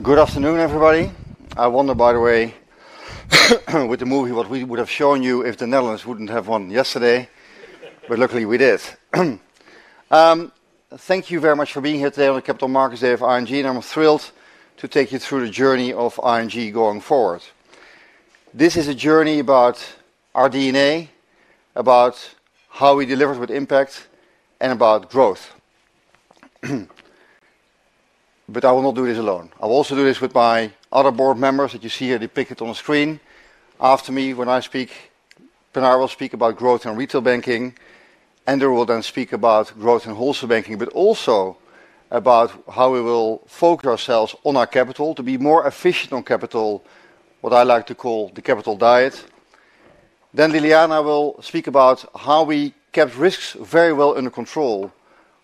Good afternoon, everybody. I wonder, by the way, with the movie what we would have shown you if the Netherlands wouldn't have won yesterday, but luckily we did. Thank you very much for being here today on the Capital Markets Day of ING, and I'm thrilled to take you through the journey of ING going forward. This is a journey about our DNA, about how we deliver with impact, and about growth. But I will not do this alone. I will also do this with my other board members that you see here depicted on the screen. After me, when I speak, Pinar will speak about growth and retail banking, Andrew will then speak about growth and wholesale banking, but also about how we will focus ourselves on our capital to be more efficient on capital, what I like to call the capital diet. Then Ljiljana will speak about how we kept risks very well under control,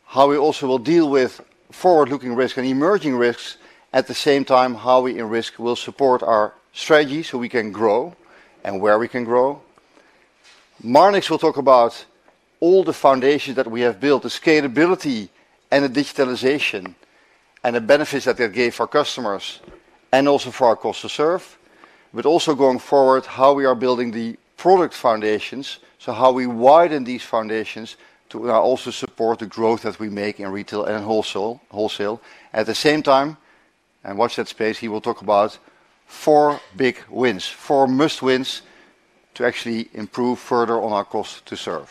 how we also will deal with forward-looking risks and emerging risks, at the same time how we in risk will support our strategy so we can grow and where we can grow. Marnix will talk about all the foundations that we have built, the scalability and the digitalization, and the benefits that that gave our customers, and also for our cost to serve, but also going forward how we are building the product foundations, so how we widen these foundations to now also support the growth that we make in retail and wholesale. At the same time, and watch that space, he will talk about four big wins, four must-wins to actually improve further on our cost to serve.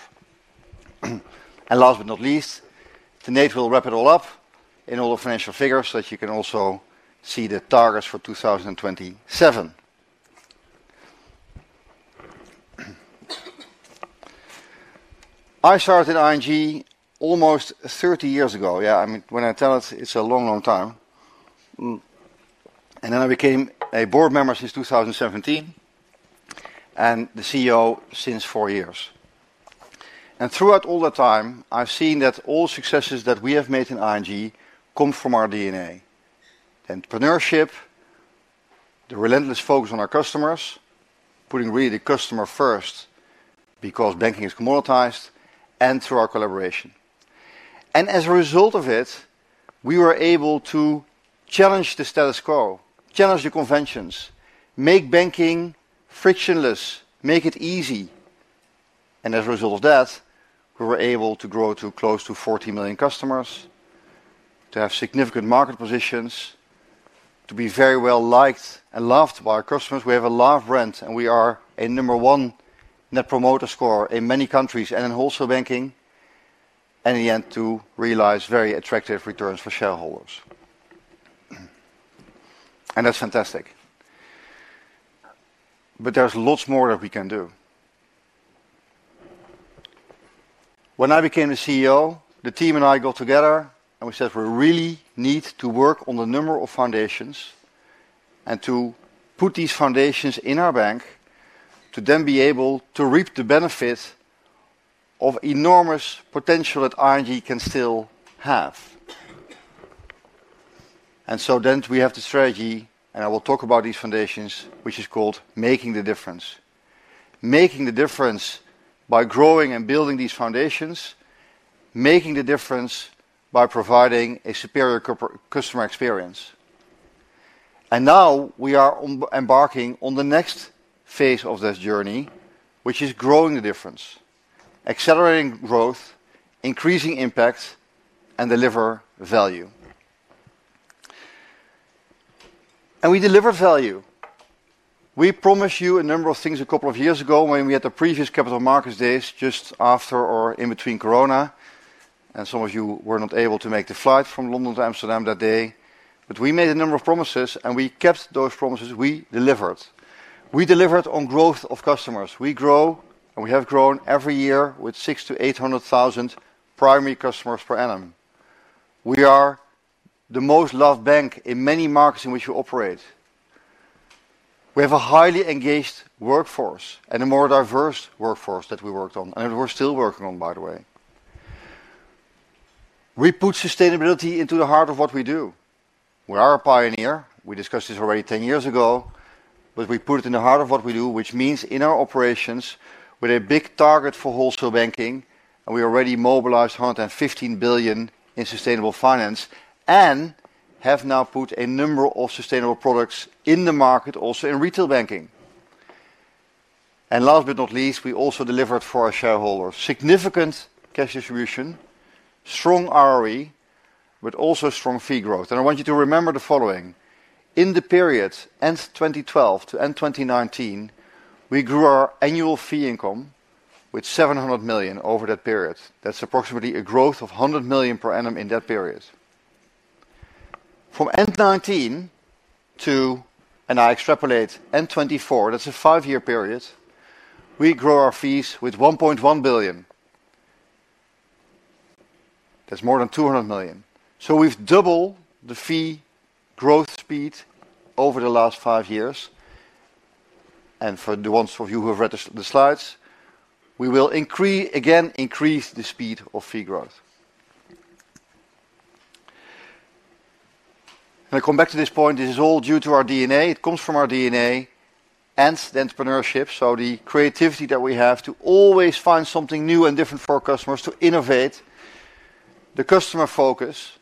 Last but not least, Tanate will wrap it all up in all the financial figures so that you can also see the targets for 2027. I started at ING almost 30 years ago. Yeah, I mean, when I tell it, it's a long, long time. Then I became a board member since 2017, and the CEO since four years. Throughout all that time, I've seen that all successes that we have made in ING come from our DNA, the entrepreneurship, the relentless focus on our customers, putting really the customer first because banking is commoditized, and through our collaboration. As a result of it, we were able to challenge the status quo, challenge the conventions, make banking frictionless, make it easy. As a result of that, we were able to grow to close to 40 million customers, to have significant market positions, to be very well liked and loved by our customers. We have a large brand, and we are a number one Net Promoter Score in many countries and in wholesale banking, and in the end, to realize very attractive returns for shareholders. That's fantastic. But there's lots more that we can do. When I became the CEO, the team and I got together, and we said we really need to work on the number of foundations and to put these foundations in our bank to then be able to reap the benefits of enormous potential that ING can still have. And so then we have the strategy, and I will talk about these foundations, which is called Making the Difference. Making the difference by growing and building these foundations, Making the Difference by providing a superior customer experience. And now we are embarking on the next phase of this journey, which is growing the difference, accelerating growth, increasing impact, and deliver value. We delivered value. We promised you a number of things a couple of years ago when we had the previous Capital Markets Days just after or in between Corona, and some of you were not able to make the flight from London to Amsterdam that day. But we made a number of promises, and we kept those promises. We delivered. We delivered on growth of customers. We grow, and we have grown every year with 600,000-800,000 primary customers per annum. We are the most loved bank in many markets in which we operate. We have a highly engaged workforce and a more diverse workforce that we worked on, and we're still working on, by the way. We put sustainability into the heart of what we do. We are a pioneer. We discussed this already 10 years ago, but we put it in the heart of what we do, which means in our operations with a big target for wholesale banking, and we already mobilized 115 billion in sustainable finance and have now put a number of sustainable products in the market, also in retail banking. Last but not least, we also delivered for our shareholders significant cash distribution, strong ROE, but also strong fee growth. I want you to remember the following. In the period end 2012 to end 2019, we grew our annual fee income with 700 million over that period. That's approximately a growth of 100 million per annum in that period. From end 2019 to, and I extrapolate, end 2024, that's a five-year period, we grow our fees with 1.1 billion. That's more than 200 million. So we've doubled the fee growth speed over the last five years. For the ones of you who have read the slides, we will again increase the speed of fee growth. I come back to this point. This is all due to our DNA. It comes from our DNA and the entrepreneurship, so the creativity that we have to always find something new and different for our customers, to innovate. The customer focus,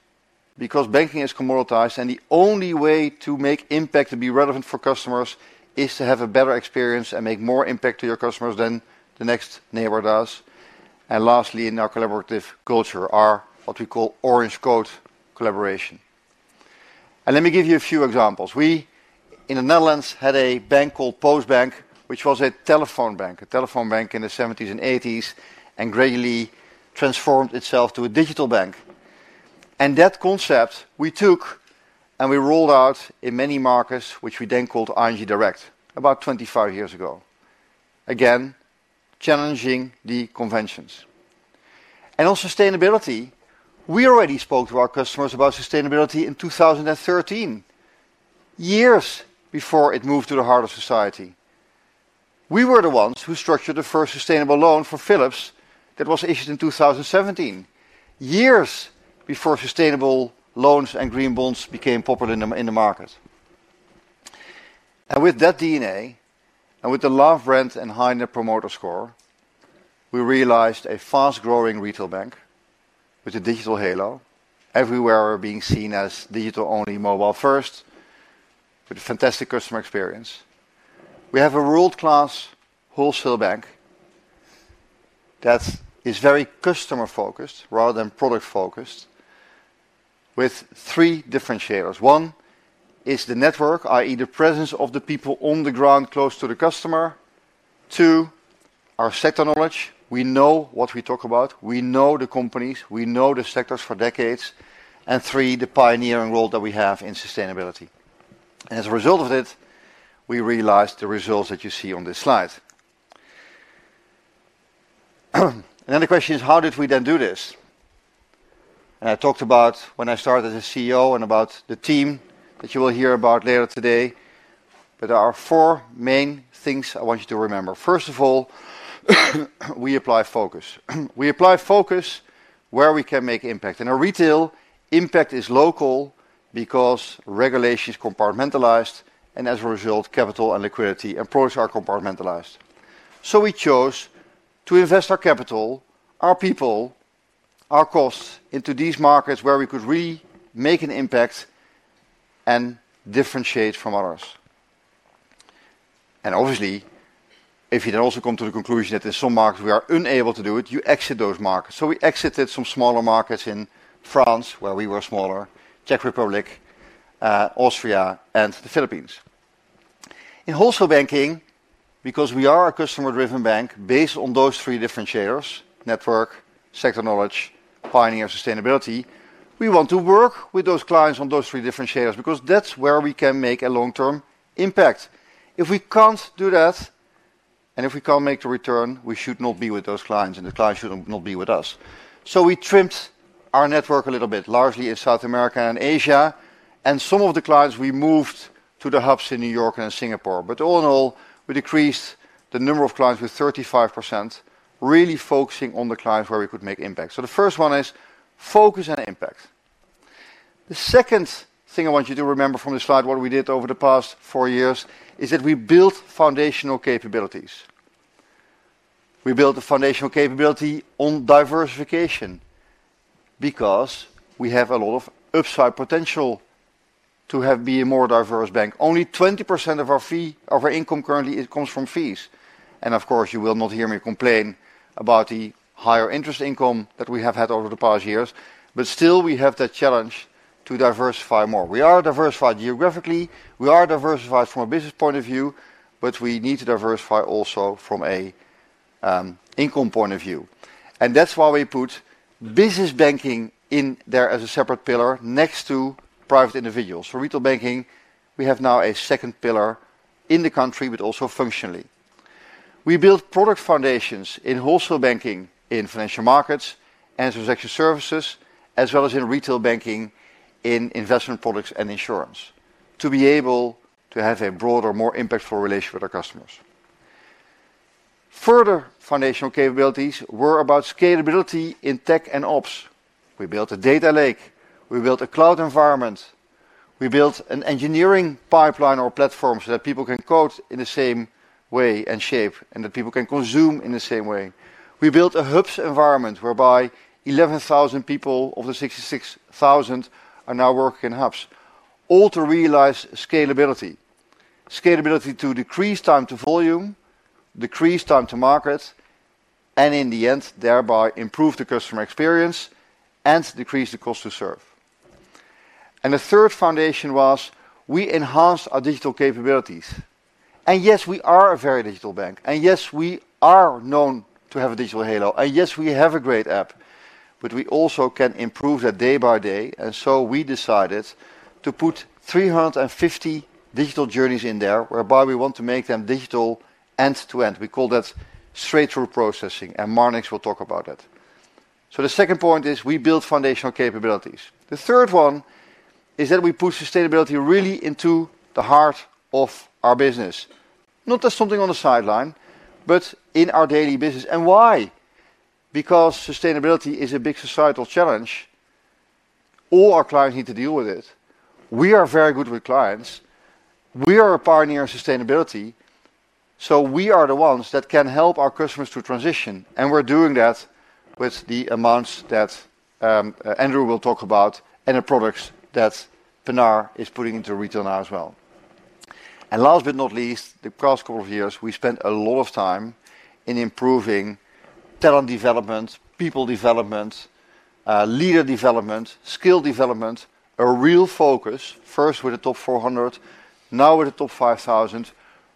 because banking is commoditized, and the only way to make impact and be relevant for customers is to have a better experience and make more impact to your customers than the next neighbor does. And lastly, in our collaborative culture, our what we call Orange Code collaboration. And let me give you a few examples. We, in the Netherlands, had a bank called Postbank, which was a telephone bank, a telephone bank in the 1970s and 1980s, and gradually transformed itself to a digital bank. And that concept we took and we rolled out in many markets, which we then called ING, about 25 years ago. Again, challenging the conventions. And on sustainability, we already spoke to our customers about sustainability in 2013, years before it moved to the heart of society. We were the ones who structured the first sustainable loan for Philips that was issued in 2017, years before sustainable loans and green bonds became popular in the market. And with that DNA and with the large rent and high Net Promoter Score, we realized a fast-growing retail bank with a digital halo everywhere being seen as digital-only, mobile-first, with a fantastic customer experience. We have a world-class wholesale bank that is very customer-focused rather than product-focused, with three different sharers. One is the network, i.e., the presence of the people on the ground close to the customer. Two, our sector knowledge. We know what we talk about. We know the companies. We know the sectors for decades. And three, the pioneering role that we have in sustainability. And as a result of it, we realized the results that you see on this slide. And then the question is, how did we then do this? And I talked about when I started as CEO and about the team that you will hear about later today. There are four main things I want you to remember. First of all, we apply focus. We apply focus where we can make impact. In our retail, impact is local because regulation is compartmentalized, and as a result, capital and liquidity and products are compartmentalized. We chose to invest our capital, our people, our costs into these markets where we could really make an impact and differentiate from others. Obviously, if you then also come to the conclusion that in some markets we are unable to do it, you exit those markets. We exited some smaller markets in France where we were smaller, Czech Republic, Austria, and the Philippines. In wholesale banking, because we are a customer-driven bank based on those three different shares: network, sector knowledge, pioneer sustainability, we want to work with those clients on those three different shares because that's where we can make a long-term impact. If we can't do that, and if we can't make the return, we should not be with those clients, and the clients should not be with us. So we trimmed our network a little bit, largely in South America and Asia, and some of the clients we moved to the Hubs in New York and Singapore. But all in all, we decreased the number of clients with 35%, really focusing on the clients where we could make impact. So the first one is focus and impact. The second thing I want you to remember from this slide, what we did over the past four years, is that we built foundational capabilities. We built a foundational capability on diversification because we have a lot of upside potential to have been a more diverse bank. Only 20% of our income currently comes from fees. And of course, you will not hear me complain about the higher interest income that we have had over the past years, but still we have that challenge to diversify more. We are diversified geographically. We are diversified from a business point of view, but we need to diversify also from an income point of view. And that's why we put Business Banking in there as a separate pillar next to private individuals. For retail banking, we have now a second pillar in the country, but also functionally. We built product foundations in wholesale banking, in Financial Markets Transaction Services, as well as in retail banking, in investment products and insurance, to be able to have a broader, more impactful relation with our customers. Further foundational capabilities were about scalability in tech and ops. We built a data lake. We built a cloud environment. We built an engineering pipeline or platform so that people can code in the same way and shape, and that people can consume in the same way. We built a Hubs environment whereby 11,000 people of the 66,000 are now working in HUBS, all to realize scalability, scalability to decrease time to volume, decrease time to market, and in the end, thereby improve the customer experience and decrease the cost to serve. And the third foundation was we enhanced our digital capabilities. And yes, we are a very digital bank. Yes, we are known to have a digital halo. Yes, we have a great app, but we also can improve that day by day. So we decided to put 350 digital journeys in there whereby we want to make them digital end to end. We call that Straight-Through Processing, and Marnix will talk about that. The second point is we built foundational capabilities. The third one is that we put sustainability really into the heart of our business, not as something on the sideline, but in our daily business. Why? Because sustainability is a big societal challenge. All our clients need to deal with it. We are very good with clients. We are a pioneer in sustainability, so we are the ones that can help our customers to transition. And we're doing that with the amounts that Andrew will talk about and the products that Pinar is putting into retail now as well. And last but not least, the past couple of years, we spent a lot of time in improving talent development, people development, leader development, skill development, a real focus first with the top 400, now with the top 5,000,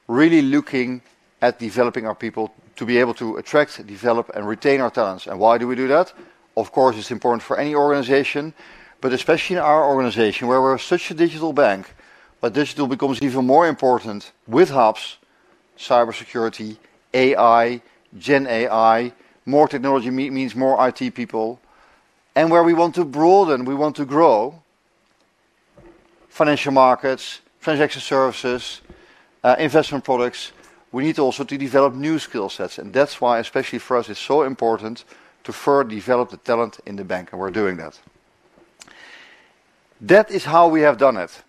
really looking at developing our people to be able to attract, develop, and retain our talents. And why do we do that? Of course, it's important for any organization, but especially in our organization where we're such a digital bank, where digital becomes even more important with Hubs, cybersecurity, AI, Gen AI, more technology means more IT people, and where we want to broaden, we want to grow Transaction Services, investment products. We need also to develop new skill sets. That's why, especially for us, it's so important to further develop the talent in the bank, and we're doing that. That is how we have done it.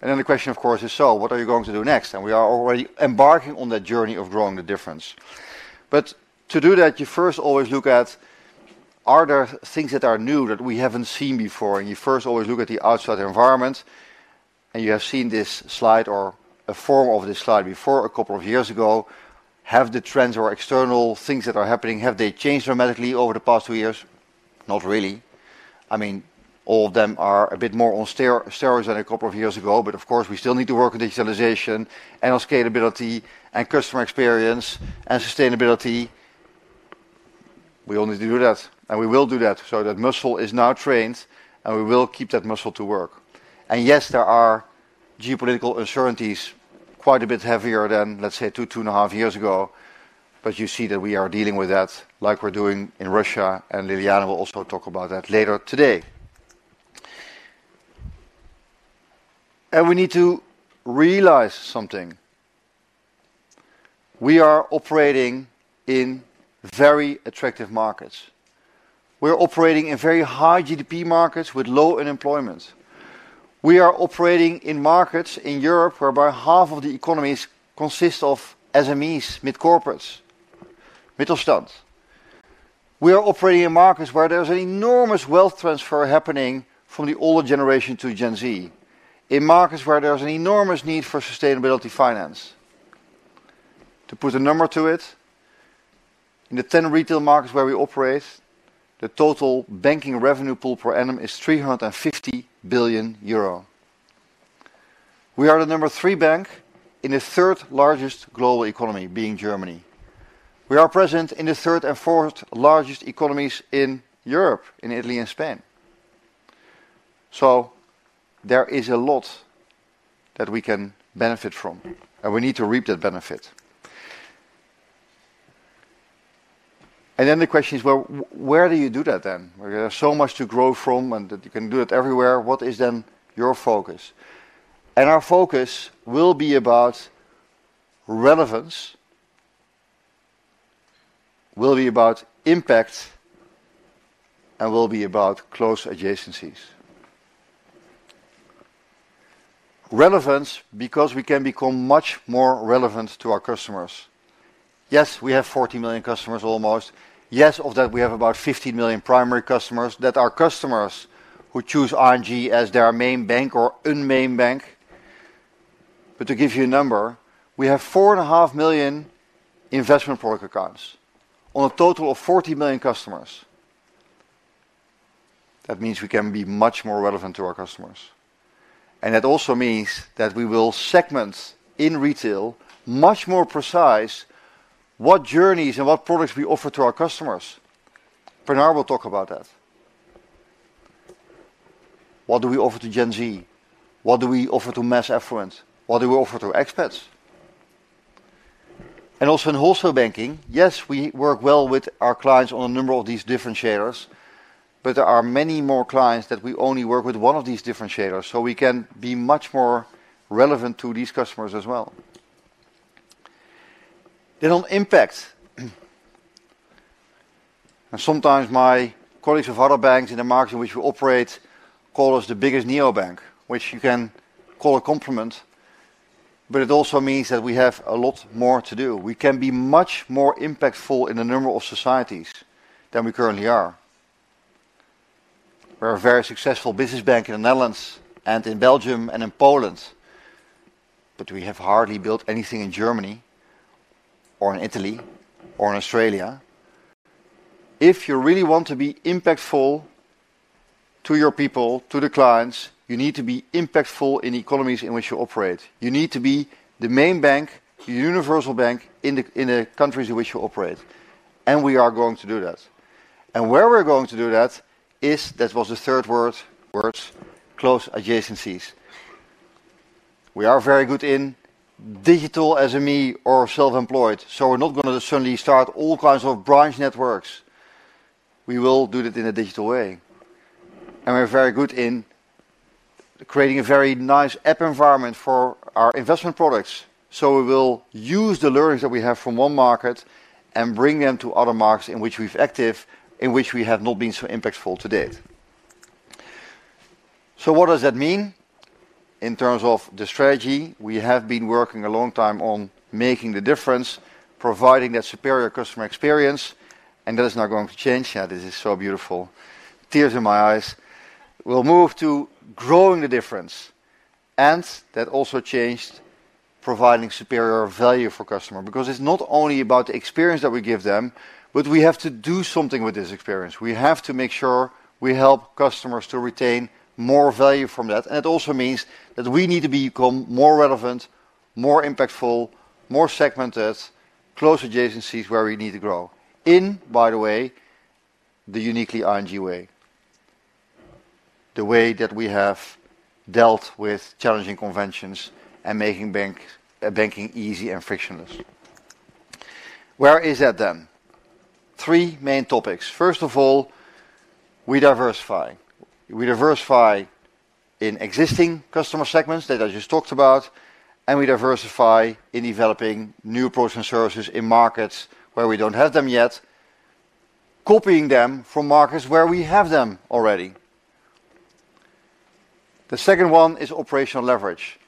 Then the question, of course, is, so what are you going to do next? We are already embarking on that journey of Growing the Difference. To do that, you first always look at, are there things that are new that we haven't seen before? You first always look at the outside environment. You have seen this slide or a form of this slide before a couple of years ago. Have the trends or external things that are happening, have they changed dramatically over the past two years? Not really. I mean, all of them are a bit more on steroids than a couple of years ago, but of course, we still need to work on digitalization and on scalability and customer experience and sustainability. We only need to do that, and we will do that. So that muscle is now trained, and we will keep that muscle to work. And yes, there are geopolitical uncertainties quite a bit heavier than, say, two, two and half years ago, but you see that we are dealing with that like we're doing in Russia, and Ljiljana will also talk about that later today. And we need to realize something. We are operating in very attractive markets. We're operating in very high GDP markets with low unemployment. We are operating in markets in Europe whereby half of the economy consists of SMEs, mid-corporates, Mittelstand. We are operating in markets where there's an enormous wealth transfer happening from the older generation to Gen Z, in markets where there's an enormous need for sustainability finance. To put a number to it, in the 10 retail markets where we operate, the total banking revenue pool per annum is 350 billion euro. We are the number three bank in the third largest global economy, being Germany. We are present in the third and fourth largest economies in Europe, in Italy and Spain. So there is a lot that we can benefit from, and we need to reap that benefit. And then the question is, well, where do you do that then? There's so much to grow from, and you can do it everywhere. What is then your focus? And our focus will be about relevance, will be about impact, and will be about close adjacencies. Relevance because we can become much more relevant to our customers. Yes, we have 40 million customers, almost. Yes, of that, we have about 15 million primary customers. That are customers who choose ING as their main bank or non-main bank. But to give you a number, we have 4.5 million investment product accounts on a total of 40 million customers. That means we can be much more relevant to our customers. that also means that we will segment in retail much more precise what journeys and what products we offer to our customers. Pinar will talk about that. What do we offer to Gen Z? What do we offer to mass affluent? What do we offer to expats? And also in wholesale banking, yes, we work well with our clients on a number of these different shares, but there are many more clients that we only work with one of these different shares, so we can be much more relevant to these customers as well. Then on impact. And sometimes my colleagues of other banks in the market in which we operate call us the biggest neobank, which you can call a compliment, but it also means that we have a lot more to do. We can be much more impactful in the number of societies than we currently are. We're a very successful business bank in the Netherlands and in Belgium and in Poland, but we have hardly built anything in Germany or in Italy or in Australia. If you really want to be impactful to your people, to the clients, you need to be impactful in the economies in which you operate. You need to be the main bank, the universal bank in the countries in which you operate. We are going to do that. Where we're going to do that is, that was the third word. Words, close adjacencies. We are very good in digital SME or self-employed, so we're not going to suddenly start all kinds of branch networks. We will do that in a digital way. We're very good in creating a very nice app environment for our investment products. So we will use the learnings that we have from one market and bring them to other markets in which we're active, in which we have not been so impactful to date. So what does that mean in terms of the strategy? We have been working a long time on making the difference, providing that superior customer experience, and that is not going to change. Yeah, this is so beautiful. Tears in my eyes. We'll move to Growing the Difference, and that also changed providing superior value for customers because it's not only about the experience that we give them, but we have to do something with this experience. We have to make sure we help customers to retain more value from that. It also means that we need to become more relevant, more impactful, more segmented, close adjacencies where we need to grow in, by the way, the uniquely ING way, the way that we have dealt with challenging conventions and making banking easy and frictionless. Where is that then? Three main topics. First of all, we diversify. We diversify in existing customer segments that I just talked about, and we diversify in developing new approaches and services in markets where we don't have them yet, copying them from markets where we have them already. The second one is operational leverage.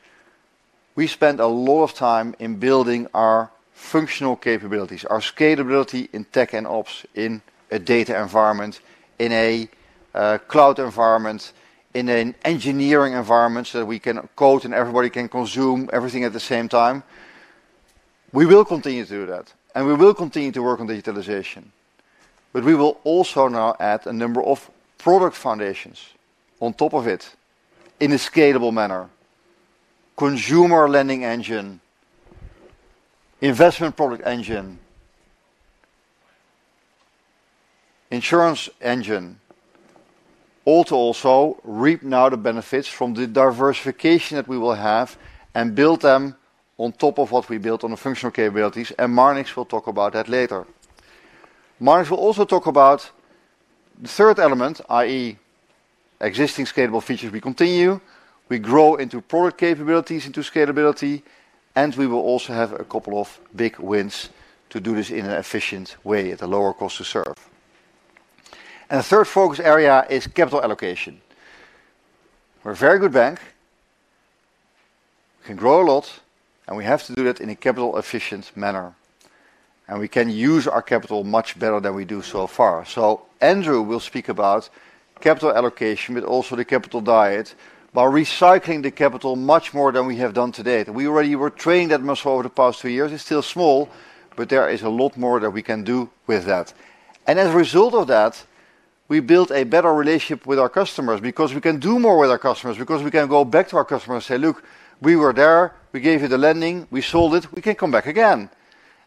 We spend a lot of time in building our functional capabilities, our scalability in tech and ops in a data environment, in a cloud environment, in an engineering environment so that we can code and everybody can consume everything at the same time. We will continue to do that, and we will continue to work on digitalization, but we will also now add a number of product foundations on top of it in a scalable manner: consumer Lending engine, investment product engine, insurance engine, all to also reap now the benefits from the diversification that we will have and build them on top of what we built on the functional capabilities, and Marnix will talk about that later. Marnix will also talk about the third element, i.e., existing scalable features. We continue, we grow into product capabilities, into scalability, and we will also have a couple of big wins to do this in an efficient way at a lower cost to serve. The third focus area is capital allocation. We're a very good bank. We can grow a lot, and we have to do that in a capital-efficient manner. We can use our capital much better than we do so far. So Andrew will speak about capital allocation, but also the capital diet by recycling the capital much more than we have done to date. We already were trained that much over the past two years. It's still small, but there is a lot more that we can do with that. And as a result of that, we built a better relationship with our customers because we can do more with our customers, because we can go back to our customers and say, "Look, we were there. We gave you the Lending. We sold it. We can come back again."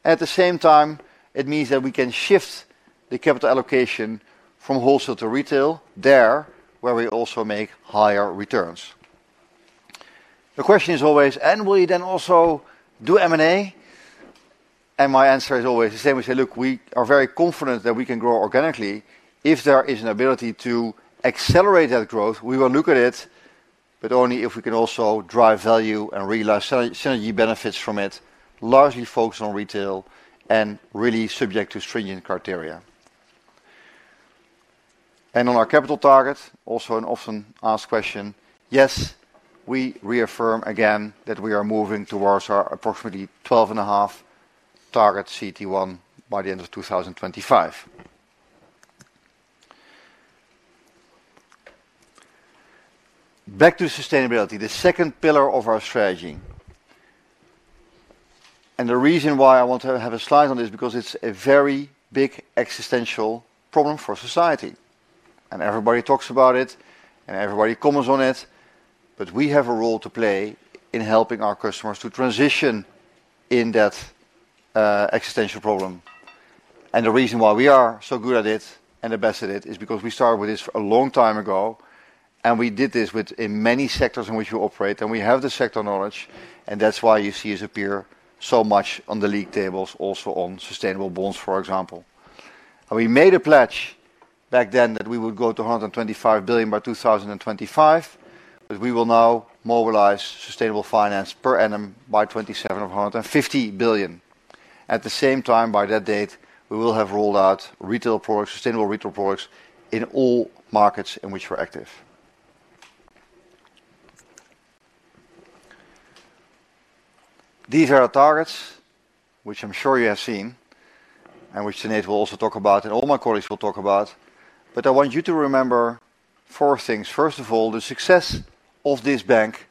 At the same time, it means that we can shift the capital allocation from wholesale to retail there, where we also make higher returns. The question is always, and will you then also do M&A? My answer is always the same. We say, "Look, we are very confident that we can grow organically. If there is an ability to accelerate that growth, we will look at it, but only if we can also drive value and realize synergy benefits from it, largely focused on retail and really subject to stringent criteria." On our capital target, also an often asked question, yes, we reaffirm again that we are moving towards our approximately 12.5 target CET1 by the end of 2025. Back to sustainability, the second pillar of our strategy. The reason why I want to have a slide on this is because it's a very big existential problem for society. Everybody talks about it, and everybody comments on it, but we have a role to play in helping our customers to transition in that existential problem. The reason why we are so good at it and the best at it is because we started with this a long time ago, and we did this with many sectors in which we operate, and we have the sector knowledge, and that's why you see us appear so much on the league tables, also on sustainable bonds, for example. We made a pledge back then that we would go to 125 billion by 2025, but we will now mobilize sustainable finance per annum by 2027 of 150 billion. At the same time, by that date, we will have rolled out retail products, sustainable retail products in all markets in which we're active. These are our targets, which I'm sure you have seen, and which Tanate will also talk about, and all my colleagues will talk about, but I want you to remember four things. First of all, the success of this bank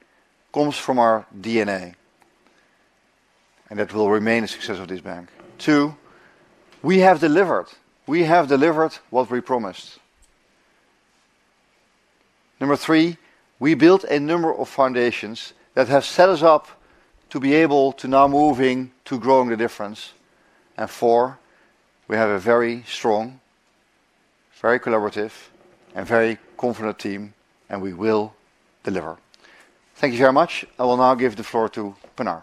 comes from our DNA, and that will remain the success of this bank. two, we have delivered. We have delivered what we promised. Number three, we built a number of foundations that have set us up to be able to now move into Growing the Difference. And four, we have a very strong, very collaborative, and very confident team, and we will deliver. Thank you very much. I will now give the floor to Pinar.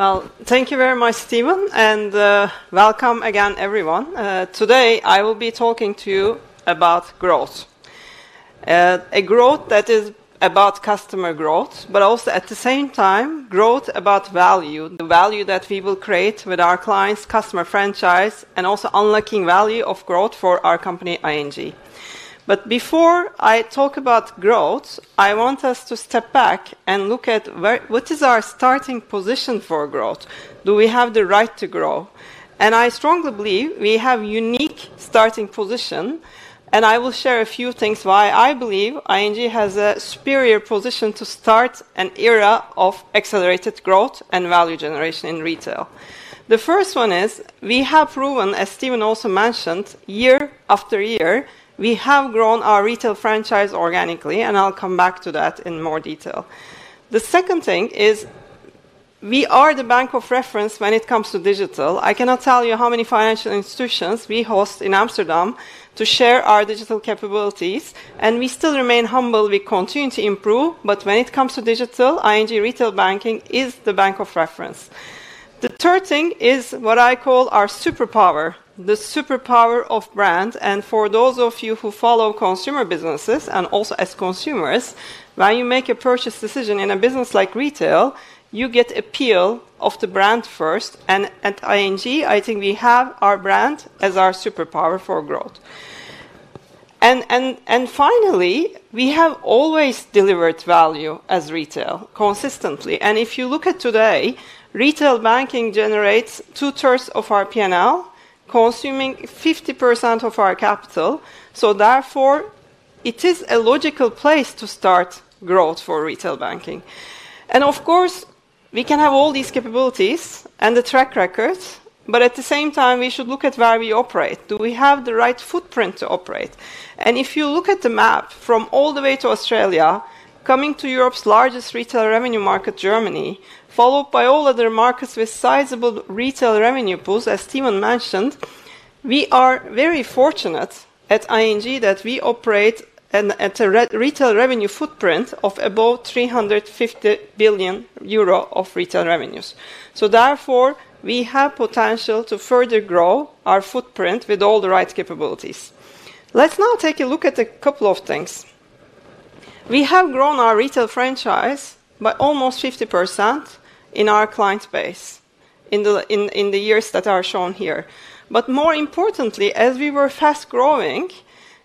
Well, thank you very much, Steven, and welcome again, everyone. Today, I will be talking to you about growth, a growth that is about customer growth, but also at the same time, growth about value, the value that we will create with our clients, customer franchise, and also unlocking value of growth for our company, ING. But before I talk about growth, I want us to step back and look at what is our starting position for growth. Do we have the right to grow? And I strongly believe we have a unique starting position, and I will share a few things why I believe ING has a superior position to start an era of accelerated growth and value generation in retail. The first one is we have proven, as Steven also mentioned, year after year, we have grown our retail franchise organically, and I'll come back to that in more detail. The second thing is we are the bank of reference when it comes to digital. I cannot tell you how many financial institutions we host in Amsterdam to share our digital capabilities, and we still remain humble. We continue to improve, but when it comes to digital, ING Retail Banking is the bank of reference. The third thing is what I call our superpower, the superpower of brand. For those of you who follow consumer businesses and also as consumers, when you make a purchase decision in a business like retail, you get appeal of the brand first. And at ING, I think we have our brand as our superpower for growth. And finally, we have always delivered value as retail consistently. And if you look at today, retail banking generates two-thirds of our P&L, consuming 50% of our capital. Therefore, it is a logical place to start growth for retail banking. And of course, we can have all these capabilities and the track records, but at the same time, we should look at where we operate. Do we have the right footprint to operate? If you look at the map from all the way to Australia, coming to Europe's largest retail revenue market, Germany, followed by all other markets with sizable retail revenue pools, as Steven mentioned, we are very fortunate at ING that we operate at a retail revenue footprint of about 350 billion euro of retail revenues. So therefore, we have potential to further grow our footprint with all the right capabilities. Let's now take a look at a couple of things. We have grown our retail franchise by almost 50% in our client base in the years that are shown here. More importantly, as we were fast growing,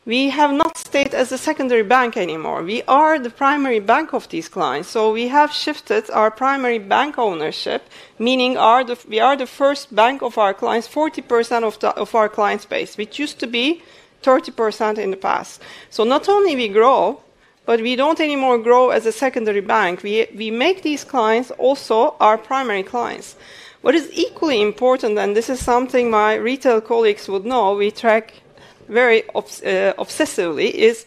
we have not stayed as a secondary bank anymore. We are the primary bank of these clients. So we have shifted our primary bank ownership, meaning we are the first bank of our clients, 40% of our client base, which used to be 30% in the past. So not only do we grow, but we don't anymore grow as a secondary bank. We make these clients also our primary clients. What is equally important, and this is something my retail colleagues would know, we track very obsessively, is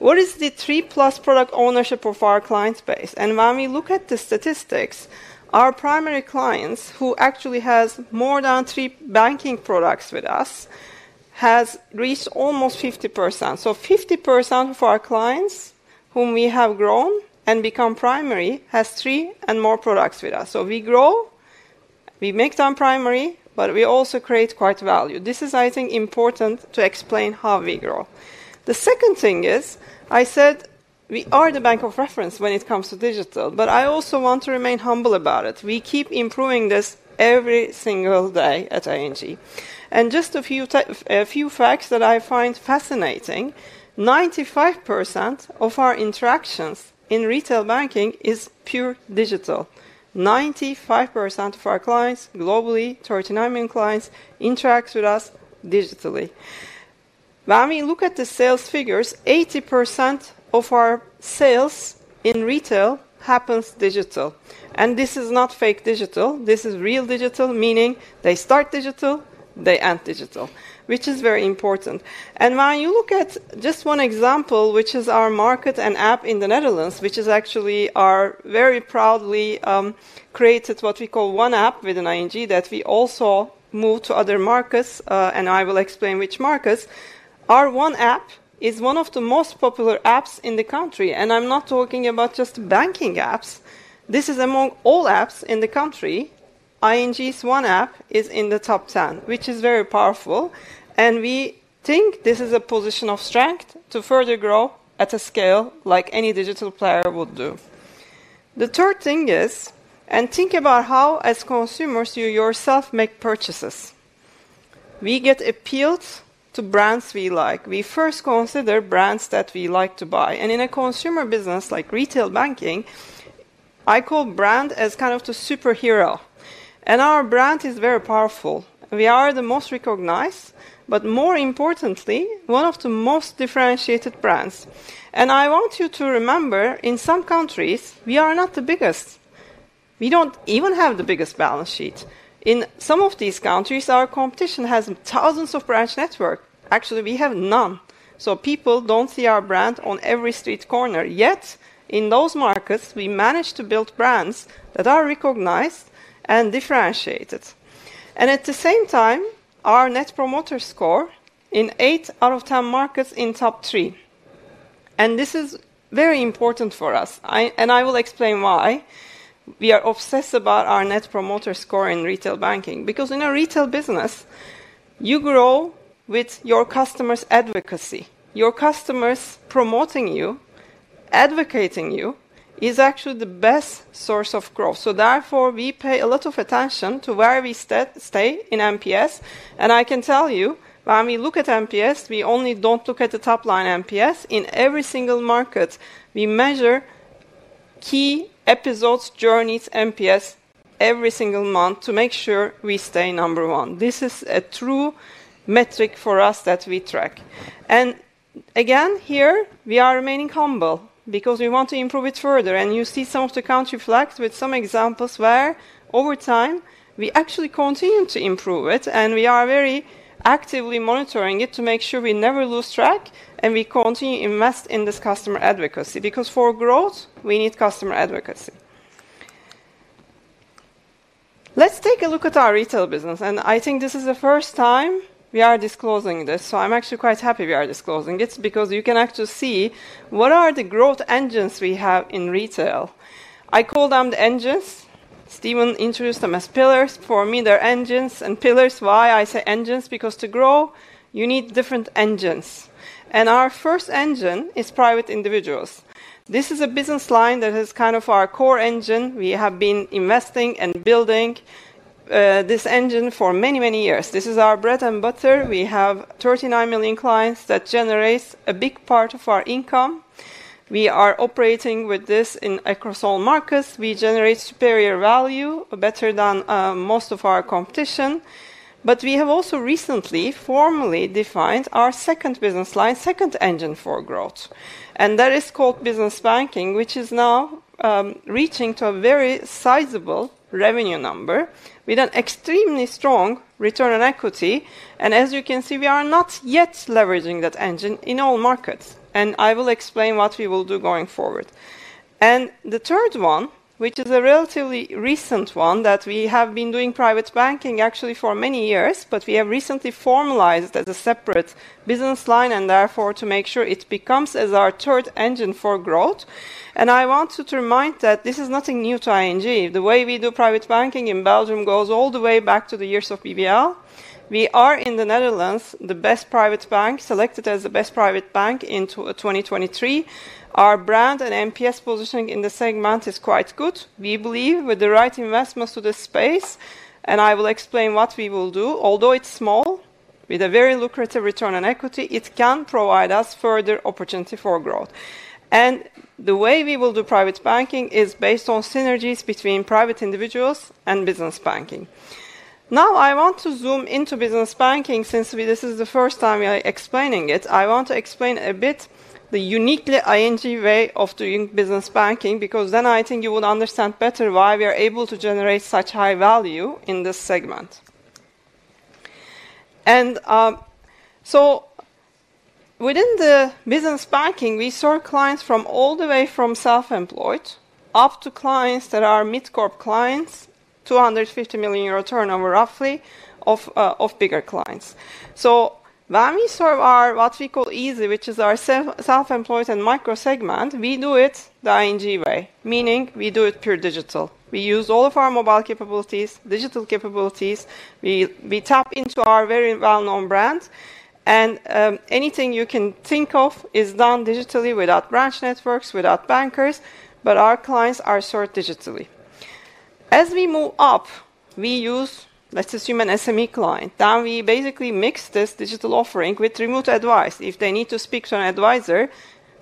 what is three+ product ownership of our client base? And when we look at the statistics, our primary clients, who actually has more than three banking products with us, has reached almost 50%. So 50% of our clients whom we have grown and become primary has three and more products with us. So we grow, we make them primary, but we also create quite value. This is, I think, important to explain how we grow. The second thing is I said we are the bank of reference when it comes to digital, but I also want to remain humble about it. We keep improving this every single day at ING. Just a few facts that I find fascinating. 95% of our interactions in retail banking is pure digital. 95% of our clients globally, 39 million clients, interact with us digitally. When we look at the sales figures, 80% of our sales in retail happens digital. This is not fake digital. This is real digital, meaning they start digital, they end digital, which is very important. When you look at just one example, which is our market and app in the Netherlands, which is actually our very proudly created what we call One App within ING that we also moved to other markets, and I will explain which markets. Our One App is one of the most popular apps in the country. I'm not talking about just banking apps. This is among all apps in the country. ING's One App is in the top 10, which is very powerful. We think this is a position of strength to further grow at a scale like any digital player would do. The third thing is, and think about how as consumers you yourself make purchases. We get appealed to brands we like. We first consider brands that we like to buy. In a consumer business like retail banking, I call brand as kind of the superhero. Our brand is very powerful. We are the most recognized, but more importantly, one of the most differentiated brands. I want you to remember, in some countries, we are not the biggest. We don't even have the biggest balance sheet. In some of these countries, our competition has thousands of branch networks. Actually, we have none. So people don't see our brand on every street corner. Yet in those markets, we manage to build brands that are recognized and differentiated. At the same time, our Net Promoter Score in eight out of 10 markets in top three. This is very important for us. I will explain why we are obsessed about our Net Promoter Score in retail banking. Because in a retail business, you grow with your customer's advocacy. Your customer's promoting you, advocating you, is actually the best source of growth. So therefore, we pay a lot of attention to where we stay in NPS. I can tell you, when we look at NPS, we only don't look at the top line NPS. In every single market, we measure key episodes, journeys, MPS every single month to make sure we stay number one. This is a true metric for us that we track. Again, here, we are remaining humble because we want to improve it further. You see some of the country flags with some examples where over time, we actually continue to improve it. We are very actively monitoring it to make sure we never lose track and we continue to invest in this customer advocacy. Because for growth, we need customer advocacy. Let's take a look at our retail business. I think this is the first time we are disclosing this. I'm actually quite happy we are disclosing it because you can actually see what are the growth engines we have in retail. I call them the engines. Steven introduced them as pillars. For me, they're engines. And pillars, why I say engines? Because to grow, you need different engines. And our first engine is private individuals. This is a business line that is kind of our core engine. We have been investing and building this engine for many, many years. This is our bread and butter. We have 39 million clients that generate a big part of our income. We are operating with this across all markets. We generate superior value, better than most of our competition. But we have also recently formally defined our second business line, second engine for growth. And that is called Business Banking, which is now reaching to a very sizable revenue number with an extremely strong return on equity. And as you can see, we are not yet leveraging that engine in all markets. And I will explain what we will do going forward. The third one, which is a relatively recent one that we have been doing private banking actually for many years, but we have recently formalized as a separate business line and therefore to make sure it becomes our third engine for growth. I want to remind that this is nothing new to ING. The way we do private banking in Belgium goes all the way back to the years of BBL. We are in the Netherlands the best private bank selected as the best private bank in 2023. Our brand and MPS positioning in the segment is quite good. We believe with the right investments to the space, and I will explain what we will do, although it's small, with a very lucrative return on equity, it can provide us further opportunity for growth. The way we will do private banking is based on synergies between private individuals and Business Banking. Now I want to zoom into Business Banking since this is the first time we are explaining it. I want to explain a bit the uniquely ING way of doing Business Banking because then I think you will understand better why we are able to generate such high value in this segment. So within the Business Banking, we serve clients from all the way from self-employed up to clients that are mid-corp clients, 250 million euro turnover roughly of bigger clients. When we serve our what we call easy, which is our self-employed and micro segment, we do it the ING way, meaning we do it pure digital. We use all of our mobile capabilities, digital capabilities. We tap into our very well-known brand. Anything you can think of is done digitally without branch networks, without bankers, but our clients are served digitally. As we move up, we use, let's assume, an SME client. Then we basically mix this digital offering with remote advice. If they need to speak to an advisor,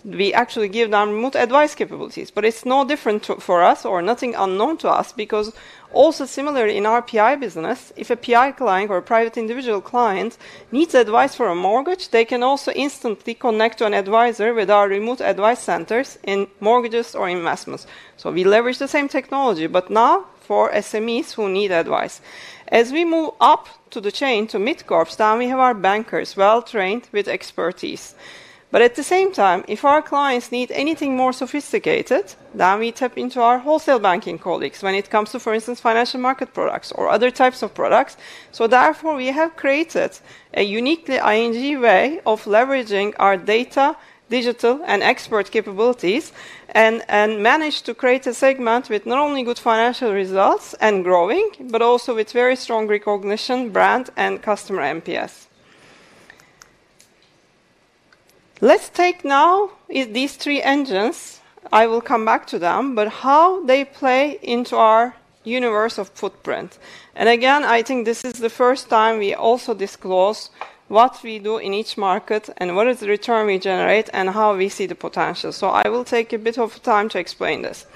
we actually give them remote advice capabilities. But it's no different for us or nothing unknown to us because also similar in our PI business, if a PI client or a private individual client needs advice for a mortgage, they can also instantly connect to an advisor with our remote advice centers in mortgages or investments. So we leverage the same technology, but now for SMEs who need advice. As we move up to the chain to mid-corps, then we have our bankers well-trained with expertise. But at the same time, if our clients need anything more sophisticated, then we tap into our wholesale banking colleagues when it comes to, for instance, financial market products or other types of products. So therefore, we have created a uniquely ING way of leveraging our data, digital, and expert capabilities and managed to create a segment with not only good financial results and growing, but also with very strong recognition, brand, and customer MPS. Let's take now these three engines. I will come back to them, but how they play into our universe of footprint. And again, I think this is the first time we also disclose what we do in each market and what is the return we generate and how we see the potential. So I will take a bit of time to explain this.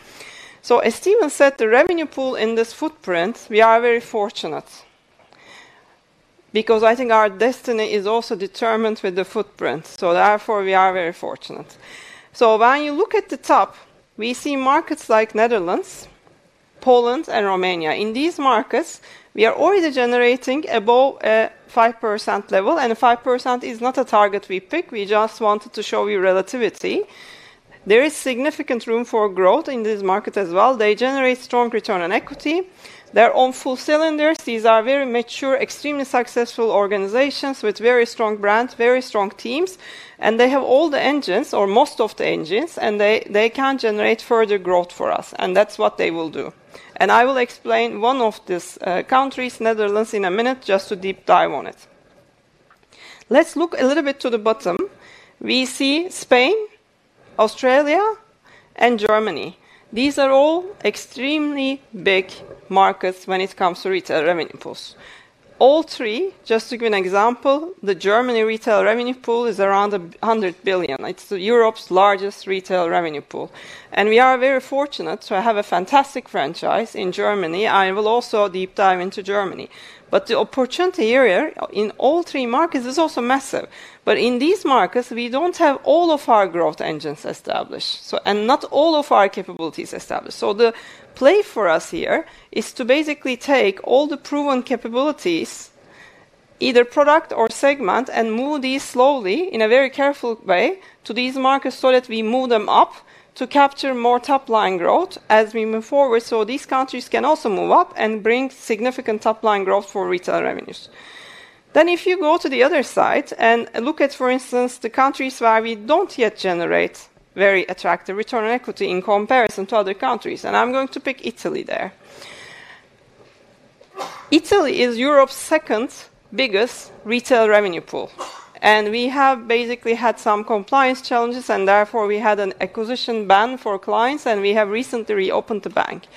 So as Steven said, the revenue pool in this footprint. We are very fortunate because I think our destiny is also determined with the footprint. So therefore, we are very fortunate. So when you look at the top, we see markets like Netherlands, Poland, and Romania. In these markets, we are already generating above a 5% level. 5% is not a target we pick. We just wanted to show you relativity. There is significant room for growth in this market as well. They generate strong return on equity. They're on full cylinders. These are very mature, extremely successful organizations with very strong brands, very strong teams. They have all the engines or most of the engines, and they can generate further growth for us. That's what they will do. I will explain one of these countries, Netherlands, in a minute just to deep dive on it. Let's look a little bit to the bottom. We see Spain, Australia, and Germany. These are all extremely big markets when it comes to retail revenue pools. All three, just to give an example, the Germany retail revenue pool is around 100 billion. It's Europe's largest retail revenue pool. And we are very fortunate to have a fantastic franchise in Germany. I will also deep dive into Germany. But the opportunity here in all three markets is also massive. But in these markets, we don't have all of our growth engines established and not all of our capabilities established. So the play for us here is to basically take all the proven capabilities, either product or segment, and move these slowly in a very careful way to these markets so that we move them up to capture more top line growth as we move forward so these countries can also move up and bring significant top line growth for retail revenues. Then if you go to the other side and look at, for instance, the countries where we don't yet generate very attractive return on equity in comparison to other countries. And I'm going to pick Italy there. Italy is Europe's second biggest retail revenue pool. And we have basically had some compliance challenges. And therefore, we had an acquisition ban for clients. And we have recently reopened the bank.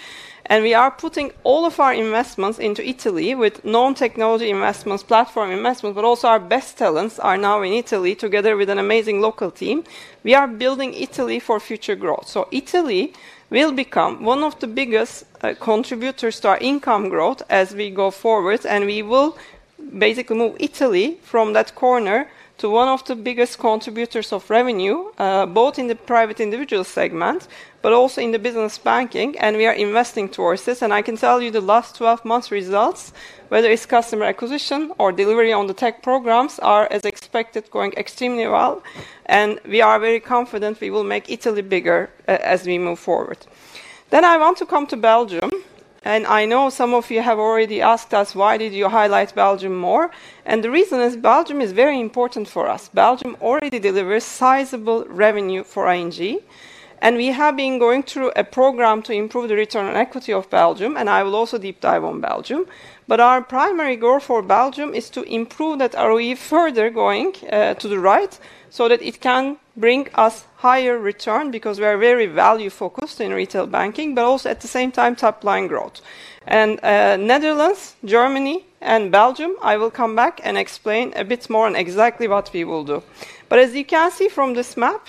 We are putting all of our investments into Italy with known technology investments, platform investments, but also our best talents are now in Italy together with an amazing local team. We are building Italy for future growth. So Italy will become one of the biggest contributors to our income growth as we go forward. And we will basically move Italy from that corner to one of the biggest contributors of revenue, both in the private individual segment, but also in the business banking. And we are investing towards this. And I can tell you the last 12 months' results, whether it's customer acquisition or delivery on the tech programs, are, as expected, going extremely well. And we are very confident we will make Italy bigger as we move forward. Then I want to come to Belgium. I know some of you have already asked us, why did you highlight Belgium more? The reason is Belgium is very important for us. Belgium already delivers sizable revenue for ING. We have been going through a program to improve the return on equity of Belgium. I will also deep dive on Belgium. But our primary goal for Belgium is to improve that ROE further going to the right so that it can bring us higher return because we are very value-focused in retail banking, but also at the same time, top line growth. Netherlands, Germany, and Belgium, I will come back and explain a bit more on exactly what we will do. But as you can see from this map,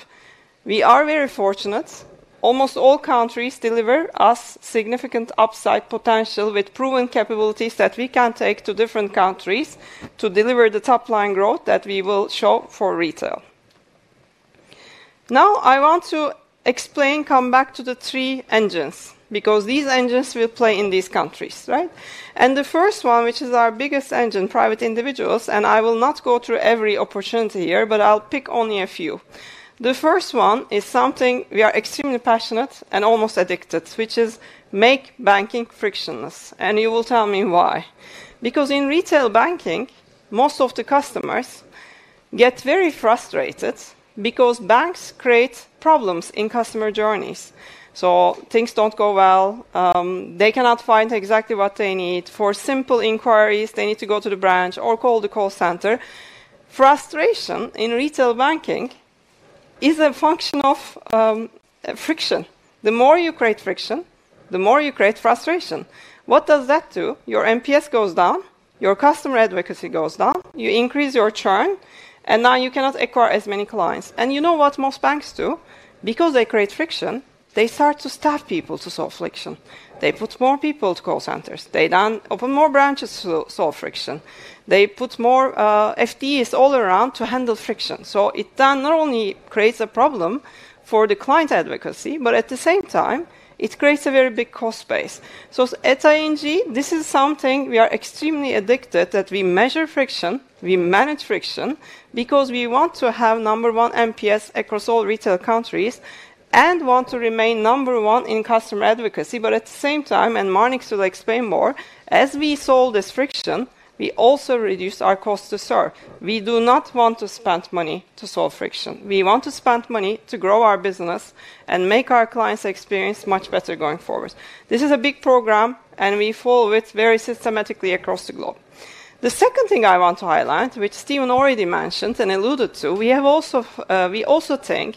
we are very fortunate. Almost all countries deliver us significant upside potential with proven capabilities that we can take to different countries to deliver the top line growth that we will show for retail. Now I want to explain, come back to the three engines because these engines will play in these countries. The first one, which is our biggest engine, private individuals. I will not go through every opportunity here, but I'll pick only a few. The first one is something we are extremely passionate and almost addicted, which is make banking frictionless. You will tell me why. Because in retail banking, most of the customers get very frustrated because banks create problems in customer journeys. So things don't go well. They cannot find exactly what they need. For simple inquiries, they need to go to the branch or call the call center. Frustration in retail banking is a function of friction. The more you create friction, the more you create frustration. What does that do? Your MPS goes down. Your customer advocacy goes down. You increase your churn. Now you cannot acquire as many clients. You know what most banks do? Because they create friction, they start to staff people to solve friction. They put more people to call centers. They then open more branches to solve friction. They put more FDEs all around to handle friction. So it then not only creates a problem for the client advocacy, but at the same time, it creates a very big cost base. At ING, this is something we are extremely addicted to that we measure friction. We manage friction because we want to have number one MPS across all retail countries and want to remain number one in customer advocacy. But at the same time, and Marnix will explain more, as we solve this friction, we also reduce our cost to serve. We do not want to spend money to solve friction. We want to spend money to grow our business and make our clients' experience much better going forward. This is a big program, and we follow it very systematically across the globe. The second thing I want to highlight, which Steven already mentioned and alluded to, we also think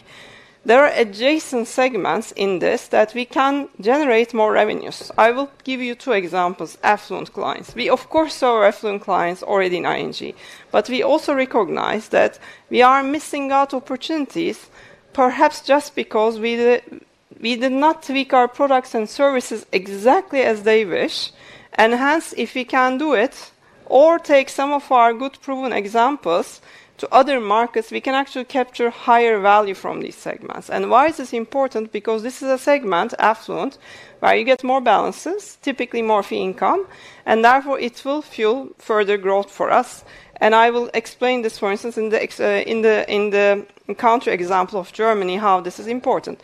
there are adjacent segments in this that we can generate more revenues. I will give you two examples, affluent clients. We, of course, serve affluent clients already in ING, but we also recognize that we are missing out opportunities, perhaps just because we did not tweak our products and services exactly as they wish. Hence, if we can do it or take some of our good proven examples to other markets, we can actually capture higher value from these segments. Why is this important? Because this is a segment, affluent, where you get more balances, typically more fee income, and therefore it will fuel further growth for us. I will explain this, for instance, in the country example of Germany, how this is important.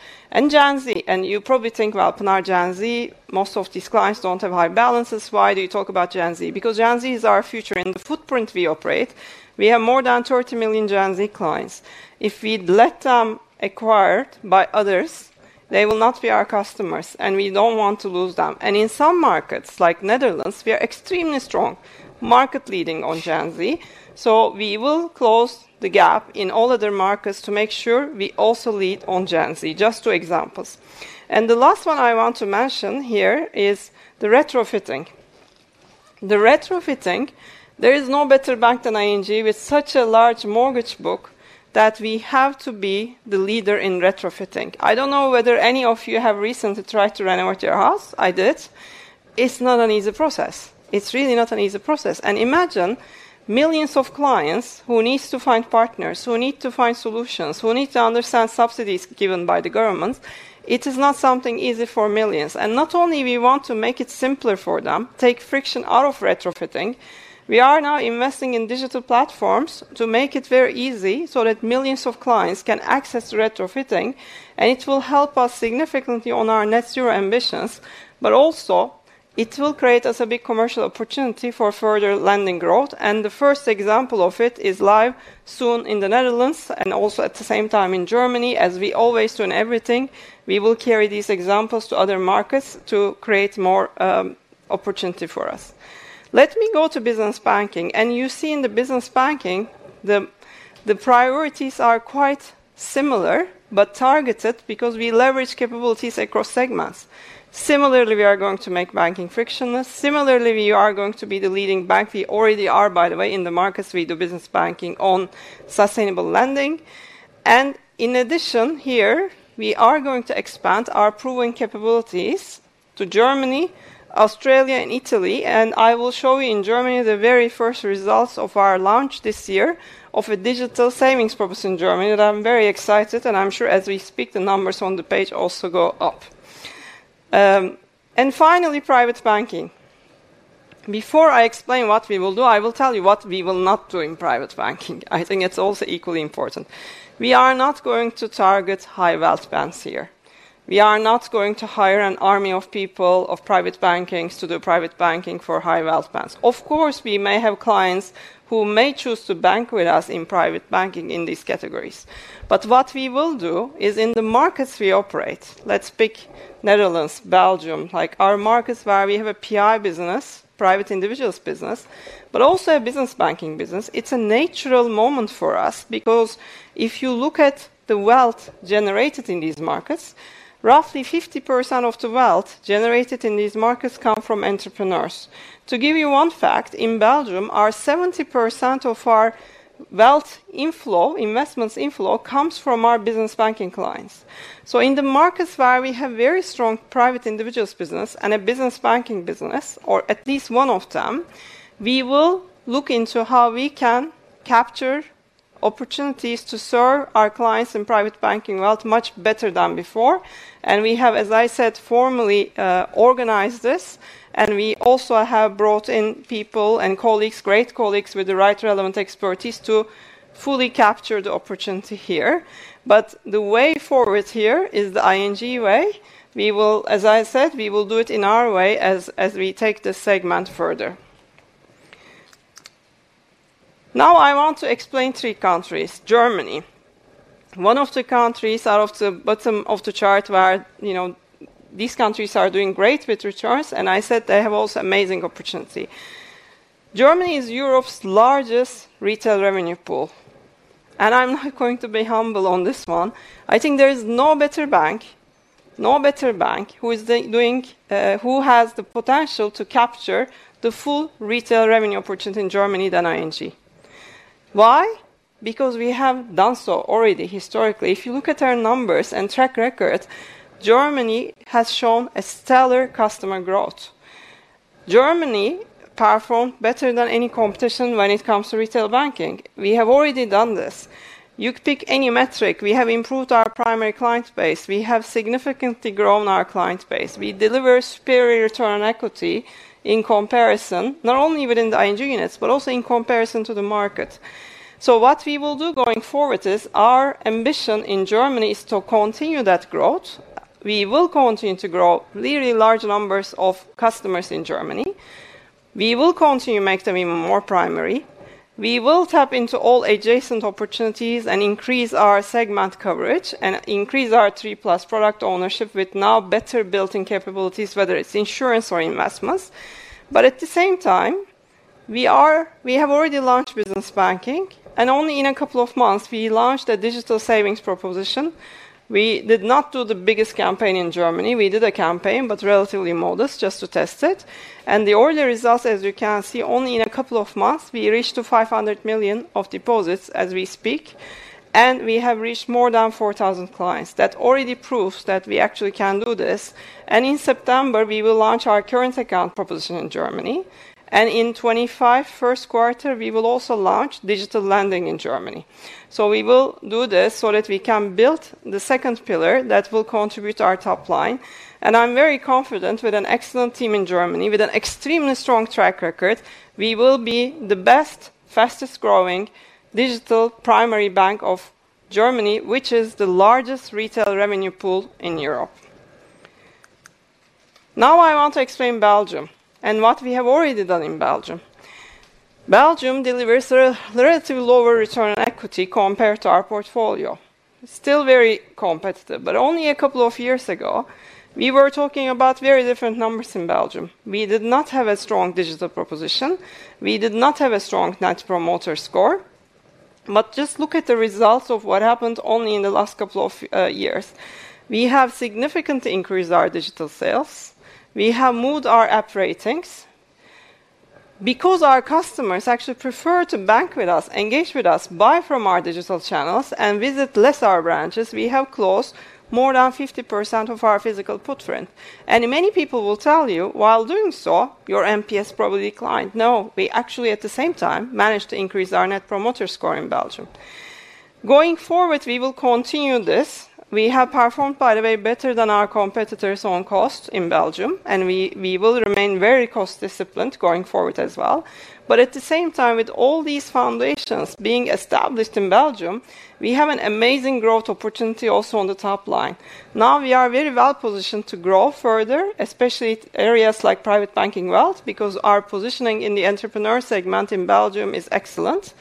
Gen Z, and you probably think, well, Pinar Gen Z, most of these clients don't have high balances. Why do you talk about Gen Z? Because Gen Z is our future in the footprint we operate. We have more than 30 million Gen Z clients. If we let them acquire by others, they will not be our customers, and we don't want to lose them. In some markets, like Netherlands, we are extremely strong, market-leading on Gen Z. We will close the gap in all other markets to make sure we also lead on Gen Z, just two examples. The last one I want to mention here is the retrofitting. The retrofitting, there is no better bank than ING with such a large mortgage book that we have to be the leader in retrofitting. I don't know whether any of you have recently tried to renovate your house. I did. It's not an easy process. It's really not an easy process. Imagine millions of clients who need to find partners, who need to find solutions, who need to understand subsidies given by the government. It is not something easy for millions. Not only do we want to make it simpler for them, take friction out of retrofitting, we are now investing in digital platforms to make it very easy so that millions of clients can access retrofitting. It will help us significantly on our net zero ambitions, but also it will create us a big commercial opportunity for further Lending growth. The first example of it is live soon in the Netherlands and also at the same time in Germany. As we always do in everything, we will carry these examples to other markets to create more opportunity for us. Let me go to Business Banking. You see in the Business Banking, the priorities are quite similar, but targeted because we leverage capabilities across segments. Similarly, we are going to make banking frictionless. Similarly, we are going to be the leading bank. We already are, by the way, in the markets. We do Business Banking on sustainable Lending. In addition, here, we are going to expand our proven capabilities to Germany, Australia, and Italy. I will show you in Germany the very first results of our launch this year of a digital savings proposition in Germany. I'm very excited. I'm sure as we speak, the numbers on the page also go up. Finally, private banking. Before I explain what we will do, I will tell you what we will not do in private banking. I think it's also equally important. We are not going to target high wealth bands here. We are not going to hire an army of people of private banking to do private banking for high wealth bands. Of course, we may have clients who may choose to bank with us in private banking in these categories. But what we will do is in the markets we operate. Let's pick Netherlands, Belgium. Our markets where we have a PI business, private individuals business, but also a Business Banking business. It's a natural moment for us because if you look at the wealth generated in these markets, roughly 50% of the wealth generated in these markets comes from entrepreneurs. To give you one fact, in Belgium, our 70% of our wealth inflow, investment inflow comes from our Business Banking clients. So in the markets where we have very strong private individuals business and a Business Banking business, or at least one of them, we will look into how we can capture opportunities to serve our clients in private banking wealth much better than before. We have, as I said, formally organized this. We also have brought in people and colleagues, great colleagues with the right relevant expertise to fully capture the opportunity here. But the way forward here is the ING way. As I said, we will do it in our way as we take this segment further. Now I want to explain three countries. Germany. One of the countries out of the bottom of the chart where these countries are doing great with returns. I said they have also amazing opportunity. Germany is Europe's largest retail revenue pool. I'm not going to be humble on this one. I think there is no better bank, no better bank who has the potential to capture the full retail revenue opportunity in Germany than ING. Why? Because we have done so already historically. If you look at our numbers and track record, Germany has shown a stellar customer growth. Germany performed better than any competition when it comes to retail banking. We have already done this. You pick any metric. We have improved our primary client base. We have significantly grown our client base. We deliver superior return on equity in comparison, not only within the ING units, but also in comparison to the market. What we will do going forward is our ambition in Germany is to continue that growth. We will continue to grow really large numbers of customers in Germany. We will continue to make them even more primary. We will tap into all adjacent opportunities and increase our segment coverage and increase our three-plus product ownership with now better built-in capabilities, whether it's insurance or investments. At the same time, we have already launched Business Banking. Only in a couple of months, we launched a digital savings proposition. We did not do the biggest campaign in Germany. We did a campaign, but relatively modest, just to test it. The early results, as you can see, only in a couple of months, we reached 500 million of deposits as we speak. We have reached more than 4,000 clients. That already proves that we actually can do this. In September, we will launch our current account proposition in Germany. In 2025, first quarter, we will also launch digital Lending in Germany. So we will do this so that we can build the second pillar that will contribute to our top line. I'm very confident with an excellent team in Germany, with an extremely strong track record. We will be the best, fastest-growing digital primary bank of Germany, which is the largest retail revenue pool in Europe. Now I want to explain Belgium and what we have already done in Belgium. Belgium delivers a relatively lower return on equity compared to our portfolio. Still very competitive. But only a couple of years ago, we were talking about very different numbers in Belgium. We did not have a strong digital proposition. We did not have a strong Net Promoter Score. But just look at the results of what happened only in the last couple of years. We have significantly increased our digital sales. We have moved our app ratings. Because our customers actually prefer to bank with us, engage with us, buy from our digital channels, and visit less our branches, we have closed more than 50% of our physical footprint. And many people will tell you, while doing so, your MPS probably declined. No, we actually, at the same time, managed to increase our Net Promoter Score in Belgium. Going forward, we will continue this. We have performed, by the way, better than our competitors on cost in Belgium. And we will remain very cost-disciplined going forward as well. But at the same time, with all these foundations being established in Belgium, we have an amazing growth opportunity also on the top line. Now we are very well positioned to grow further, especially areas like private banking wealth, because our positioning in the entrepreneur segment in Belgium is excellent.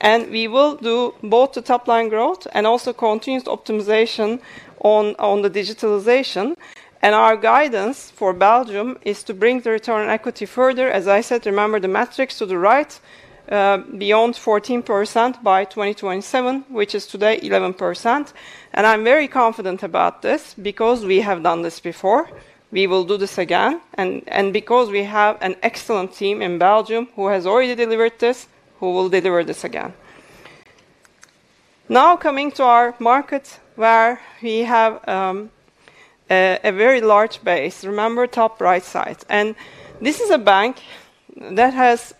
And we will do both the top line growth and also continued optimization on the digitalization. And our guidance for Belgium is to bring the return on equity further. As I said, remember the metrics to the right, beyond 14% by 2027, which is today 11%. I'm very confident about this because we have done this before. We will do this again. Because we have an excellent team in Belgium who has already delivered this, who will deliver this again. Now coming to our market where we have a very large base. Remember top right side. This is a bank that has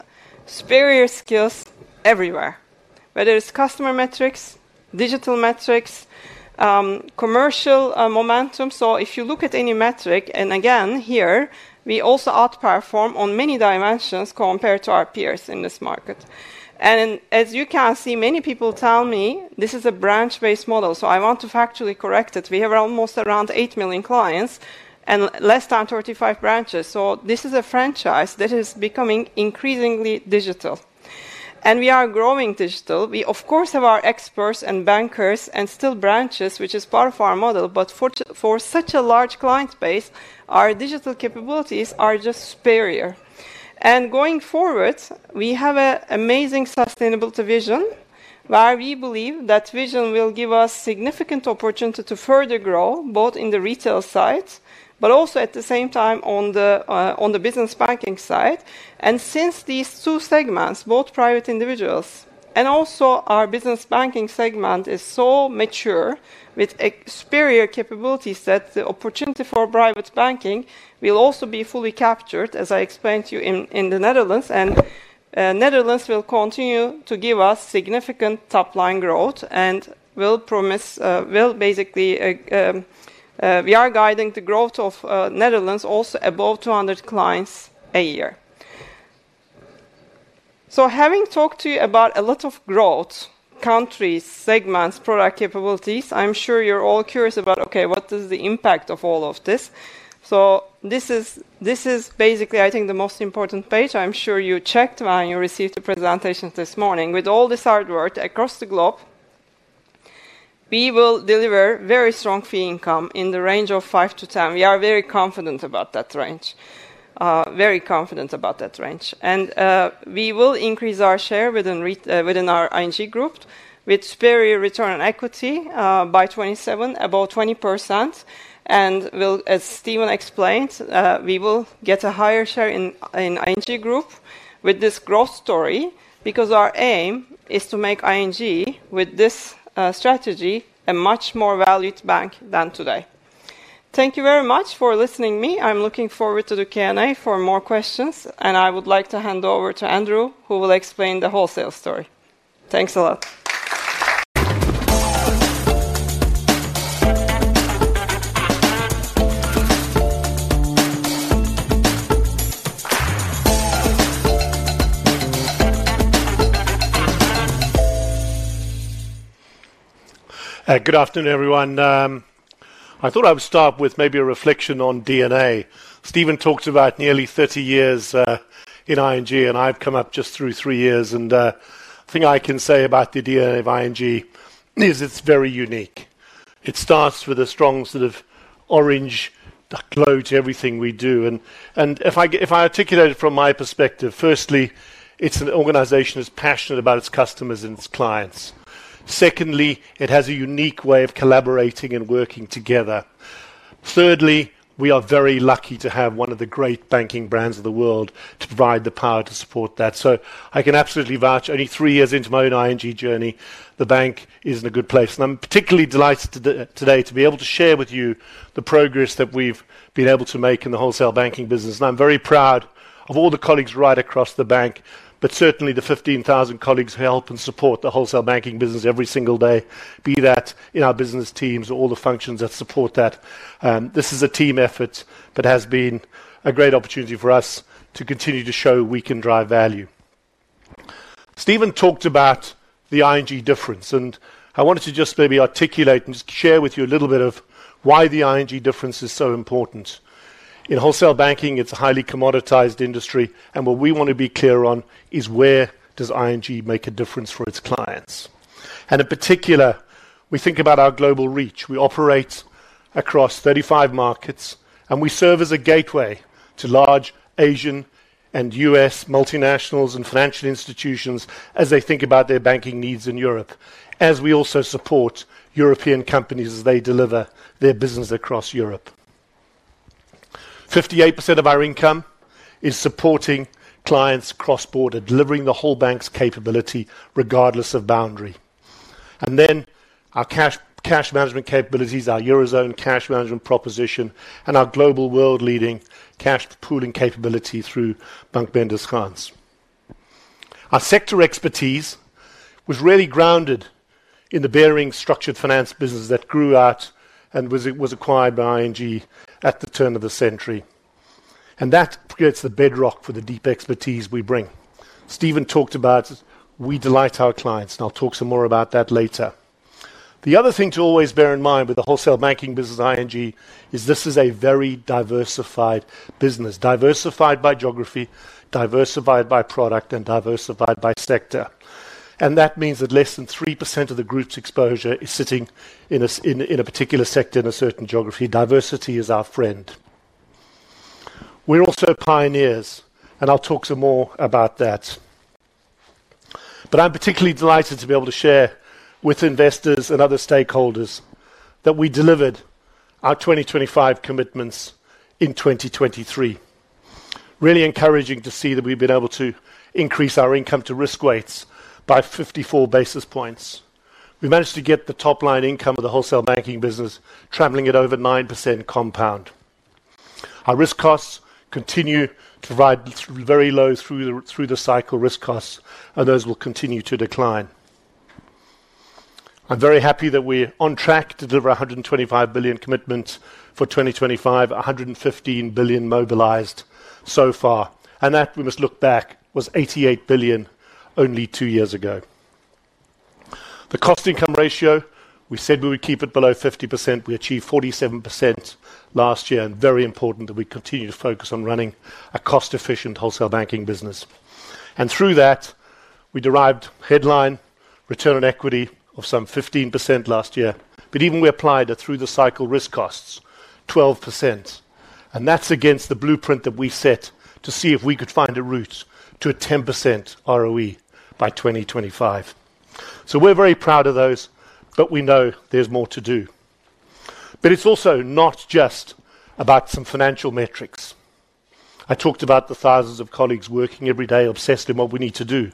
superior skills everywhere, whether it's customer metrics, digital metrics, commercial momentum. So if you look at any metric, and again, here, we also outperform on many dimensions compared to our peers in this market. As you can see, many people tell me this is a branch-based model. So I want to factually correct it. We have almost around 8 million clients and less than 35 branches. So this is a franchise that is becoming increasingly digital. We are growing digital. We, of course, have our experts and bankers and still branches, which is part of our model. But for such a large client base, our digital capabilities are just superior. Going forward, we have an amazing sustainability vision where we believe that vision will give us significant opportunity to further grow both in the retail side, but also at the same time on the Business Banking side. Since these two segments, both private individuals and also our Business Banking segment is so mature with superior capabilities, that the opportunity for private banking will also be fully captured, as I explained to you in the Netherlands. Netherlands will continue to give us significant top line growth and will basically, we are guiding the growth of Netherlands also above 200 clients a year. So having talked to you about a lot of growth, countries, segments, product capabilities, I'm sure you're all curious about, okay, what is the impact of all of this? So this is basically, I think, the most important page. I'm sure you checked when you received the presentation this morning. With all this hard work across the globe, we will deliver very strong fee income in the range of 5%-10%. We are very confident about that range, very confident about that range. We will increase our share within our ING group with superior return on equity by 27%, about 20%. As Steven explained, we will get a higher share in ING group with this growth story because our aim is to make ING with this strategy a much more valued bank than today. Thank you very much for listening to me. I'm looking forward to the Q&A for more questions. And I would like to hand over to Andrew, who will explain the wholesale story. Thanks a lot. Good afternoon, everyone. I thought I would start with maybe a reflection on DNA. Steven talked about nearly 30 years in ING, and I've come up just through three years. And the thing I can say about the DNA of ING is it's very unique. It starts with a strong sort of orange glow to everything we do. And if I articulate it from my perspective, firstly, it's an organization that's passionate about its customers and its clients. Secondly, it has a unique way of collaborating and working together. Thirdly, we are very lucky to have one of the great banking brands of the world to provide the power to support that. So I can absolutely vouch only three years into my own ING journey, the bank is in a good place. I'm particularly delighted today to be able to share with you the progress that we've been able to make in the wholesale banking business. I'm very proud of all the colleagues right across the bank, but certainly the 15,000 colleagues who help and support the wholesale banking business every single day, be that in our business teams or all the functions that support that. This is a team effort that has been a great opportunity for us to continue to show we can drive value. Steven talked about the ING difference. I wanted to just maybe articulate and just share with you a little bit of why the ING difference is so important. In wholesale banking, it's a highly commoditized industry. What we want to be clear on is where does ING make a difference for its clients? In particular, we think about our global reach. We operate across 35 markets. We serve as a gateway to large Asian and U.S. multinationals and financial institutions as they think about their banking needs in Europe, as we also support European companies as they deliver their business across Europe. 58% of our income is supporting clients cross-border, delivering the whole bank's capability regardless of boundary. Our cash management capabilities, our Eurozone cash management proposition, and our global world-leading cash pooling capability through Bank Mendes Gans. Our sector expertise was really grounded in the Barings structured finance business that grew out and was acquired by ING at the turn of the century. That creates the bedrock for the deep expertise we bring. Steven talked about we delight our clients. And I'll talk some more about that later. The other thing to always bear in mind with the wholesale banking business ING is this is a very diversified business, diversified by geography, diversified by product, and diversified by sector. And that means that less than 3% of the group's exposure is sitting in a particular sector in a certain geography. Diversity is our friend. We're also pioneers. And I'll talk some more about that. But I'm particularly delighted to be able to share with investors and other stakeholders that we delivered our 2025 commitments in 2023. Really encouraging to see that we've been able to increase our income to risk weights by 54 basis points. We managed to get the top line income of the wholesale banking business, traveling it over 9% compound. Our risk costs continue to ride very low through the cycle. Risk costs and those will continue to decline. I'm very happy that we're on track to deliver 125 billion commitments for 2025, 115 billion mobilized so far. And that we must look back was 88 billion only two years ago. The cost-income ratio, we said we would keep it below 50%. We achieved 47% last year. And very important that we continue to focus on running a cost-efficient wholesale banking business. And through that, we derived headline return on equity of some 15% last year. But even we applied it through the cycle risk costs, 12%. And that's against the blueprint that we set to see if we could find a route to a 10% ROE by 2025. So we're very proud of those, but we know there's more to do. But it's also not just about some financial metrics. I talked about the thousands of colleagues working every day obsessed in what we need to do,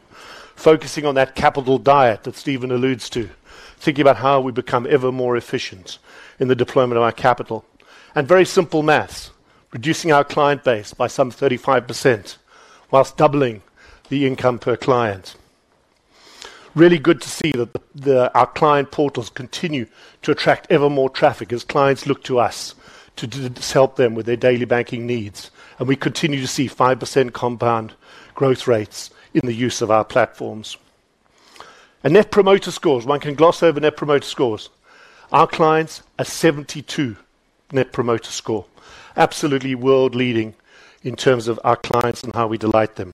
focusing on that capital diet that Steven alludes to, thinking about how we become ever more efficient in the deployment of our capital. Very simple math, reducing our client base by some 35% while doubling the income per client. Really good to see that our client portals continue to attract ever more traffic as clients look to us to help them with their daily banking needs. We continue to see 5% compound growth rates in the use of our platforms. Net Promoter Scores, one can gloss over Net Promoter Scores. Our clients are 72 Net Promoter Scores, absolutely world-leading in terms of our clients and how we delight them.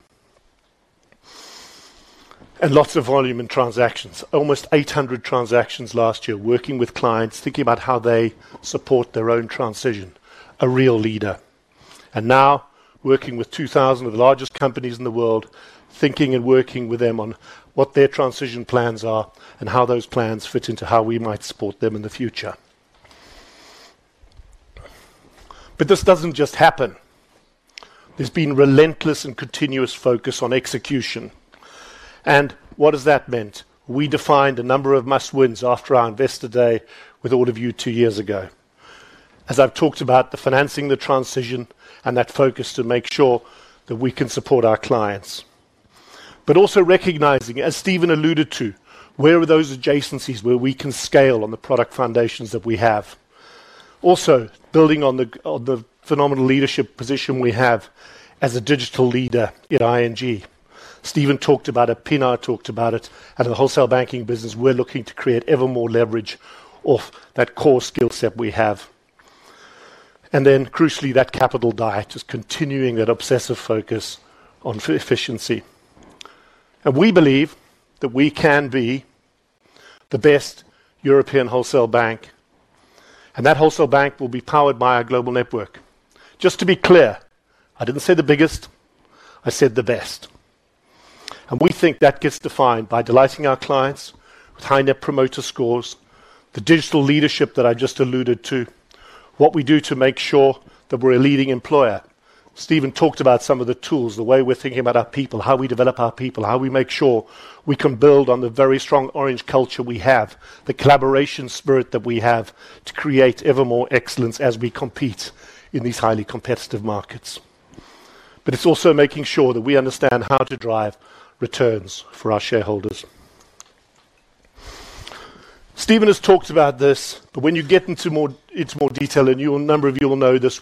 And lots of volume and transactions, almost 800 transactions last year working with clients, thinking about how they support their own transition, a real leader. And now working with 2,000 of the largest companies in the world, thinking and working with them on what their transition plans are and how those plans fit into how we might support them in the future. But this doesn't just happen. There's been relentless and continuous focus on execution. And what has that meant? We defined a number of must-wins after our investor day with all of you two years ago, as I've talked about the financing, the transition, and that focus to make sure that we can support our clients. But also recognizing, as Steven alluded to, where are those adjacencies where we can scale on the product foundations that we have. Also building on the phenomenal leadership position we have as a digital leader in ING. Steven talked about it, Pinar talked about it. And in the wholesale banking business, we're looking to create ever more leverage of that core skill set we have. And then crucially, that capital diet is continuing that obsessive focus on efficiency. And we believe that we can be the best European wholesale bank. And that wholesale bank will be powered by our global network. Just to be clear, I didn't say the biggest, I said the best. And we think that gets defined by delighting our clients with high Net Promoter Scores, the digital leadership that I just alluded to, what we do to make sure that we're a leading employer. Steven talked about some of the tools, the way we're thinking about our people, how we develop our people, how we make sure we can build on the very strong orange culture we have, the collaboration spirit that we have to create ever more excellence as we compete in these highly competitive markets. It's also making sure that we understand how to drive returns for our shareholders. Steven has talked about this, but when you get into more detail, and a number of you will know this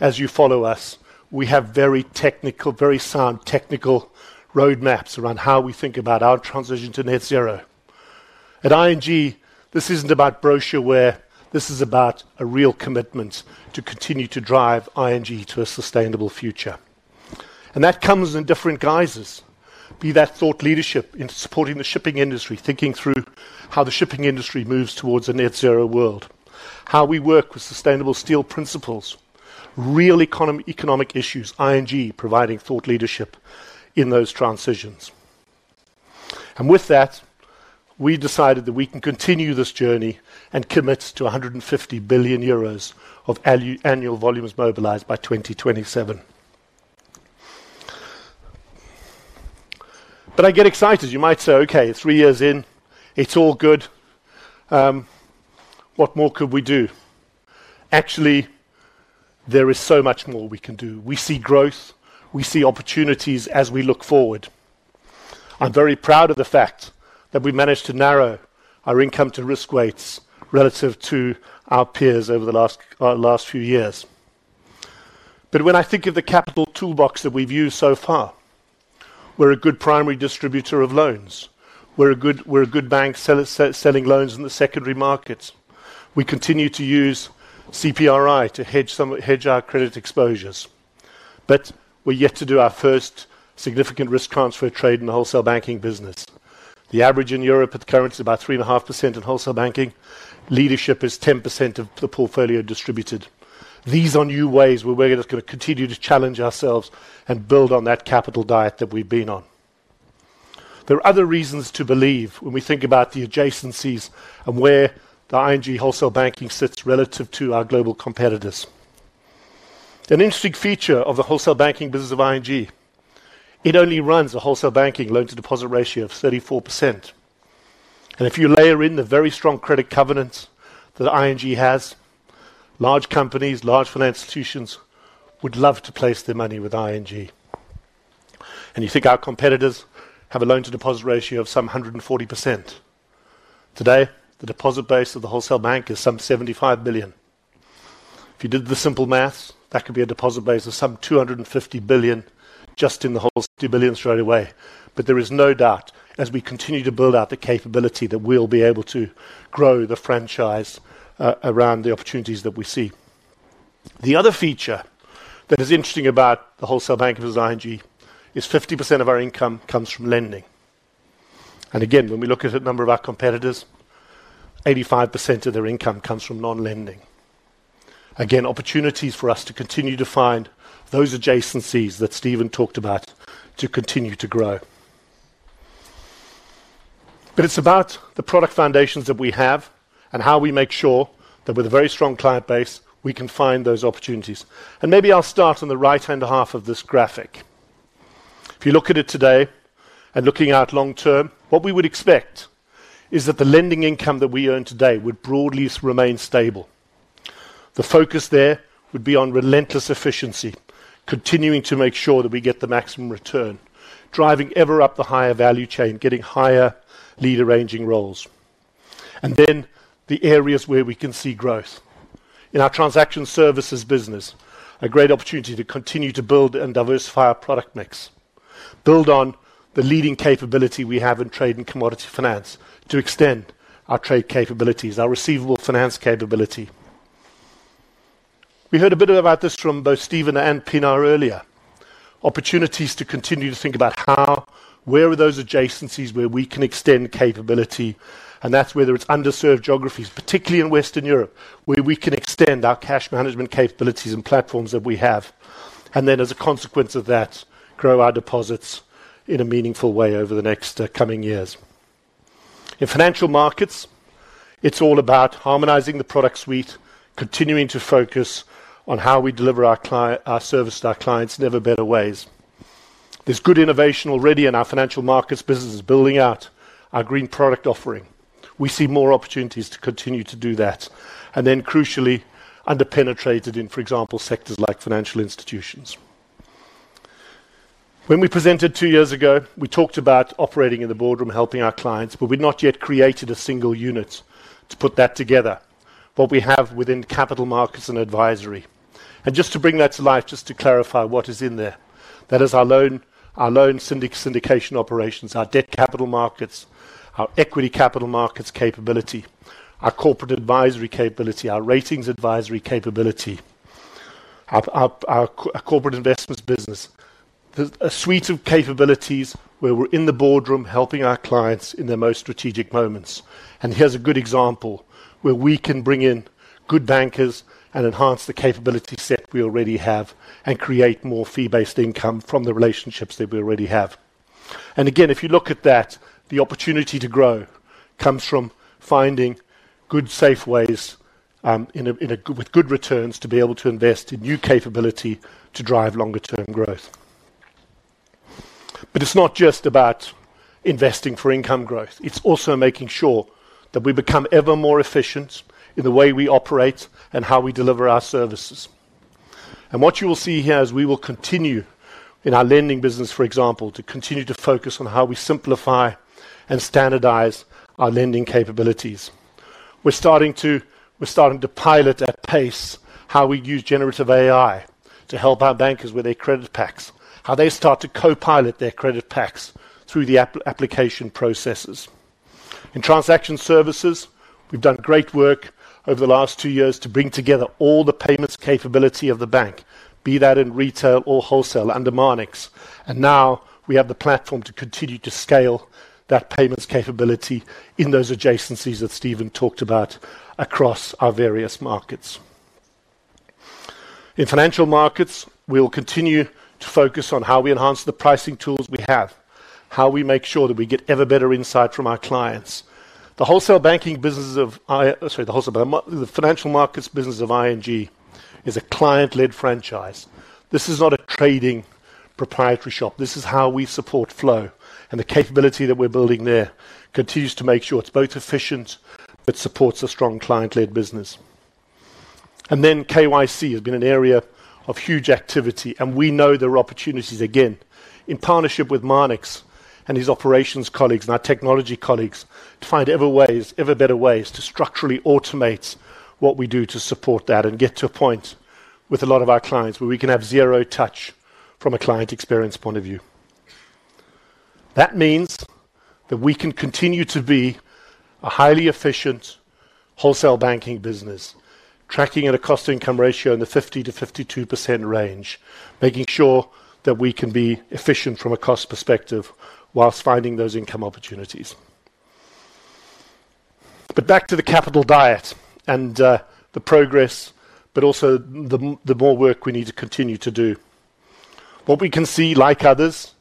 as you follow us, we have very technical, very sound technical roadmaps around how we think about our transition to net zero. At ING, this isn't about brochureware. This is about a real commitment to continue to drive ING to a sustainable future. That comes in different guises, be that thought leadership in supporting the shipping industry, thinking through how the shipping industry moves towards a net zero world, how we work with sustainable steel principles, real economic issues, ING providing thought leadership in those transitions. And with that, we decided that we can continue this journey and commit to 150 billion euros of annual volumes mobilized by 2027. But I get excited. You might say, "Okay, three years in, it's all good. What more could we do?" Actually, there is so much more we can do. We see growth. We see opportunities as we look forward. I'm very proud of the fact that we managed to narrow our income to risk weights relative to our peers over the last few years. But when I think of the capital toolbox that we've used so far, we're a good primary distributor of loans. We're a good bank selling loans in the secondary markets. We continue to use CPRI to hedge our credit exposures. But we're yet to do our first significant risk transfer trade in the wholesale banking business. The average in Europe at the current is about 3.5% in wholesale banking. Leadership is 10% of the portfolio distributed. These are new ways where we're going to continue to challenge ourselves and build on that capital diet that we've been on. There are other reasons to believe when we think about the adjacencies and where the ING wholesale banking sits relative to our global competitors. An interesting feature of the wholesale banking business of ING. It only runs a wholesale banking loan-to-deposit ratio of 34%. And if you layer in the very strong credit covenants that ING has, large companies, large financial institutions would love to place their money with ING. And you think our competitors have a loan-to-deposit ratio of some 140%. Today, the deposit base of the wholesale bank is some 75 billion. If you did the simple math, that could be a deposit base of some 250 billion just in the wholesale 50 billion straight away. But there is no doubt, as we continue to build out the capability, that we'll be able to grow the franchise around the opportunities that we see. The other feature that is interesting about the wholesale banking business of ING is 50% of our income comes from Lending. And again, when we look at the number of our competitors, 85% of their income comes from non-Lending. Again, opportunities for us to continue to find those adjacencies that Steven talked about to continue to grow. But it's about the product foundations that we have and how we make sure that with a very strong client base, we can find those opportunities. And maybe I'll start on the right-hand half of this graphic. If you look at it today and looking at long term, what we would expect is that the Lending income that we earn today would broadly remain stable. The focus there would be on relentless efficiency, continuing to make sure that we get the maximum return, driving ever up the higher value chain, getting higher leader-arranging roles. And then the areas where we can see growth. In Transaction Services business, a great opportunity to continue to build and diversify our product mix, build on the leading capability we have in trade and commodity finance to extend our trade capabilities, our receivable finance capability. We heard a bit about this from both Steven and Pinar earlier. Opportunities to continue to think about how, where are those adjacencies where we can extend capability. That's whether it's underserved geographies, particularly in Western Europe, where we can extend our cash management capabilities and platforms that we have. Then, as a consequence of that, grow our deposits in a meaningful way over the next coming years. In Financial Markets, it's all about harmonizing the product suite, continuing to focus on how we deliver our service to our clients in ever better ways. There's good innovation already in our Financial Markets business, building out our green product offering. We see more opportunities to continue to do that. Then, crucially, underpenetrated in, for example, sectors like financial institutions. When we presented two years ago, we talked about operating in the boardroom, helping our clients, but we'd not yet created a single unit to put that together, what we have within capital markets and advisory. Just to bring that to life, just to clarify what is in there, that is our loan syndication operations, our debt capital markets, our equity capital markets capability, our corporate advisory capability, our ratings advisory capability, our corporate investments business. There's a suite of capabilities where we're in the boardroom helping our clients in their most strategic moments. Here's a good example where we can bring in good bankers and enhance the capability set we already have and create more fee-based income from the relationships that we already have. And again, if you look at that, the opportunity to grow comes from finding good, safe ways with good returns to be able to invest in new capability to drive longer-term growth. But it's not just about investing for income growth. It's also making sure that we become ever more efficient in the way we operate and how we deliver our services. And what you will see here is we will continue in our Lending business, for example, to continue to focus on how we simplify and standardize our Lending capabilities. We're starting to pilot at pace how we use generative AI to help our bankers with their credit packs, how they start to co-pilot their credit packs through the application processes. Transaction Services, we've done great work over the last two years to bring together all the payments capability of the bank, be that in retail or wholesale under Marnix. And now we have the platform to continue to scale that payments capability in those adjacencies that Steven talked about across our various markets. In Financial Markets, we'll continue to focus on how we enhance the pricing tools we have, how we make sure that we get ever better insight from our clients. The Financial Markets business of ING is a client-led franchise. This is not a trading proprietary shop. This is how we support flow. And the capability that we're building there continues to make sure it's both efficient but supports a strong client-led business. And then KYC has been an area of huge activity. We know there are opportunities, again, in partnership with Marnix and his operations colleagues and our technology colleagues to find ever better ways to structurally automate what we do to support that and get to a point with a lot of our clients where we can have zero touch from a client experience point of view. That means that we can continue to be a highly efficient wholesale banking business, tracking at a cost-to-income ratio in the 50%-52% range, making sure that we can be efficient from a cost perspective while finding those income opportunities. Back to the capital diet and the progress, but also the more work we need to continue to do. What we can see, like others,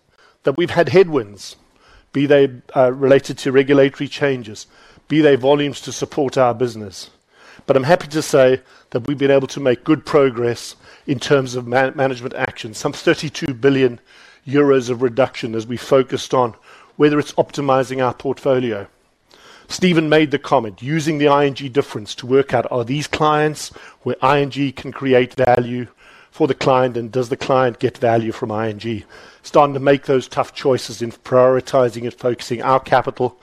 that we've had headwinds, be they related to regulatory changes, be they volumes to support our business. I'm happy to say that we've been able to make good progress in terms of management actions, some 32 billion euros of reduction as we focused on whether it's optimizing our portfolio. Steven made the comment, using the ING difference to work out, "Are these clients where ING can create value for the client? And does the client get value from ING?" Starting to make those tough choices in prioritizing and focusing our capital,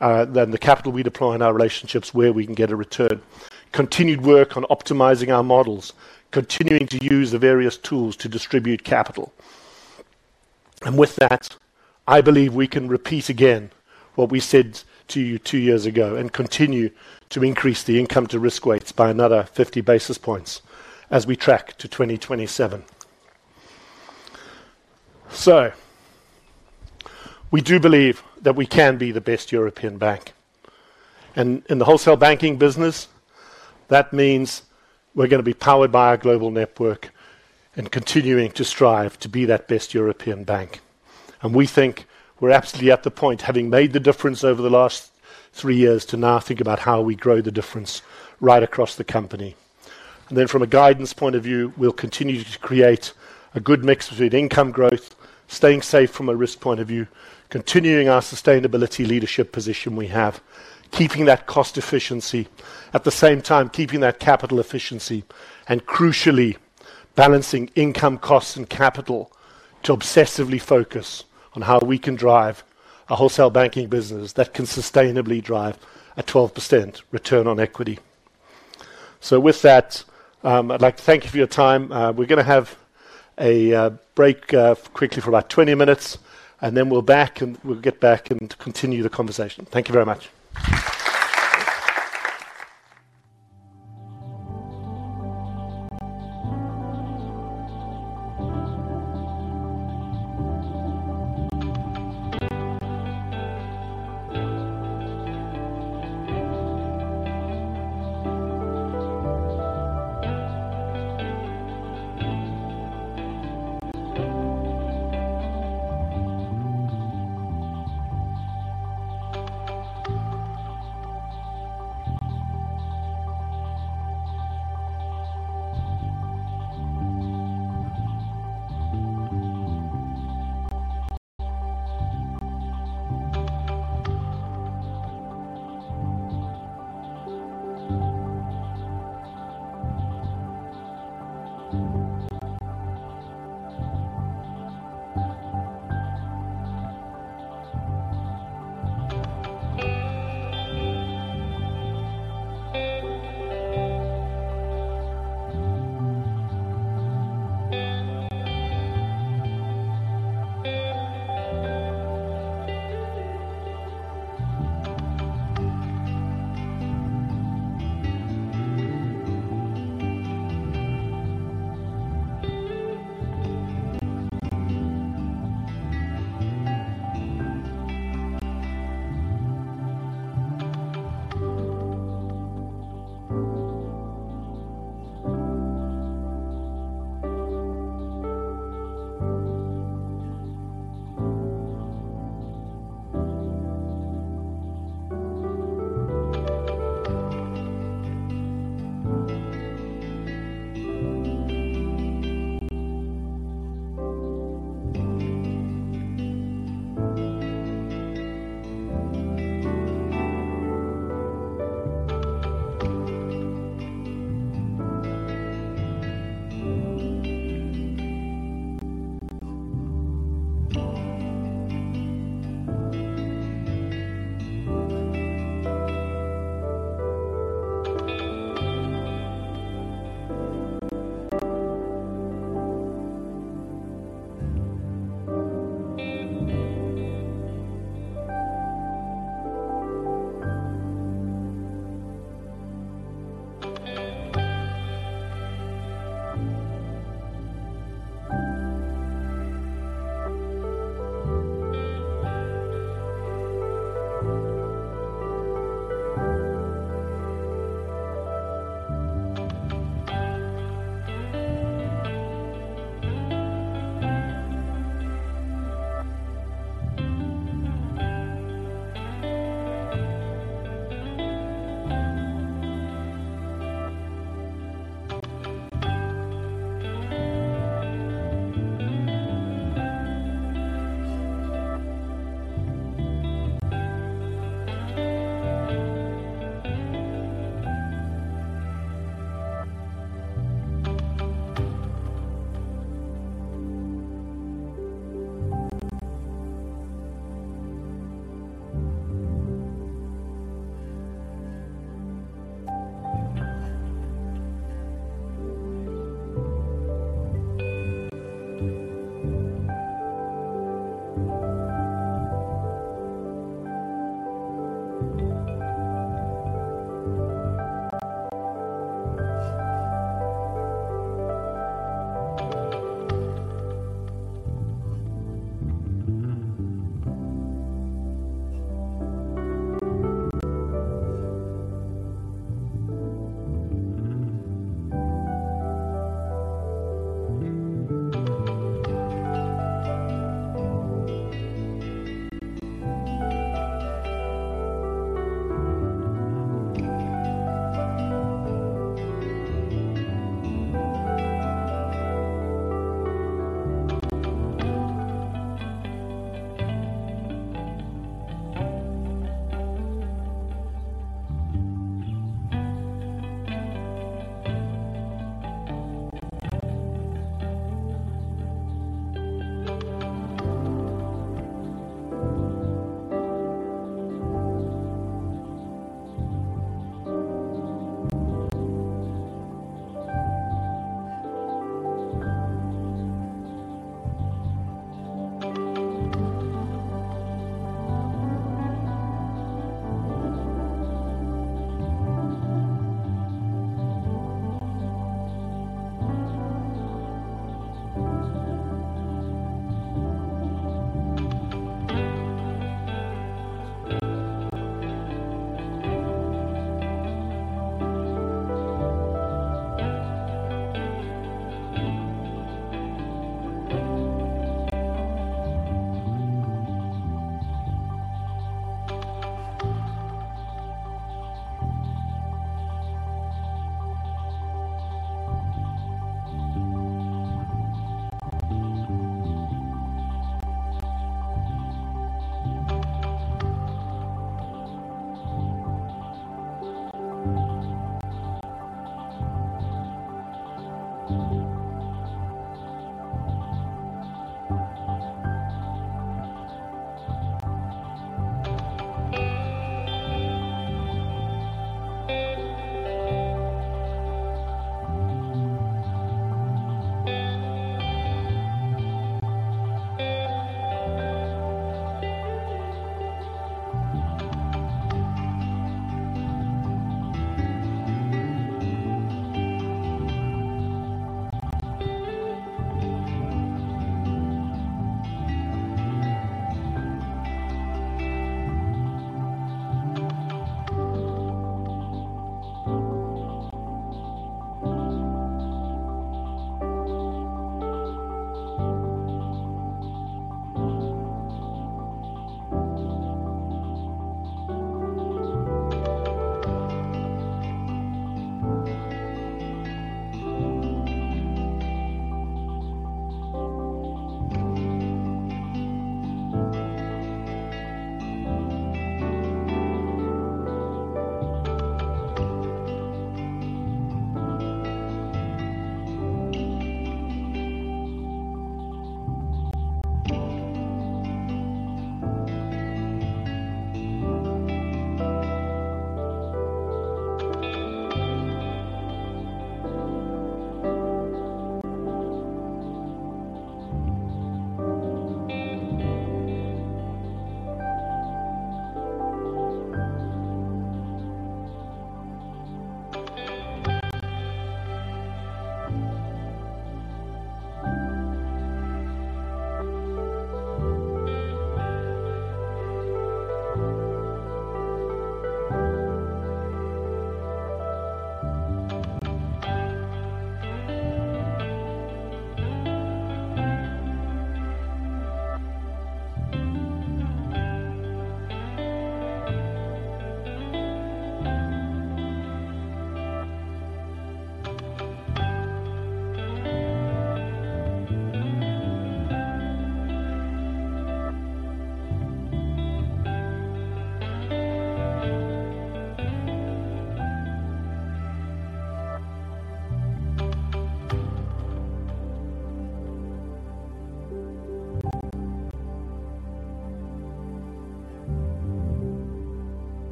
then the capital we deploy in our relationships where we can get a return. Continued work on optimizing our models, continuing to use the various tools to distribute capital. With that, I believe we can repeat again what we said to you two years ago and continue to increase the income-to-risk weights by another 50 basis points as we track to 2027. We do believe that we can be the best European bank. In the wholesale banking business, that means we're going to be powered by our global network and continuing to strive to be that best European bank. We think we're absolutely at the point, having made the difference over the last three years to now think about how we grow the difference right across the company. Then from a guidance point of view, we'll continue to create a good mix between income growth, staying safe from a risk point of view, continuing our sustainability leadership position we have, keeping that cost efficiency, at the same time keeping that capital efficiency, and crucially, balancing income costs and capital to obsessively focus on how we can drive a wholesale banking business that can sustainably drive a 12% return on equity. With that, I'd like to thank you for your time. We're going to have a break quickly for about 20 minutes, and then we'll get back and continue the conversation. Thank you very much.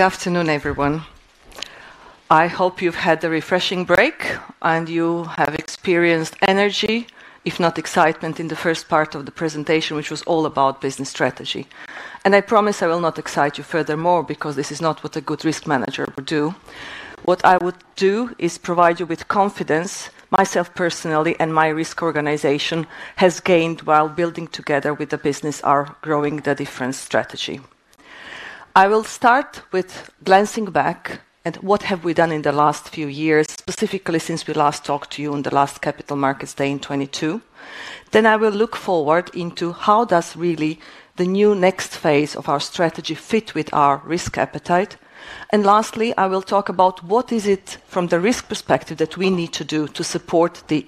Good afternoon, everyone. I hope you've had a refreshing break and you have experienced energy, if not excitement, in the first part of the presentation, which was all about business strategy. I promise I will not excite you furthermore, because this is not what a good risk manager would do. What I would do is provide you with confidence myself personally and my risk organization has gained while building together with the business our Growing the Difference strategy. I will start with glancing back at what have we done in the last few years, specifically since we last talked to you on the last Capital Markets Day in 2022. Then I will look forward into how does really the new next phase of our strategy fit with our risk appetite. And lastly, I will talk about what is it from the risk perspective that we need to do to support the,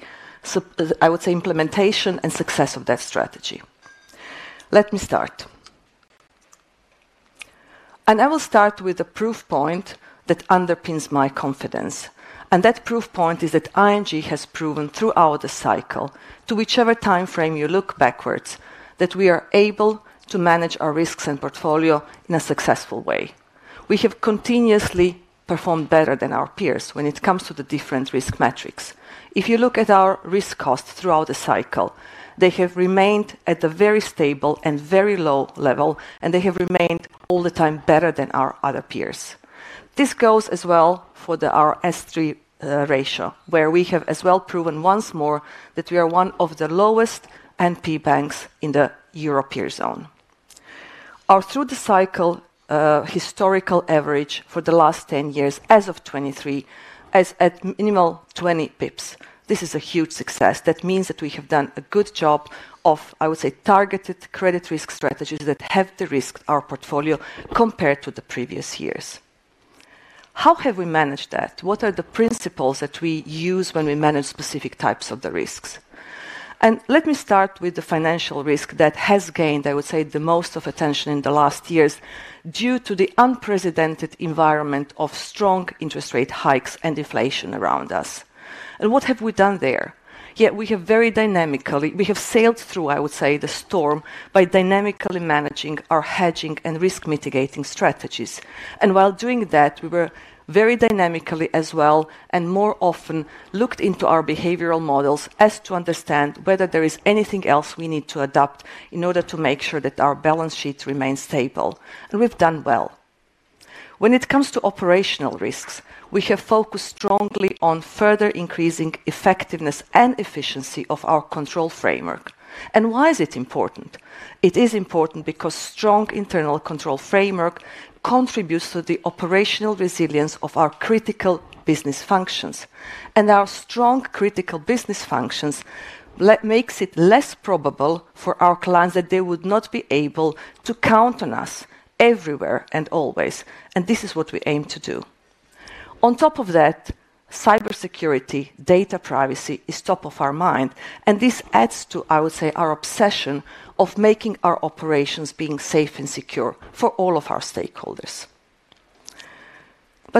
I would say, implementation and success of that strategy. Let me start. And I will start with a proof point that underpins my confidence. And that proof point is that ING has proven throughout the cycle, to whichever time frame you look backwards, that we are able to manage our risks and portfolio in a successful way. We have continuously performed better than our peers when it comes to the different risk metrics. If you look at our risk cost throughout the cycle, they have remained at the very stable and very low level, and they have remained all the time better than our other peers. This goes as well for our S3 ratio, where we have as well proven once more that we are one of the lowest NP banks in the European zone. Our through the cycle historical average for the last 10 years as of 2023 is at minimal 20 pips. This is a huge success. That means that we have done a good job of, I would say, targeted credit risk strategies that have de-risked our portfolio compared to the previous years. How have we managed that? What are the principles that we use when we manage specific types of the risks? And let me start with the financial risk that has gained, I would say, the most attention in the last years due to the unprecedented environment of strong interest rate hikes and deflation around us. And what have we done there? Yeah, we have very dynamically, we have sailed through, I would say, the storm by dynamically managing our hedging and risk mitigating strategies. And while doing that, we were very dynamically as well and more often looked into our behavioral models as to understand whether there is anything else we need to adopt in order to make sure that our balance sheet remains stable. And we've done well. When it comes to operational risks, we have focused strongly on further increasing effectiveness and efficiency of our control framework. And why is it important? It is important because strong internal control framework contributes to the operational resilience of our critical business functions. And our strong critical business functions make it less probable for our clients that they would not be able to count on us everywhere and always. And this is what we aim to do. On top of that, cybersecurity, data privacy is top of our mind. This adds to, I would say, our obsession of making our operations being safe and secure for all of our stakeholders.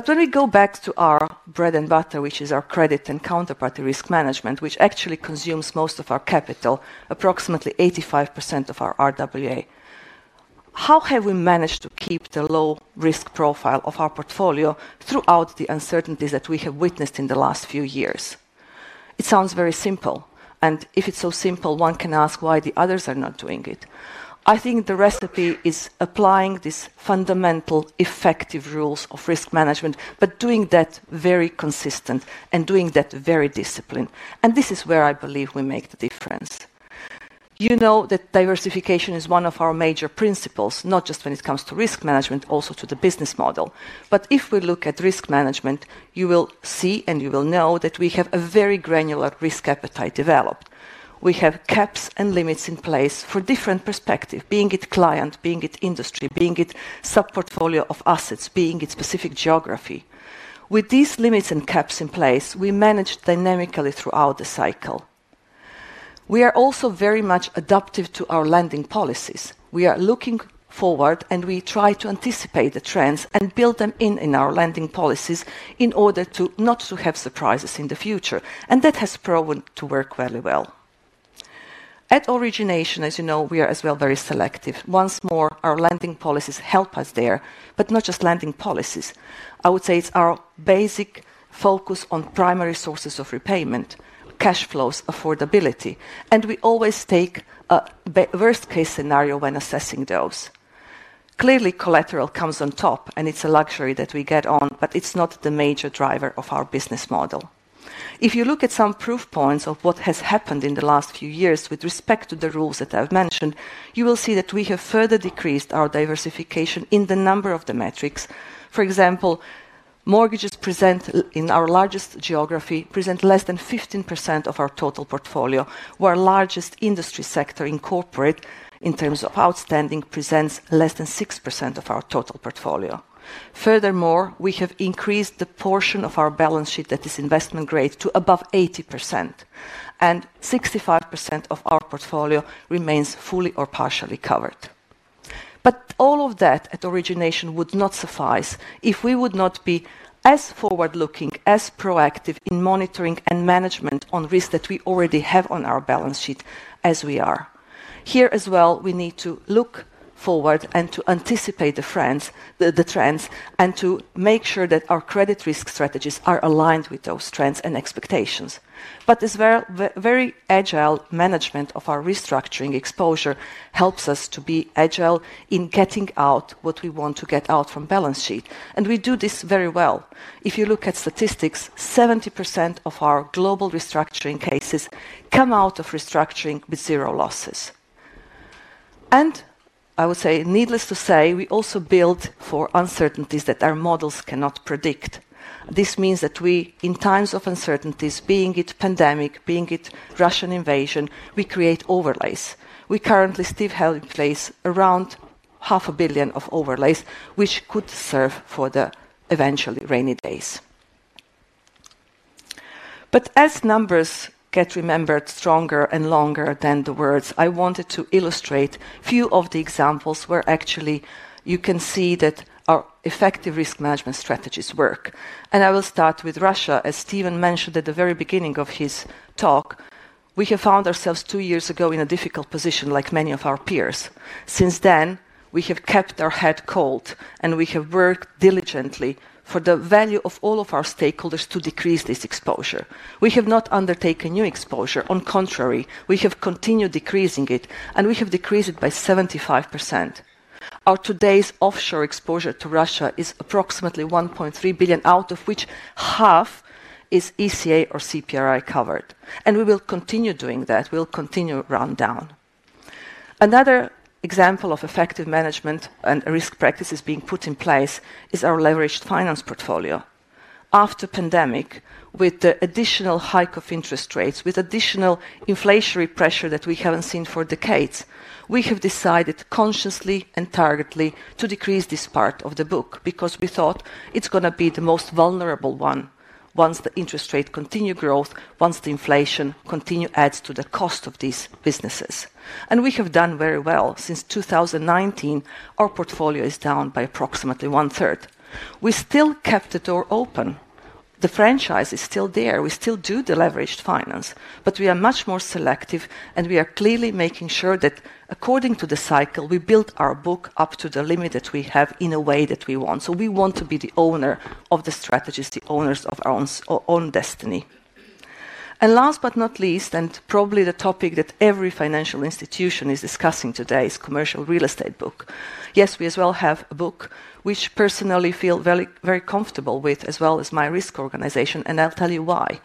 When we go back to our bread and butter, which is our credit and counterparty risk management, which actually consumes most of our capital, approximately 85% of our RWA, how have we managed to keep the low risk profile of our portfolio throughout the uncertainties that we have witnessed in the last few years? It sounds very simple. If it's so simple, one can ask why the others are not doing it. I think the recipe is applying these fundamental effective rules of risk management, but doing that very consistently and doing that very disciplined. This is where I believe we make the difference. You know that diversification is one of our major principles, not just when it comes to risk management, also to the business model. But if we look at risk management, you will see and you will know that we have a very granular risk appetite developed. We have caps and limits in place for different perspectives, being it client, being it industry, being it sub-portfolio of assets, being it specific geography. With these limits and caps in place, we manage dynamically throughout the cycle. We are also very much adaptive to our Lending policies. We are looking forward and we try to anticipate the trends and build them in in our Lending policies in order not to have surprises in the future. And that has proven to work very well. At origination, as you know, we are as well very selective. Once more, our Lending policies help us there, but not just Lending policies. I would say it's our basic focus on primary sources of repayment, cash flows, affordability. We always take a worst-case scenario when assessing those. Clearly, collateral comes on top and it's a luxury that we get on, but it's not the major driver of our business model. If you look at some proof points of what has happened in the last few years with respect to the rules that I've mentioned, you will see that we have further decreased our diversification in the number of the metrics. For example, mortgages present in our largest geography present less than 15% of our total portfolio, where our largest industry sector in corporate in terms of outstanding presents less than 6% of our total portfolio. Furthermore, we have increased the portion of our balance sheet that is investment grade to above 80%, and 65% of our portfolio remains fully or partially covered. But all of that at origination would not suffice if we would not be as forward-looking, as proactive in monitoring and management on risk that we already have on our balance sheet as we are. Here as well, we need to look forward and to anticipate the trends and to make sure that our credit risk strategies are aligned with those trends and expectations. But this very agile management of our restructuring exposure helps us to be agile in getting out what we want to get out from balance sheet. And we do this very well. If you look at statistics, 70% of our global restructuring cases come out of restructuring with zero losses. And I would say needless to say, we also build for uncertainties that our models cannot predict. This means that we, in times of uncertainties, be it pandemic, be it Russian invasion, we create overlays. We currently still have in place around 500 million of overlays, which could serve for the eventual rainy days. But as numbers get remembered stronger and longer than the words, I wanted to illustrate a few of the examples where actually you can see that our effective risk management strategies work. And I will start with Russia. As Steven mentioned at the very beginning of his talk, we have found ourselves two years ago in a difficult position like many of our peers. Since then, we have kept our head cold and we have worked diligently for the value of all of our stakeholders to decrease this exposure. We have not undertaken new exposure. On the contrary, we have continued decreasing it, and we have decreased it by 75%. Our today's offshore exposure to Russia is approximately 1.3 billion, out of which half is ECA or CPRI covered. We will continue doing that. We'll continue to run down. Another example of effective management and risk practices being put in place is our leveraged finance portfolio. After the pandemic, with the additional hike of interest rates, with additional inflationary pressure that we haven't seen for decades, we have decided consciously and targetedly to decrease this part of the book because we thought it's going to be the most vulnerable one once the interest rate continues to grow, once the inflation continues to add to the cost of these businesses. We have done very well. Since 2019, our portfolio is down by approximately one third. We still kept the door open. The franchise is still there. We still do the leveraged finance, but we are much more selective, and we are clearly making sure that according to the cycle, we build our book up to the limit that we have in a way that we want. So we want to be the owner of the strategies, the owners of our own destiny. Last but not least, and probably the topic that every financial institution is discussing today is commercial real estate book. Yes, we as well have a book which I personally feel very, very comfortable with, as well as my risk organization. I'll tell you why.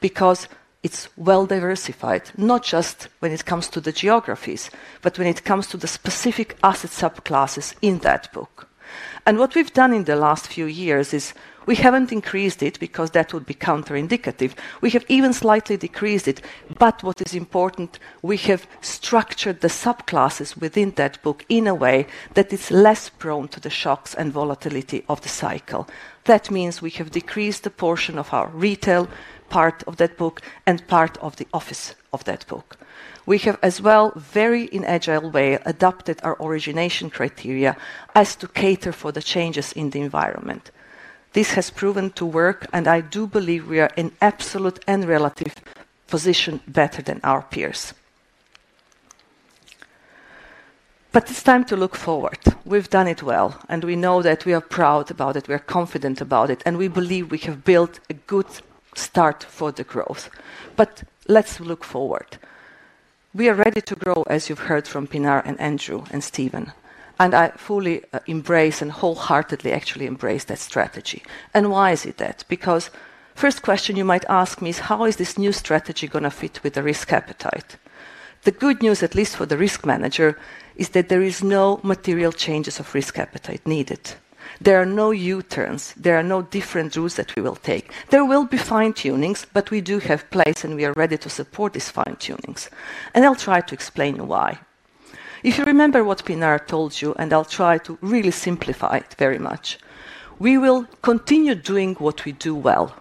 Because it's well diversified, not just when it comes to the geographies, but when it comes to the specific asset subclasses in that book. What we've done in the last few years is we haven't increased it because that would be counterindicative. We have even slightly decreased it. But what is important, we have structured the subclasses within that book in a way that it's less prone to the shocks and volatility of the cycle. That means we have decreased the portion of our retail part of that book and part of the office of that book. We have as well, very in an agile way, adopted our origination criteria as to cater for the changes in the environment. This has proven to work, and I do believe we are in absolute and relative position better than our peers. But it's time to look forward. We've done it well, and we know that we are proud about it. We are confident about it, and we believe we have built a good start for the growth. But let's look forward. We are ready to grow, as you've heard from Pinar and Andrew and Steven. And I fully embrace and wholeheartedly actually embrace that strategy. And why is it that? Because the first question you might ask me is, how is this new strategy going to fit with the risk appetite? The good news, at least for the risk manager, is that there are no material changes of risk appetite needed. There are no U-turns. There are no different routes that we will take. There will be fine-tunings, but we do have plans, and we are ready to support these fine-tunings. And I'll try to explain why. If you remember what Pinar told you, and I'll try to really simplify it very much, we will continue doing what we do well,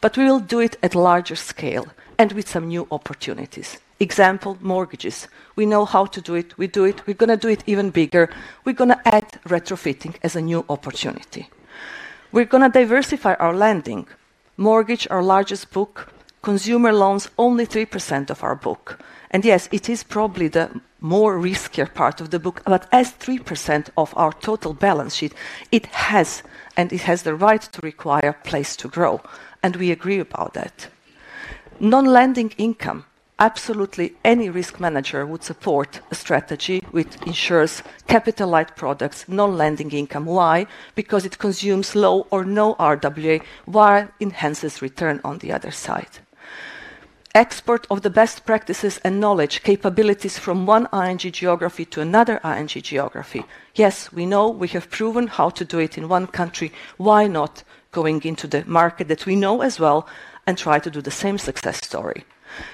but we will do it at a larger scale and with some new opportunities. Example, mortgages. We know how to do it. We do it. We're going to do it even bigger. We're going to add retrofitting as a new opportunity. We're going to diversify our Lending. Mortgage, our largest book, consumer loans, only 3% of our book. And yes, it is probably the more riskier part of the book, but as 3% of our total balance sheet, it has, and it has the right to require a place to grow. And we agree about that. Non-Lending income, absolutely any risk manager would support a strategy which ensures capital-like products, non-Lending income. Why? Because it consumes low or no RWA, while it enhances return on the other side. Export of the best practices and knowledge, capabilities from one ING geography to another ING geography. Yes, we know we have proven how to do it in one country. Why not going into the market that we know as well and try to do the same success story?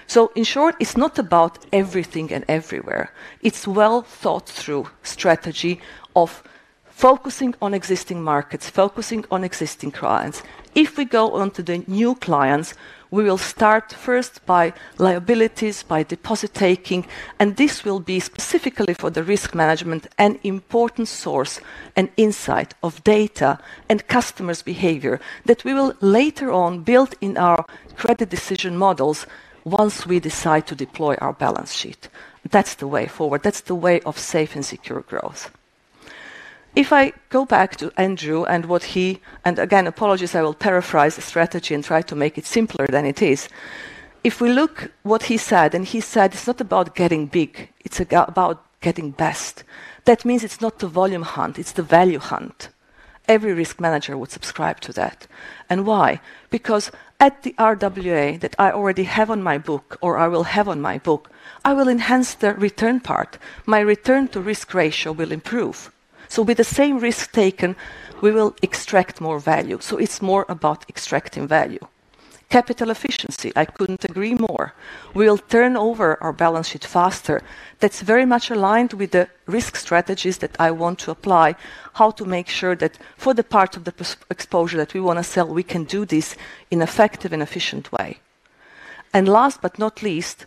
So in short, it's not about everything and everywhere. It's a well-thought-through strategy of focusing on existing markets, focusing on existing clients. If we go on to the new clients, we will start first by liabilities, by deposit taking, and this will be specifically for the risk management, an important source and insight of data and customers' behavior that we will later on build in our credit decision models once we decide to deploy our balance sheet. That's the way forward. That's the way of safe and secure growth. If I go back to Andrew, and again, apologies, I will paraphrase the strategy and try to make it simpler than it is. If we look at what he said, and he said it's not about getting big, it's about getting best. That means it's not the volume hunt, it's the value hunt. Every risk manager would subscribe to that. And why? Because at the RWA that I already have on my book, or I will have on my book, I will enhance the return part. My return to risk ratio will improve. So with the same risk taken, we will extract more value. So it's more about extracting value. Capital efficiency, I couldn't agree more. We'll turn over our balance sheet faster. That's very much aligned with the risk strategies that I want to apply, how to make sure that for the part of the exposure that we want to sell, we can do this in an effective and efficient way. And last but not least,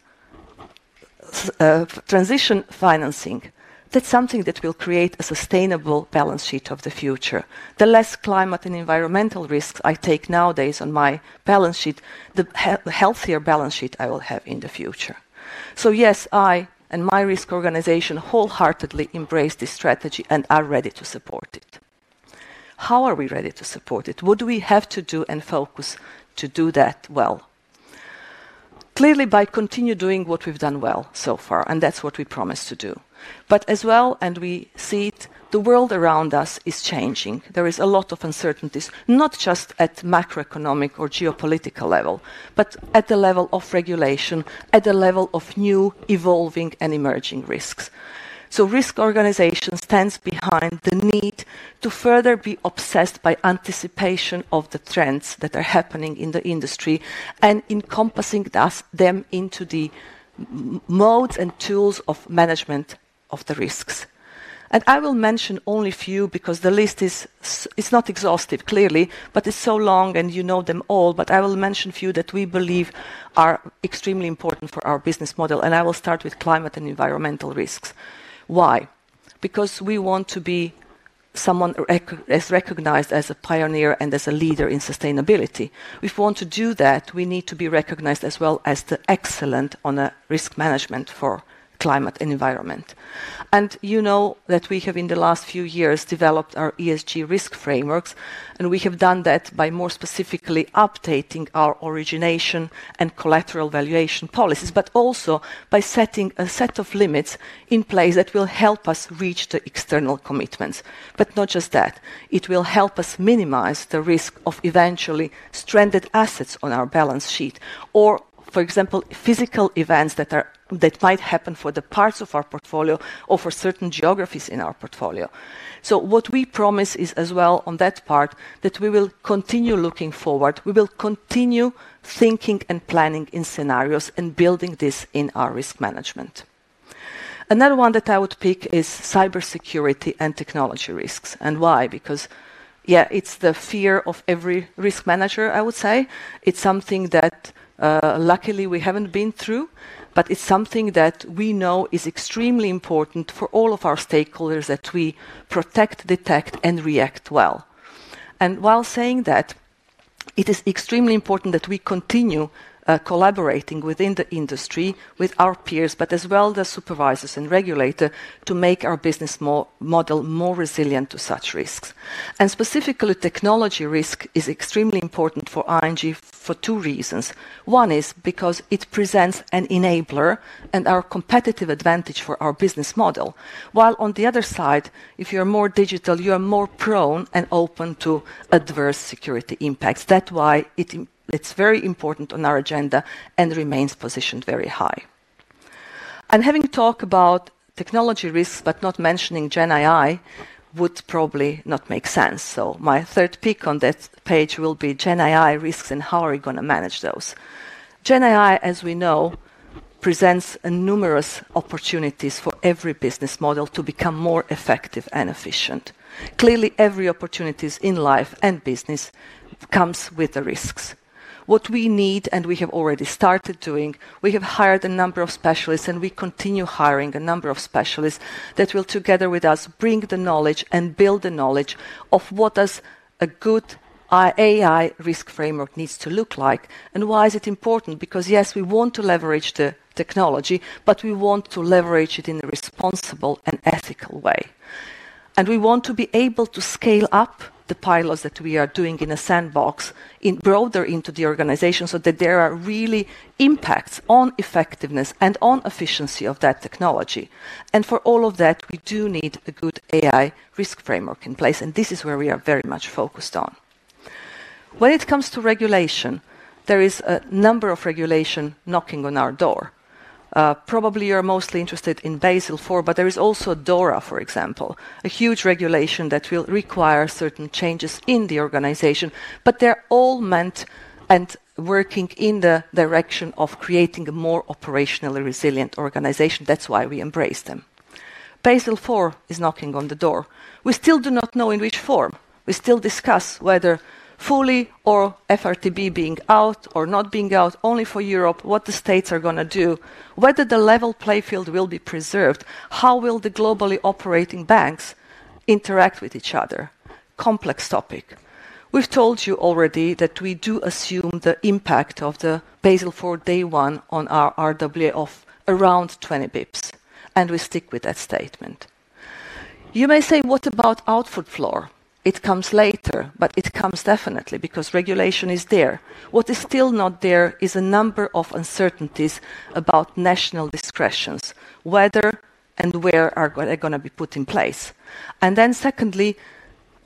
transition financing. That's something that will create a sustainable balance sheet of the future. The less climate and environmental risks I take nowadays on my balance sheet, the healthier balance sheet I will have in the future. So yes, I and my risk organization wholeheartedly embrace this strategy and are ready to support it. How are we ready to support it? What do we have to do and focus to do that well? Clearly, by continuing doing what we've done well so far, and that's what we promised to do. But as well, and we see it, the world around us is changing. There is a lot of uncertainties, not just at macroeconomic or geopolitical level, but at the level of regulation, at the level of new, evolving, and emerging risks. So risk organizations stand behind the need to further be obsessed by anticipation of the trends that are happening in the industry and encompassing them into the modes and tools of management of the risks. And I will mention only a few because the list is not exhaustive, clearly, but it's so long and you know them all, but I will mention a few that we believe are extremely important for our business model. And I will start with climate and environmental risks. Why? Because we want to be recognized as a pioneer and as a leader in sustainability. If we want to do that, we need to be recognized as well as excellent on risk management for climate and environment. You know that we have, in the last few years, developed our ESG risk frameworks, and we have done that by more specifically updating our origination and collateral valuation policies, but also by setting a set of limits in place that will help us reach the external commitments. Not just that. It will help us minimize the risk of eventually stranded assets on our balance sheet, or, for example, physical events that might happen for the parts of our portfolio or for certain geographies in our portfolio. What we promise is as well on that part that we will continue looking forward. We will continue thinking and planning in scenarios and building this in our risk management. Another one that I would pick is cybersecurity and technology risks. Why? Because, yeah, it's the fear of every risk manager, I would say. It's something that, luckily, we haven't been through, but it's something that we know is extremely important for all of our stakeholders that we protect, detect, and react well. And while saying that, it is extremely important that we continue collaborating within the industry with our peers, but as well as supervisors and regulators to make our business model more resilient to such risks. And specifically, technology risk is extremely important for ING for two reasons. One is because it presents an enabler and our competitive advantage for our business model. While on the other side, if you're more digital, you're more prone and open to adverse security impacts. That's why it's very important on our agenda and remains positioned very high. And having talked about technology risks, but not mentioning GenAI would probably not make sense. So my third pick on this page will be GenAI risks and how are we going to manage those. GenAI, as we know, presents numerous opportunities for every business model to become more effective and efficient. Clearly, every opportunity in life and business comes with the risks. What we need, and we have already started doing, we have hired a number of specialists, and we continue hiring a number of specialists that will, together with us, bring the knowledge and build the knowledge of what a good AI risk framework needs to look like. Why is it important? Because, yes, we want to leverage the technology, but we want to leverage it in a responsible and ethical way. We want to be able to scale up the pilots that we are doing in a sandbox broader into the organization so that there really are impacts on effectiveness and on efficiency of that technology. For all of that, we do need a good AI risk framework in place. This is where we are very much focused on. When it comes to regulation, there is a number of regulations knocking on our door. Probably you're mostly interested in Basel IV, but there is also DORA, for example, a huge regulation that will require certain changes in the organization. They're all meant and working in the direction of creating a more operationally resilient organization. That's why we embrace them. Basel IV is knocking on the door. We still do not know in which form. We still discuss whether fully or FRTB being out or not being out, only for Europe, what the States are going to do, whether the level playing field will be preserved, how will the globally operating banks interact with each other. Complex topic. We've told you already that we do assume the impact of the Basel IV day one on our RWA of around 20 basis points, and we stick with that statement. You may say, what about output floor? It comes later, but it comes definitely because regulation is there. What is still not there is a number of uncertainties about national discretions, whether and where are they going to be put in place. Then secondly,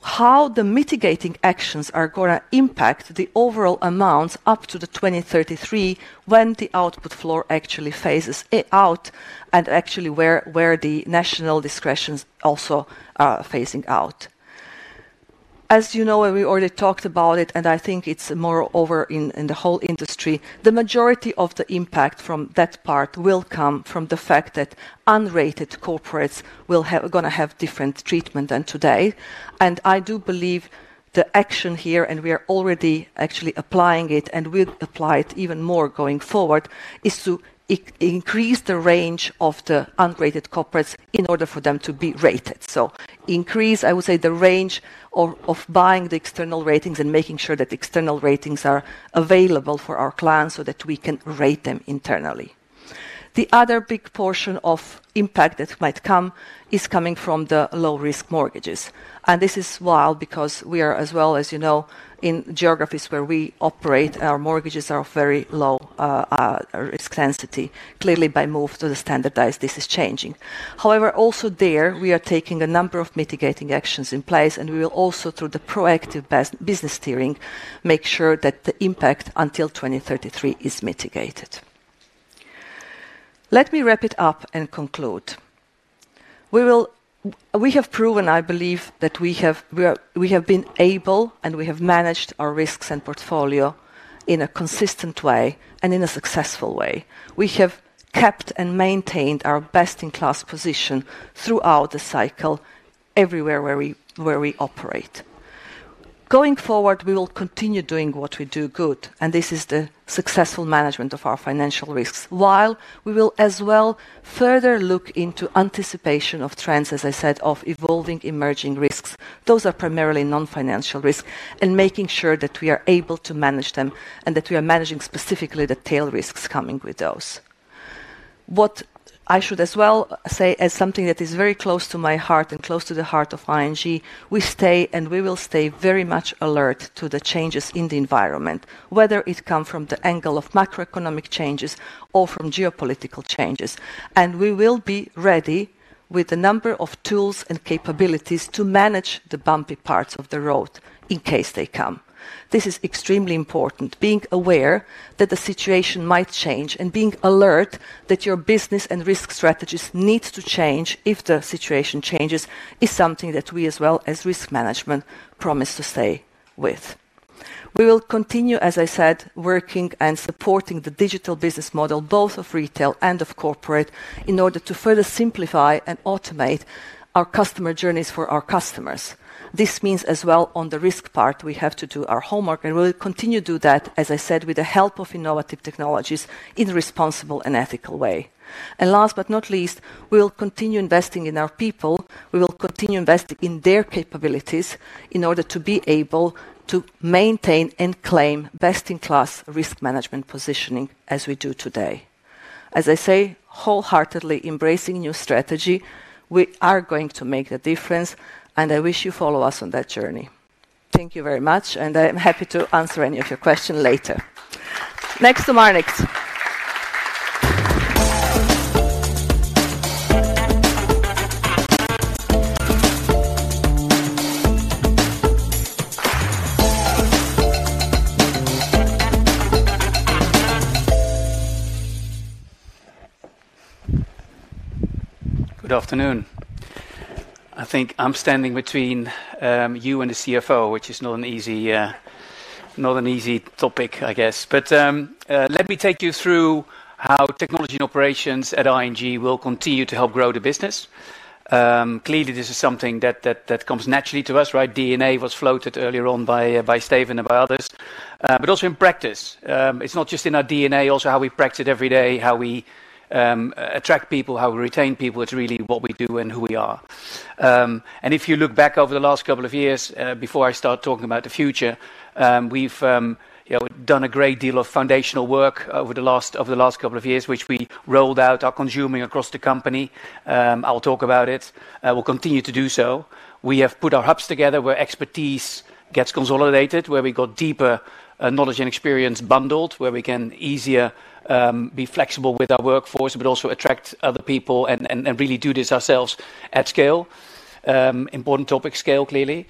how the mitigating actions are going to impact the overall amounts up to the 2033 when the output floor actually phases out and actually where the national discretion is also phasing out. As you know, and we already talked about it, and I think it's moreover in the whole industry, the majority of the impact from that part will come from the fact that unrated corporates are going to have different treatment than today. And I do believe the action here, and we are already actually applying it and will apply it even more going forward, is to increase the range of the unrated corporates in order for them to be rated. So increase, I would say, the range of buying the external ratings and making sure that external ratings are available for our clients so that we can rate them internally. The other big portion of impact that might come is coming from the low-risk mortgages. And this is why because we are, as well, as you know, in geographies where we operate, our mortgages are of very low risk density. Clearly, by move to the standardized, this is changing. However, also there, we are taking a number of mitigating actions in place, and we will also, through the proactive business steering, make sure that the impact until 2033 is mitigated. Let me wrap it up and conclude. We have proven, I believe, that we have been able and we have managed our risks and portfolio in a consistent way and in a successful way. We have kept and maintained our best-in-class position throughout the cycle everywhere where we operate. Going forward, we will continue doing what we do good, and this is the successful management of our financial risks, while we will as well further look into anticipation of trends, as I said, of evolving emerging risks. Those are primarily non-financial risks and making sure that we are able to manage them and that we are managing specifically the tail risks coming with those. What I should as well say as something that is very close to my heart and close to the heart of ING, we stay and we will stay very much alert to the changes in the environment, whether it comes from the angle of macroeconomic changes or from geopolitical changes. We will be ready with a number of tools and capabilities to manage the bumpy parts of the road in case they come. This is extremely important. Being aware that the situation might change and being alert that your business and risk strategies need to change if the situation changes is something that we as well as risk management promise to stay with. We will continue, as I said, working and supporting the digital business model, both of retail and of corporate, in order to further simplify and automate our customer journeys for our customers. This means as well on the risk part, we have to do our homework, and we will continue to do that, as I said, with the help of innovative technologies in a responsible and ethical way. Last but not least, we will continue investing in our people. We will continue investing in their capabilities in order to be able to maintain and claim best-in-class risk management positioning as we do today. As I say, wholeheartedly embracing new strategy, we are going to make the difference, and I wish you follow us on that journey. Thank you very much, and I'm happy to answer any of your questions later. Next to Marnix. Good afternoon. I think I'm standing between you and the CFO, which is not an easy topic, I guess. But let me take you through how technology and operations at ING will continue to help grow the business. Clearly, this is something that comes naturally to us, right? DNA was floated earlier on by Steven and by others, but also in practice. It's not just in our DNA, also how we practice it every day, how we attract people, how we retain people. It's really what we do and who we are. And if you look back over the last couple of years, before I start talking about the future, we've done a great deal of foundational work over the last couple of years, which we rolled out our consuming across the company. I'll talk about it. We'll continue to do so. We have put our Hubs together where expertise gets consolidated, where we got deeper knowledge and experience bundled, where we can easier be flexible with our workforce, but also attract other people and really do this ourselves at scale. Important topic, scale clearly.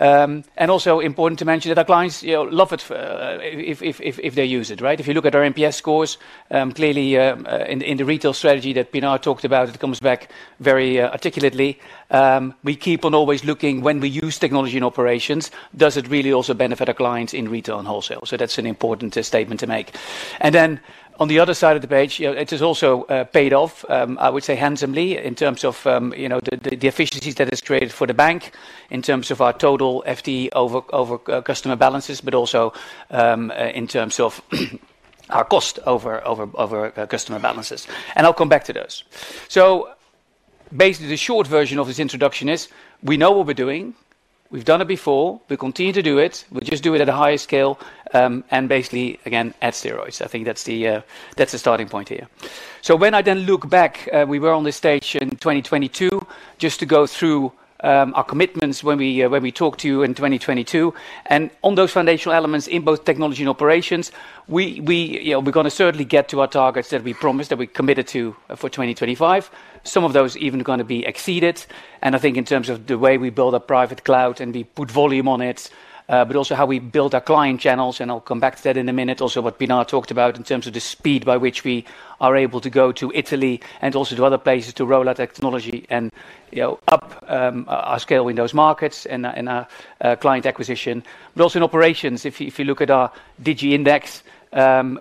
Also important to mention that our clients love it if they use it, right? If you look at our NPS scores, clearly in the retail strategy that Pinar talked about, it comes back very articulately. We keep on always looking when we use technology and operations, does it really also benefit our clients in retail and wholesale? That's an important statement to make. Then on the other side of the page, it is also paid off, I would say handsomely in terms of the efficiencies that it's created for the bank, in terms of our total FTE over customer balances, but also in terms of our cost over customer balances. I'll come back to those. So basically, the short version of this introduction is we know what we're doing. We've done it before. We continue to do it. We just do it at a higher scale and basically, again, on steroids. I think that's the starting point here. So when I then look back, we were on this stage in 2022 just to go through our commitments when we talked to you in 2022. On those foundational elements in both technology and operations, we're going to certainly get to our targets that we promised that we committed to for 2025. Some of those are even going to be exceeded. I think in terms of the way we build our private cloud and we put volume on it, but also how we build our client channels, and I'll come back to that in a minute, also what Pinar talked about in terms of the speed by which we are able to go to Italy and also to other places to roll out technology and up our scale in those markets and our client acquisition. Also in operations, if you look at our Digi Index,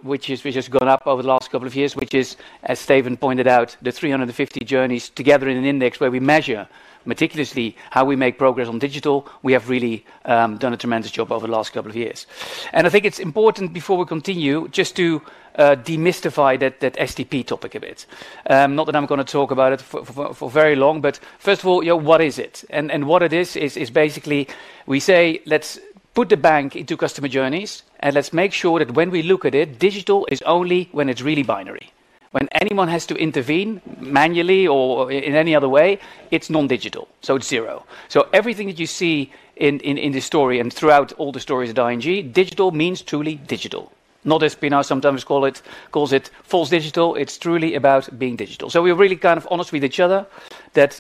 which has gone up over the last couple of years, which is, as Steven pointed out, the 350 journeys together in an index where we measure meticulously how we make progress on digital, we have really done a tremendous job over the last couple of years. I think it's important before we continue just to demystify that STP topic a bit. Not that I'm going to talk about it for very long, but first of all, what is it? What it is, is basically we say, let's put the bank into customer journeys, and let's make sure that when we look at it, digital is only when it's really binary. When anyone has to intervene manually or in any other way, it's non-digital. So it's zero. So everything that you see in the story and throughout all the stories at ING, digital means truly digital. Not as Pinar sometimes calls it, calls it false digital. It's truly about being digital. So we're really kind of honest with each other that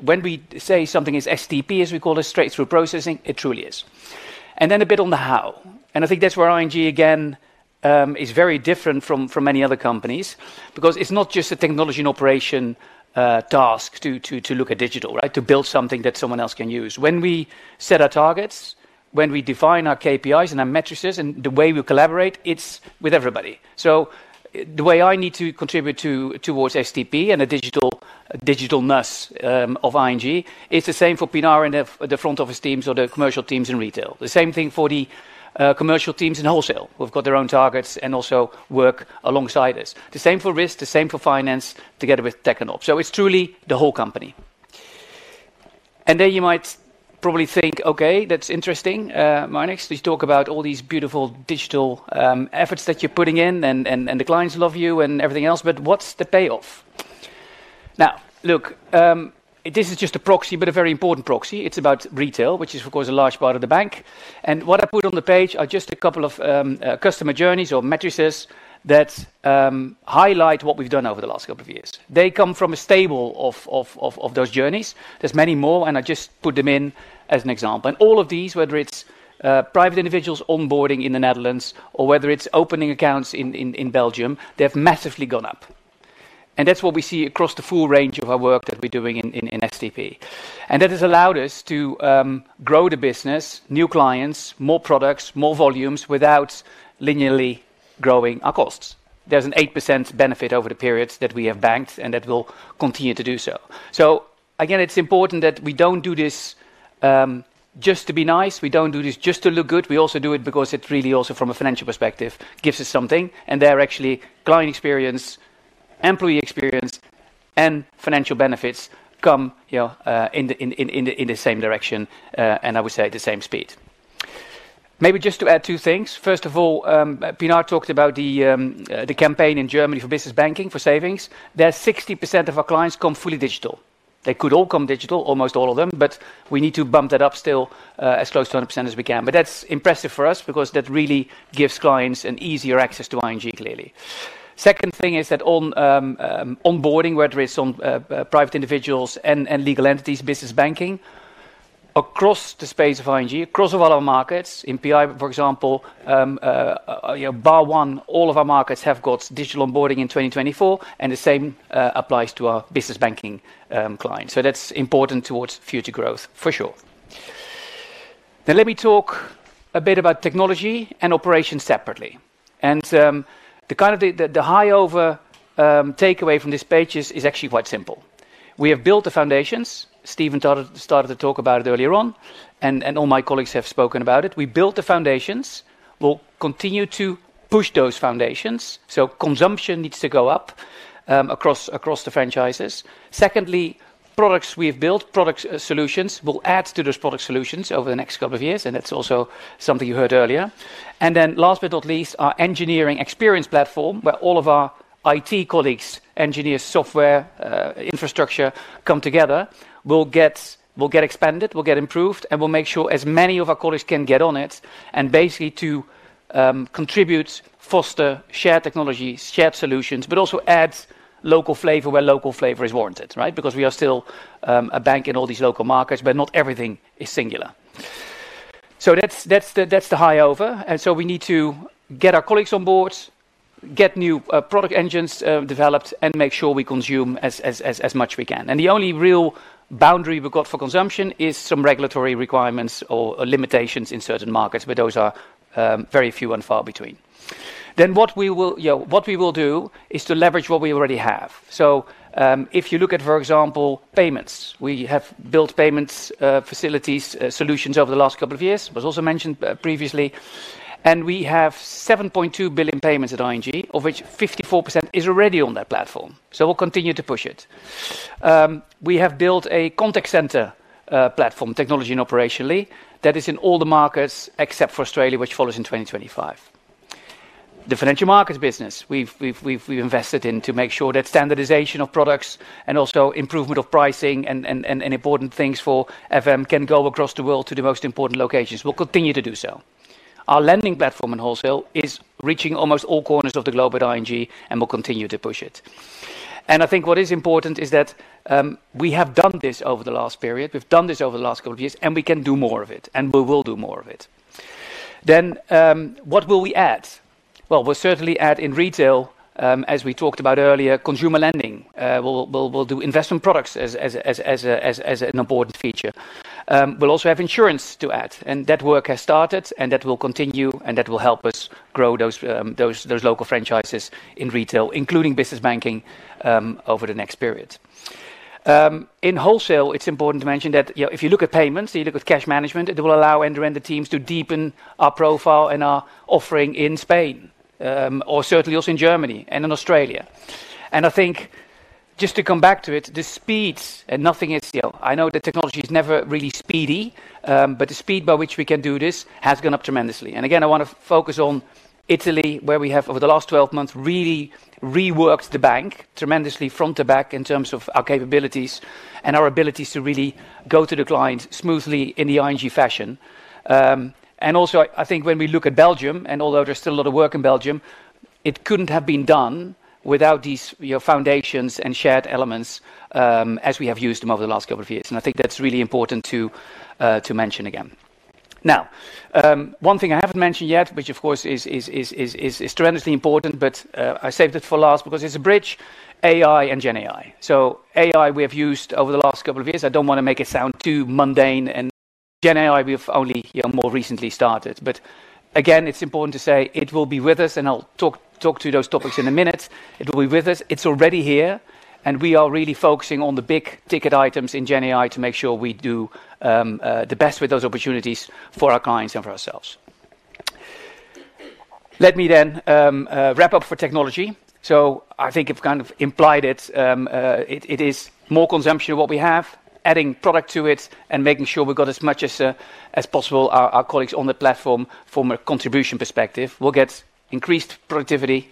when we say something is STP, as we call it, Straight-Through Processing, it truly is. Then a bit on the how. And I think that's where ING, again, is very different from many other companies because it's not just a technology and operation task to look at digital, right? To build something that someone else can use. When we set our targets, when we define our KPIs and our metrics and the way we collaborate, it's with everybody. So the way I need to contribute towards STP and the digital-ness of ING, it's the same for Pinar and the front office teams or the commercial teams in retail. The same thing for the commercial teams in wholesale. We've got their own targets and also work alongside us. The same for risk, the same for finance together with Tech & Ops. So it's truly the whole company. And then you might probably think, okay, that's interesting, Marnix. You talk about all these beautiful digital efforts that you're putting in and the clients love you and everything else, but what's the payoff? Now, look, this is just a proxy, but a very important proxy. It's about retail, which is, of course, a large part of the bank. And what I put on the page are just a couple of customer journeys or matrices that highlight what we've done over the last couple of years. They come from a stable of those journeys. There's many more, and I just put them in as an example. And all of these, whether it's private individuals onboarding in the Netherlands or whether it's opening accounts in Belgium, they've massively gone up. And that's what we see across the full range of our work that we're doing in STP. And that has allowed us to grow the business, new clients, more products, more volumes without linearly growing our costs. There's an 8% benefit over the periods that we have banked and that will continue to do so. So again, it's important that we don't do this just to be nice. We don't do this just to look good. We also do it because it really also from a financial perspective gives us something. And the actual client experience, employee experience, and financial benefits come in the same direction and I would say at the same speed. Maybe just to add two things. First of all, Pinar talked about the campaign in Germany forBusiness Banking for savings. There's 60% of our clients come fully digital. They could all come digital, almost all of them, but we need to bump that up still as close to 100% as we can. But that's impressive for us because that really gives clients an easier access to ING, clearly. Second thing is that onboarding, whether it's on private individuals and legal entities, Business Banking across the space of ING, across all our markets, in PI, for example, bar one, all of our markets have got digital onboarding in 2024, and the same applies to our Business Banking clients. So that's important towards future growth for sure. Now, let me talk a bit about technology and operations separately. The kind of the high-level takeaway from this page is actually quite simple. We have built the foundations. Steven started to talk about it earlier on, and all my colleagues have spoken about it. We built the foundations. We'll continue to push those foundations. So consumption needs to go up across the franchises. Secondly, products we've built, product solutions, will add to those product solutions over the next couple of years, and that's also something you heard earlier. And then last but not least, our engineering experience platform where all of our IT colleagues, engineers, software, infrastructure come together, will get expanded, will get improved, and we'll make sure as many of our colleagues can get on it and basically to contribute, foster, share technologies, share solutions, but also add local flavor where local flavor is warranted, right? Because we are still a bank in all these local markets, but not everything is singular. So that's the high-over. And so we need to get our colleagues on board, get new product engines developed, and make sure we consume as much we can. The only real boundary we've got for consumption is some regulatory requirements or limitations in certain markets, but those are very few and far between. What we will do is to leverage what we already have. If you look at, for example, payments, we have built payments facilities, solutions over the last couple of years, was also mentioned previously. We have 7.2 billion payments at ING, of which 54% is already on that platform. We'll continue to push it. We have built a contact center platform, technology and operationally, that is in all the markets except for Australia, which follows in 2025. The Financial Markets business, we've invested in to make sure that standardization of products and also improvement of pricing and important things for FM can go across the world to the most important locations. We'll continue to do so. Our Lending platform in wholesale is reaching almost all corners of the globe at ING, and we'll continue to push it. I think what is important is that we have done this over the last period. We've done this over the last couple of years, and we can do more of it, and we will do more of it. Then what will we add? Well, we'll certainly add in retail, as we talked about earlier, consumer Lending. We'll do investment products as an important feature. We'll also have insurance to add. That work has started, and that will continue, and that will help us grow those local franchises in retail, including Business Banking over the next period. In wholesale, it's important to mention that if you look at payments, you look at cash management, it will allow end-to-end teams to deepen our profile and our offering in Spain, or certainly also in Germany and in Australia. I think just to come back to it, the speeds, and nothing is still. I know that technology is never really speedy, but the speed by which we can do this has gone up tremendously. I want to focus on Italy, where we have over the last 12 months really reworked the bank tremendously front to back in terms of our capabilities and our abilities to really go to the clients smoothly in the ING fashion. And also, I think when we look at Belgium, and although there's still a lot of work in Belgium, it couldn't have been done without these foundations and shared elements as we have used them over the last couple of years. And I think that's really important to mention again. Now, one thing I haven't mentioned yet, which of course is tremendously important, but I saved it for last because it's a bridge, AI and GenAI. So AI we have used over the last couple of years. I don't want to make it sound too mundane. GenAI, we've only more recently started. But again, it's important to say it will be with us, and I'll talk to those topics in a minute. It will be with us. It's already here, and we are really focusing on the big ticket items in GenAI to make sure we do the best with those opportunities for our clients and for ourselves. Let me then wrap up for technology. So I think I've kind of implied it. It is more consumption of what we have, adding product to it, and making sure we've got as much as possible our colleagues on the platform from a contribution perspective. We'll get increased productivity.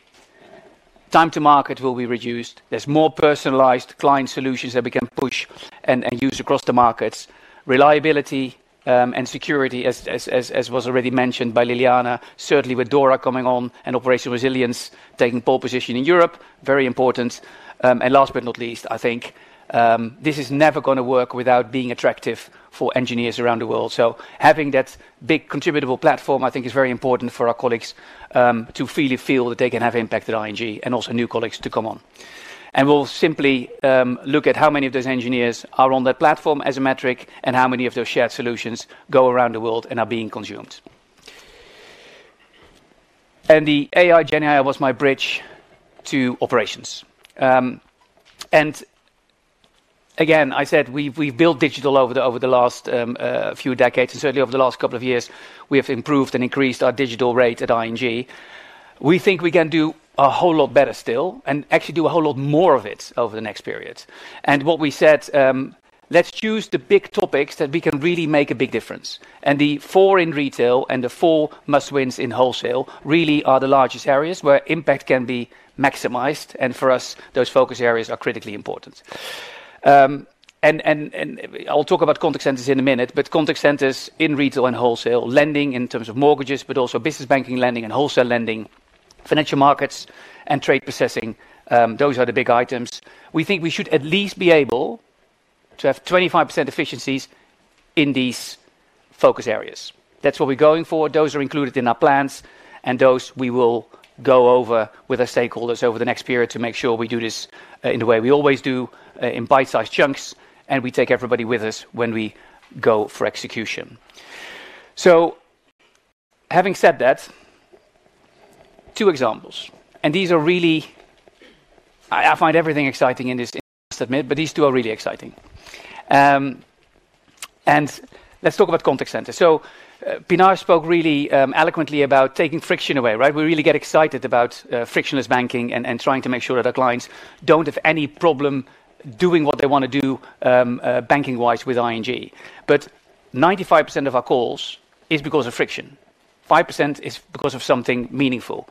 Time to market will be reduced. There's more personalized client solutions that we can push and use across the markets. Reliability and security, as was already mentioned by Ljiljana, certainly with DORAcoming on and operational resilience taking pole position in Europe, very important. And last but not least, I think this is never going to work without being attractive for engineers around the world. So having that big contributor platform, I think, is very important for our colleagues to feel that they can have impact at ING and also new colleagues to come on. We'll simply look at how many of those engineers are on that platform as a metric and how many of those shared solutions go around the world and are being consumed. The AI GenAI was my bridge to operations. Again, I said we've built digital over the last few decades and certainly over the last couple of years, we have improved and increased our digital rate at ING. We think we can do a whole lot better still and actually do a whole lot more of it over the next period. What we said, let's choose the big topics that we can really make a big difference. The four in retail and the four must-wins in wholesale really are the largest areas where impact can be maximized. For us, those focus areas are critically important. I'll talk about contact centers in a minute, but contact centers in retail and wholesale, Lending in terms of mortgages, but also Business Banking Lending and wholesale Lending, Financial Markets, and trade processing, those are the big items. We think we should at least be able to have 25% efficiencies in these focus areas. That's what we're going for. Those are included in our plans, and those we will go over with our stakeholders over the next period to make sure we do this in the way we always do in bite-sized chunks, and we take everybody with us when we go for execution. So having said that, two examples, and these are really, I find everything exciting in this, I must admit, but these two are really exciting. And let's talk about contact centers. So Pinar spoke really eloquently about taking friction away, right? We really get excited about frictionless banking and trying to make sure that our clients don't have any problem doing what they want to do banking-wise with ING. But 95% of our calls is because of friction. 5% is because of something meaningful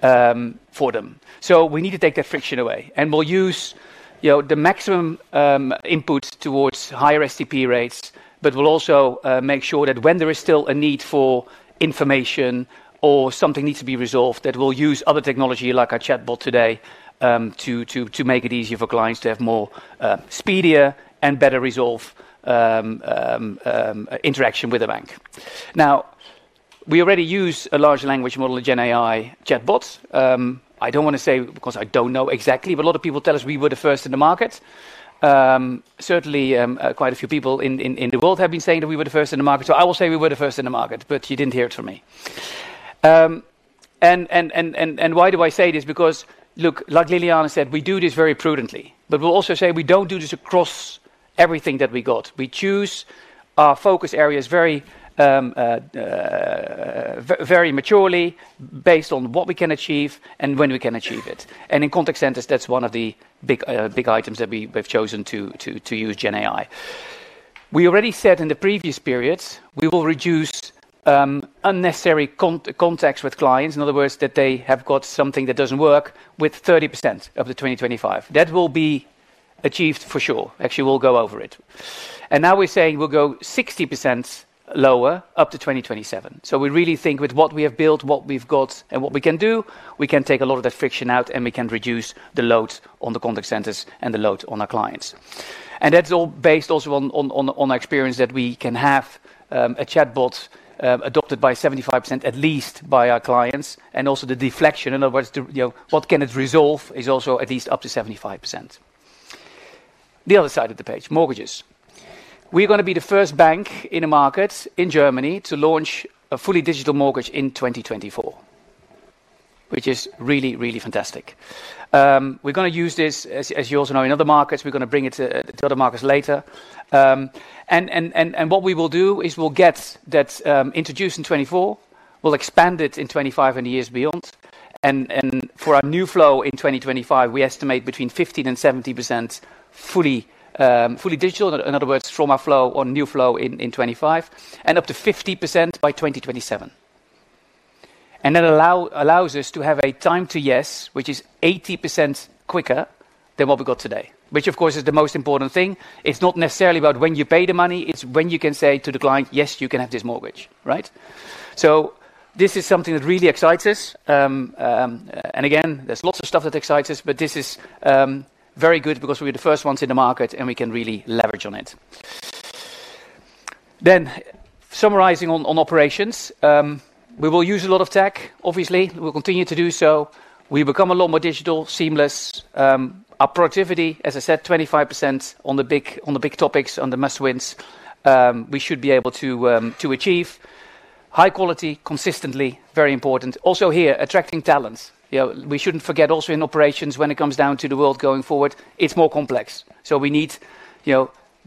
for them. So we need to take that friction away. And we'll use the maximum input towards higher STP rates, but we'll also make sure that when there is still a need for information or something needs to be resolved, that we'll use other technology like our chatbot today to make it easier for clients to have more speedier and better resolve interaction with the bank. Now, we already use a large language model of GenAI chatbots. I don't want to say, because I don't know exactly, but a lot of people tell us we were the first in the market. Certainly, quite a few people in the world have been saying that we were the first in the market. So I will say we were the first in the market, but you didn't hear it from me. And why do I say this? Because, look, like Liliana said, we do this very prudently, but we'll also say we don't do this across everything that we got. We choose our focus areas very maturely based on what we can achieve and when we can achieve it. And in contact centers, that's one of the big items that we've chosen to use GenAI. We already said in the previous period, we will reduce unnecessary contacts with clients, in other words, that they have got something that doesn't work with 30% of the 2025. That will be achieved for sure. Actually, we'll go over it. And now we're saying we'll go 60% lower up to 2027. So we really think with what we have built, what we've got, and what we can do, we can take a lot of that friction out and we can reduce the load on the contact centers and the load on our clients. And that's all based also on our experience that we can have a chatbot adopted by 75% at least by our clients. And also the deflection, in other words, what can it resolve is also at least up to 75%. The other side of the page, mortgages. We're going to be the first bank in a market in Germany to launch a fully digital mortgage in 2024, which is really, really fantastic. We're going to use this, as you also know, in other markets. We're going to bring it to other markets later. What we will do is we'll get that introduced in 2024. We'll expand it in 2025 and years beyond. For our new flow in 2025, we estimate between 15%-70% fully digital. In other words, from our flow or new flow in 2025 and up to 50% by 2027. That allows us to have a time to yes, which is 80% quicker than what we got today, which of course is the most important thing. It's not necessarily about when you pay the money. It's when you can say to the client, yes, you can have this mortgage, right? So this is something that really excites us. And again, there's lots of stuff that excites us, but this is very good because we're the first ones in the market and we can really leverage on it. Then, summarizing on operations, we will use a lot of tech, obviously. We'll continue to do so. We become a lot more digital, seamless. Our productivity, as I said, 25% on the big topics, on the must-wins we should be able to achieve. High quality, consistently, very important. Also here, attracting talent. We shouldn't forget also in operations, when it comes down to the world going forward, it's more complex. So we need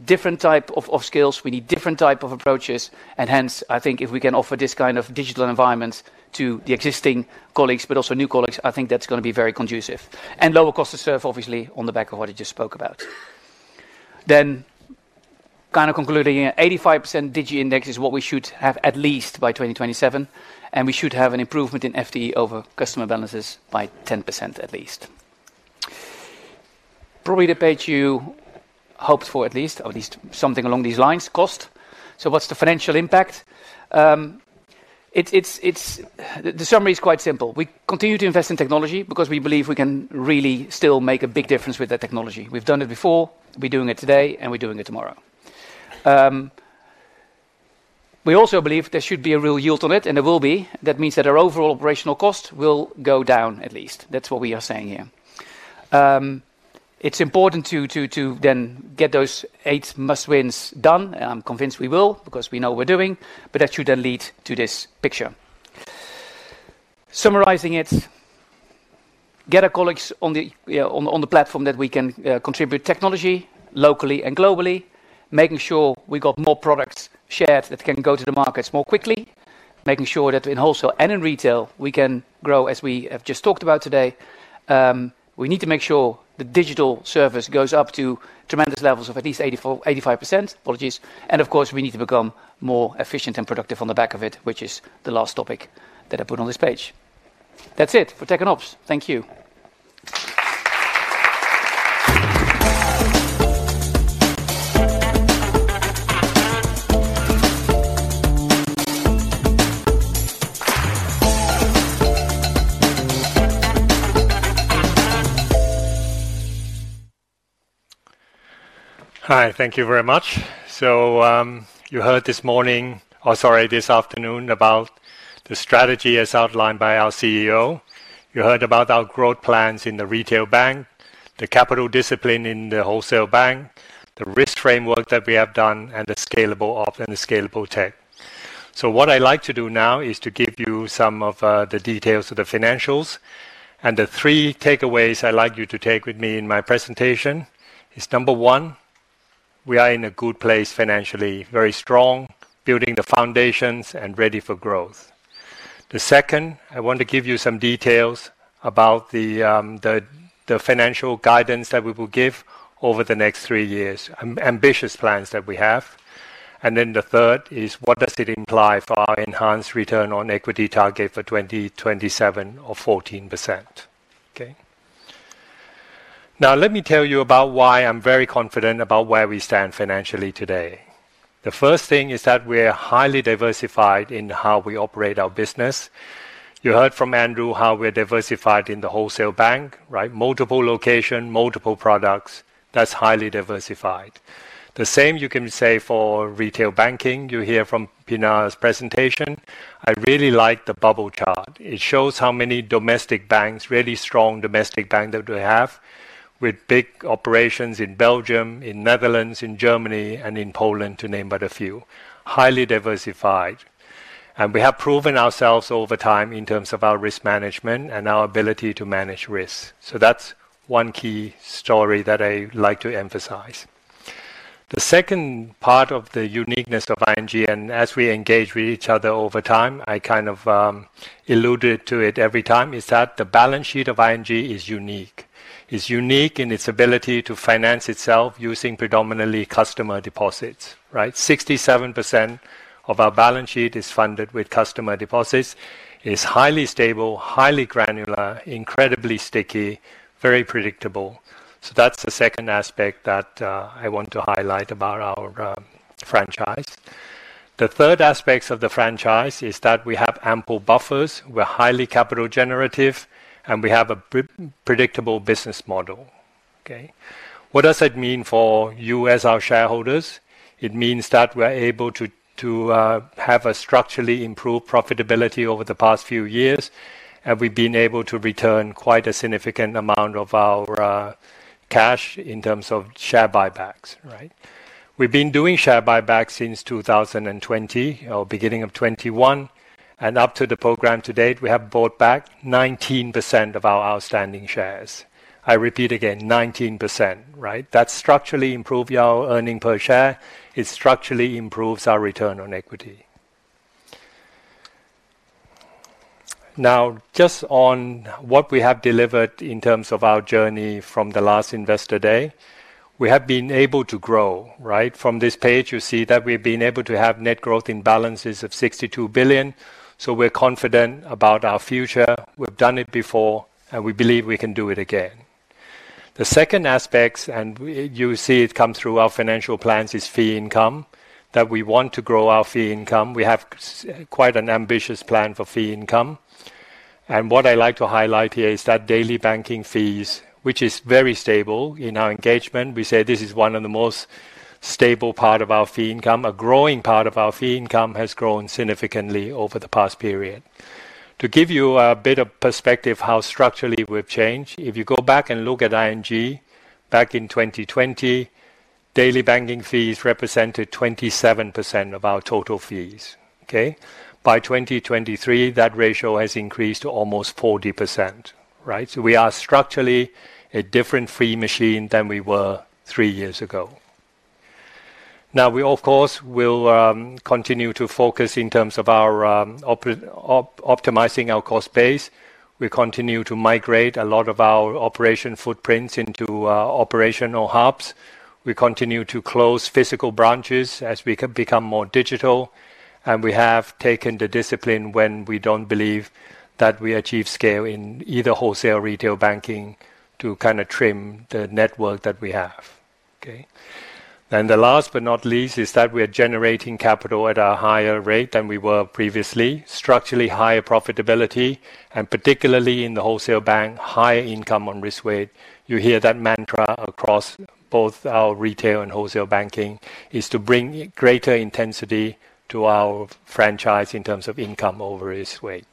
different types of skills. We need different types of approaches. And hence, I think if we can offer this kind of digital environment to the existing colleagues, but also new colleagues, I think that's going to be very conducive. Lower cost of serve, obviously, on the back of what I just spoke about. Kind of concluding, 85% Digi Index is what we should have at least by 2027. We should have an improvement in FTE over customer balances by 10% at least. Probably the page you hoped for at least, or at least something along these lines, cost. What's the financial impact? The summary is quite simple. We continue to invest in technology because we believe we can really still make a big difference with that technology. We've done it before. We're doing it today, and we're doing it tomorrow. We also believe there should be a real yield on it, and there will be. That means that our overall operational cost will go down at least. That's what we are saying here. It's important to then get those 8 must-wins done. I'm convinced we will because we know we're doing, but that should then lead to this picture. Summarizing it, get our colleagues on the platform that we can contribute technology locally and globally, making sure we got more products shared that can go to the markets more quickly, making sure that in wholesale and in retail, we can grow as we have just talked about today. We need to make sure the digital service goes up to tremendous levels of at least 85%. Apologies. Of course, we need to become more efficient and productive on the back of it, which is the last topic that I put on this page. That's it for Tech & Ops. Thank you. Hi, thank you very much. You heard this morning, or sorry, this afternoon about the strategy as outlined by our CEO. You heard about our growth plans in the retail bank, the capital discipline in the wholesale bank, the risk framework that we have done, and the scalable ops and the scalable tech. So what I'd like to do now is to give you some of the details of the financials. And the three takeaways I'd like you to take with me in my presentation is number one, we are in a good place financially, very strong, building the foundations and ready for growth. The second, I want to give you some details about the financial guidance that we will give over the next three years, ambitious plans that we have. And then the third is what does it imply for our enhanced return on equity target for 2027 of 14%. Okay? Now, let me tell you about why I'm very confident about where we stand financially today. The first thing is that we're highly diversified in how we operate our business. You heard from Andrew how we're diversified in the wholesale bank, right? Multiple locations, multiple products. That's highly diversified. The same you can say for retail banking. You hear from Pinar's presentation. I really like the bubble chart. It shows how many domestic banks, really strong domestic banks that we have with big operations in Belgium, in Netherlands, in Germany, and in Poland to name but a few. Highly diversified. And we have proven ourselves over time in terms of our risk management and our ability to manage risk. So that's one key story that I like to emphasize. The second part of the uniqueness of ING, and as we engage with each other over time, I kind of alluded to it every time, is that the balance sheet of ING is unique. It's unique in its ability to finance itself using predominantly customer deposits, right? 67% of our balance sheet is funded with customer deposits. It's highly stable, highly granular, incredibly sticky, very predictable. So that's the second aspect that I want to highlight about our franchise. The third aspect of the franchise is that we have ample buffers. We're highly capital generative, and we have a predictable business model. Okay? What does that mean for you as our shareholders? It means that we're able to have a structurally improved profitability over the past few years, and we've been able to return quite a significant amount of our cash in terms of share buybacks, right? We've been doing share buybacks since 2020 or beginning of 2021. And up to the program to date, we have bought back 19% of our outstanding shares. I repeat again, 19%, right? That structurally improves our earnings per share. It structurally improves our return on equity. Now, just on what we have delivered in terms of our journey from the last investor day, we have been able to grow, right? From this page, you see that we've been able to have net growth in balances of 62 billion. So we're confident about our future. We've done it before, and we believe we can do it again. The second aspect, and you see it comes through our financial plans, is fee income, that we want to grow our fee income. We have quite an ambitious plan for fee income. And what I'd like to highlight here is that daily banking fees, which is very stable in our engagement. We say this is one of the most stable parts of our fee income. A growing part of our fee income has grown significantly over the past period. To give you a bit of perspective of how structurally we've changed, if you go back and look at ING back in 2020, daily banking fees represented 27% of our total fees, okay? By 2023, that ratio has increased to almost 40%, right? So we are structurally a different fee machine than we were three years ago. Now, we, of course, will continue to focus in terms of optimizing our cost base. We continue to migrate a lot of our operation footprints into operational Hubs. We continue to close physical branches as we become more digital. And we have taken the discipline when we don't believe that we achieve scale in either wholesale or retail banking to kind of trim the network that we have, okay? The last but not least is that we are generating capital at a higher rate than we were previously, structurally higher profitability, and particularly in the wholesale bank, higher income on risk weight. You hear that mantra across both our retail and wholesale banking, is to bring greater intensity to our franchise in terms of income over risk weight.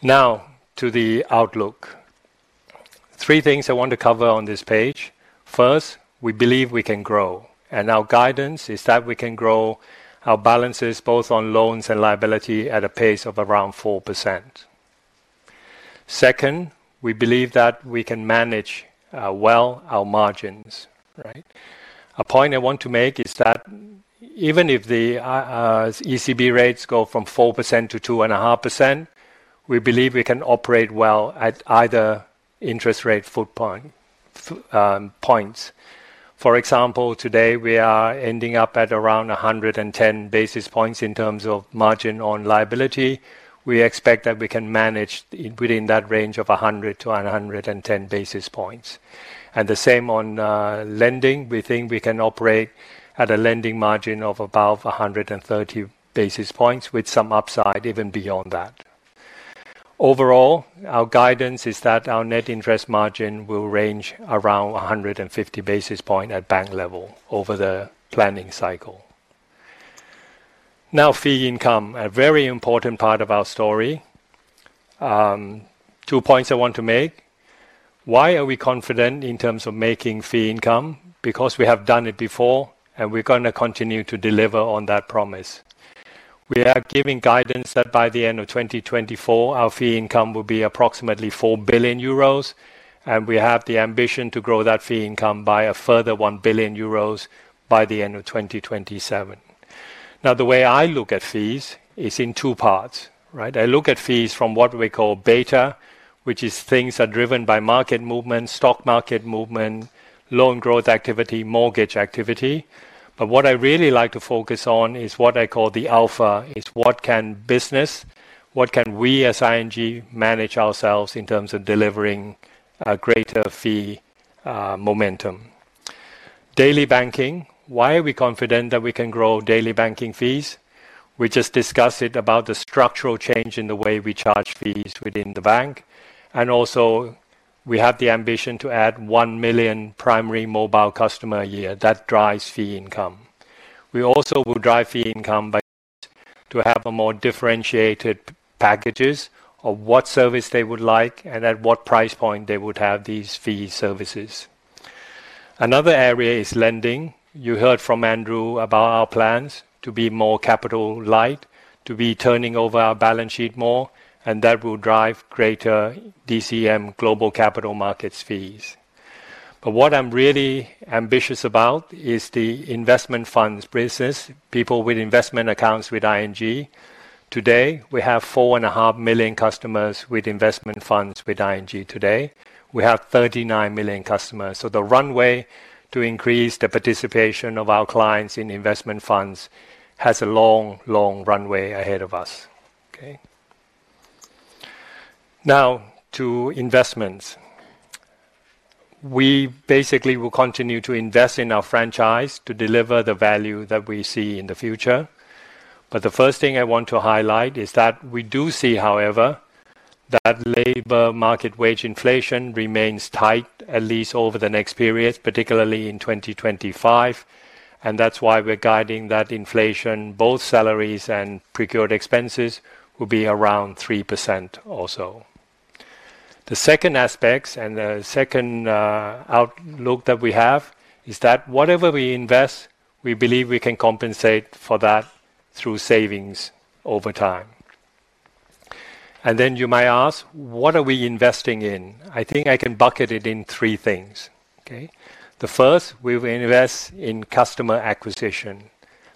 Now, to the outlook. Three things I want to cover on this page. First, we believe we can grow. Our guidance is that we can grow our balances both on loans and liability at a pace of around 4%. Second, we believe that we can manage well our margins, right? A point I want to make is that even if the ECB rates go from 4%-2.5%, we believe we can operate well at either interest rate footpoint points. For example, today, we are ending up at around 110 basis points in terms of margin on liability. We expect that we can manage within that range of 100-110 basis points. And the same on Lending. We think we can operate at a Lending margin of above 130 basis points with some upside even beyond that. Overall, our guidance is that our net interest margin will range around 150 basis points at bank level over the planning cycle. Now, fee income, a very important part of our story. Two points I want to make. Why are we confident in terms of making fee income? Because we have done it before, and we're going to continue to deliver on that promise. We are giving guidance that by the end of 2024, our fee income will be approximately 4 billion euros, and we have the ambition to grow that fee income by a further 1 billion euros by the end of 2027. Now, the way I look at fees is in two parts, right? I look at fees from what we call beta, which is things that are driven by market movement, stock market movement, loan growth activity, mortgage activity. But what I really like to focus on is what I call the alpha, is what can business, what can we as ING manage ourselves in terms of delivering a greater fee momentum. Daily banking, why are we confident that we can grow daily banking fees? We just discussed it about the structural change in the way we charge fees within the bank. And also, we have the ambition to add 1 million primary mobile customer a year. That drives fee income. We also will drive fee income by to have more differentiated packages of what service they would like and at what price point they would have these fee services. Another area is Lending. You heard from Andrew about our plans to be more capital light, to be turning over our balance sheet more, and that will drive greater DCM, Global Capital Markets fees. But what I'm really ambitious about is the investment funds business, people with investment accounts with ING. Today, we have 4.5 million customers with investment funds with ING. Today, we have 39 million customers. So the runway to increase the participation of our clients in investment funds has a long, long runway ahead of us, okay? Now, to investments. We basically will continue to invest in our franchise to deliver the value that we see in the future. But the first thing I want to highlight is that we do see, however, that labor market wage inflation remains tight, at least over the next period, particularly in 2025. And that's why we're guiding that inflation, both salaries and procured expenses, will be around 3% or so. The second aspect and the second outlook that we have is that whatever we invest, we believe we can compensate for that through savings over time. And then you might ask, what are we investing in? I think I can bucket it in three things, okay? The first, we will invest in customer acquisition.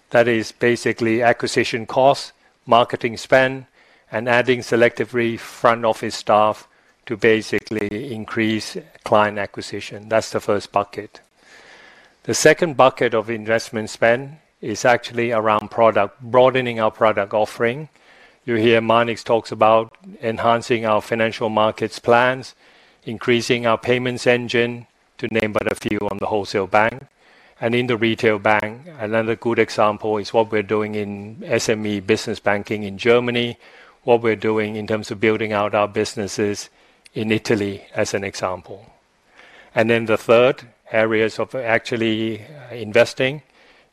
That is basically acquisition costs, marketing spend, and adding selectively front office staff to basically increase client acquisition. That's the first bucket. The second bucket of investment spend is actually around product, broadening our product offering. You hear Marnix talks about enhancing our Financial Markets plans, increasing our payments engine, to name but a few on the wholesale bank. In the retail bank, another good example is what we're doing in SME Business Banking in Germany, what we're doing in terms of building out our businesses in Italy as an example. Then the third areas of actually investing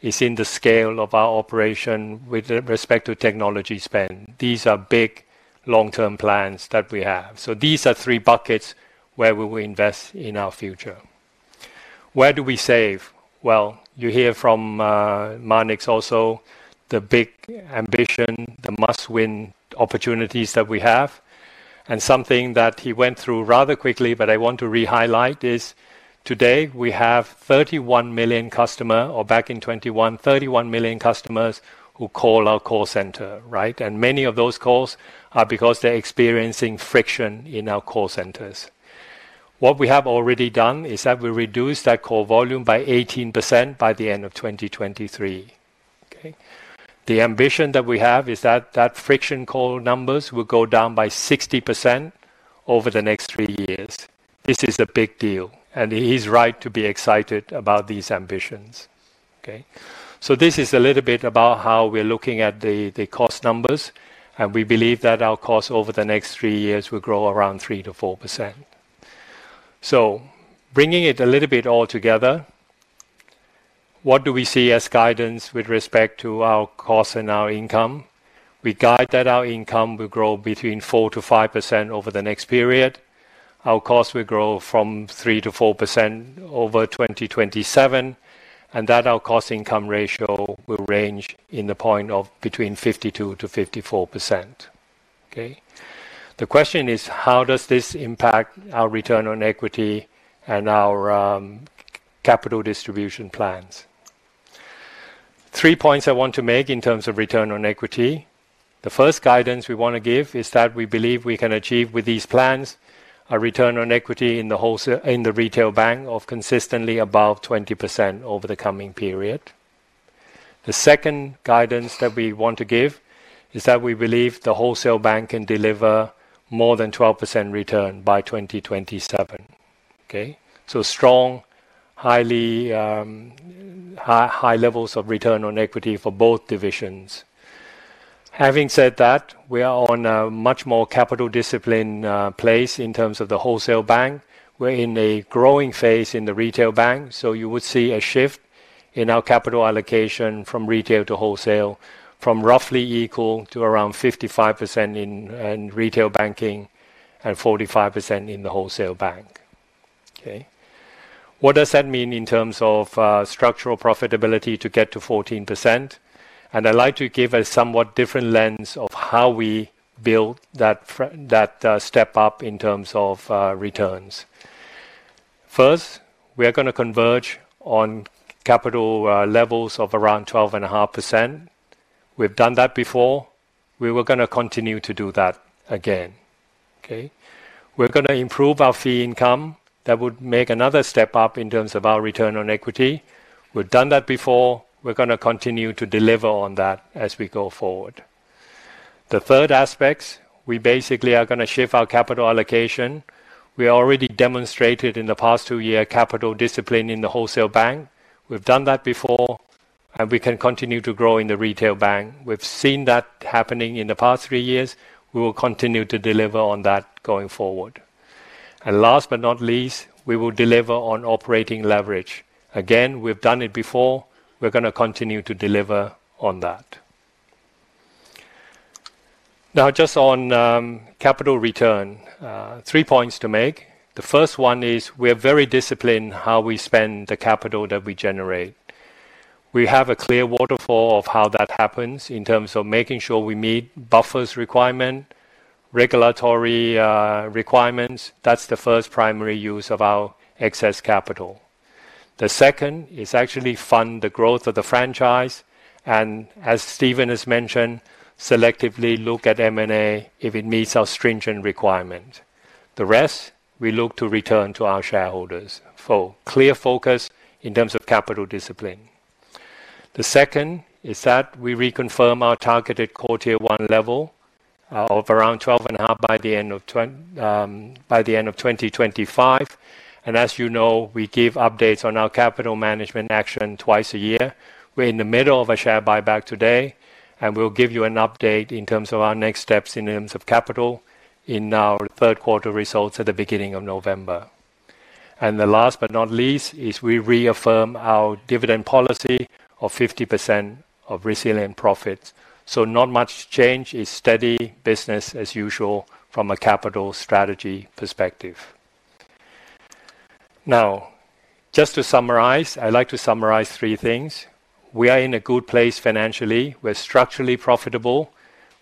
is in the scale of our operation with respect to technology spend. These are big long-term plans that we have. These are three buckets where we will invest in our future. Where do we save? Well, you hear from Marnix also the big ambition, the must-win opportunities that we have. Something that he went through rather quickly, but I want to re-highlight is today we have 31 million customers, or back in 2021, 31 million customers who call our call center, right? And many of those calls are because they're experiencing friction in our call centers. What we have already done is that we reduced that call volume by 18% by the end of 2023, okay? The ambition that we have is that that friction call numbers will go down by 60% over the next three years. This is a big deal. And he's right to be excited about these ambitions, okay? So this is a little bit about how we're looking at the cost numbers. And we believe that our cost over the next three years will grow around 3%-4%. So bringing it a little bit all together, what do we see as guidance with respect to our cost and our income? We guide that our income will grow between 4%-5% over the next period. Our cost will grow from 3%-4% over 2027, and that our cost-income ratio will range in the point of between 52%-54%, okay? The question is, how does this impact our return on equity and our capital distribution plans? Three points I want to make in terms of return on equity. The first guidance we want to give is that we believe we can achieve with these plans a return on equity in the retail bank of consistently above 20% over the coming period. The second guidance that we want to give is that we believe the wholesale bank can deliver more than 12% return by 2027, okay? So, strong, high levels of return on equity for both divisions. Having said that, we are on a much more capital discipline place in terms of the wholesale bank. We're in a growing phase in the retail bank, so you would see a shift in our capital allocation from retail to wholesale from roughly equal to around 55% in retail banking and 45% in the wholesale bank, okay? What does that mean in terms of structural profitability to get to 14%? I'd like to give a somewhat different lens of how we build that step up in terms of returns. First, we are going to converge on capital levels of around 12.5%. We've done that before. We were going to continue to do that again, okay? We're going to improve our fee income. That would make another step up in terms of our return on equity. We've done that before. We're going to continue to deliver on that as we go forward. The third aspect, we basically are going to shift our capital allocation. We already demonstrated in the past 2 years capital discipline in the wholesale bank. We've done that before, and we can continue to grow in the retail bank. We've seen that happening in the past 3 years. We will continue to deliver on that going forward. And last but not least, we will deliver on operating leverage. Again, we've done it before. We're going to continue to deliver on that. Now, just on capital return, 3 points to make. The first one is we are very disciplined in how we spend the capital that we generate. We have a clear waterfall of how that happens in terms of making sure we meet buffers requirement, regulatory requirements. That's the first primary use of our excess capital. The second is actually fund the growth of the franchise. And as Steven has mentioned, selectively look at M&A if it meets our stringent requirements. The rest, we look to return to our shareholders. So clear focus in terms of capital discipline. The second is that we reconfirm our targeted quarter one level of around 12.5 by the end of 2025. And as you know, we give updates on our capital management action twice a year. We're in the middle of a share buyback today, and we'll give you an update in terms of our next steps in terms of capital in our third quarter results at the beginning of November. And the last but not least is we reaffirm our dividend policy of 50% of resilient profits. So not much change. It's steady business as usual from a capital strategy perspective. Now, just to summarize, I'd like to summarize three things. We are in a good place financially. We're structurally profitable.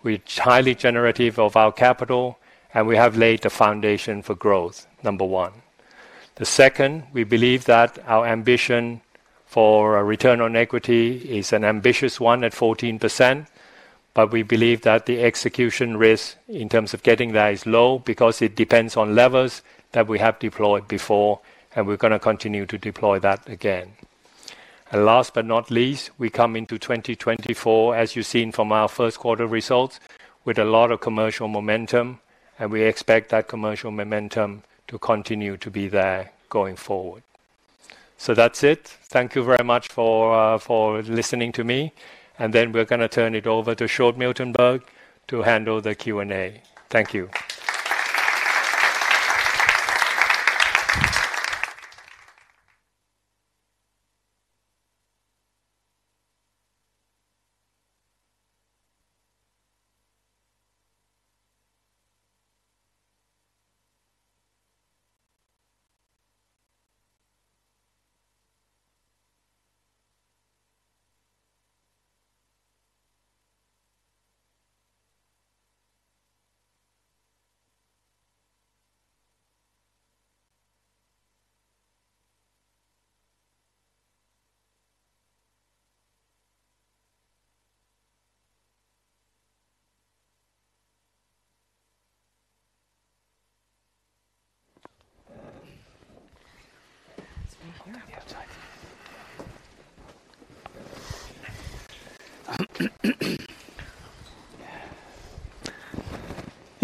We're highly generative of our capital, and we have laid the foundation for growth, number one. The second, we believe that our ambition for return on equity is an ambitious one at 14%, but we believe that the execution risk in terms of getting that is low because it depends on levers that we have deployed before, and we're going to continue to deploy that again. And last but not least, we come into 2024, as you've seen from our first quarter results, with a lot of commercial momentum, and we expect that commercial momentum to continue to be there going forward. So that's it. Thank you very much for listening to me. Then we're going to turn it over to Sjoerd Miltenburg to handle the Q&A. Thank you.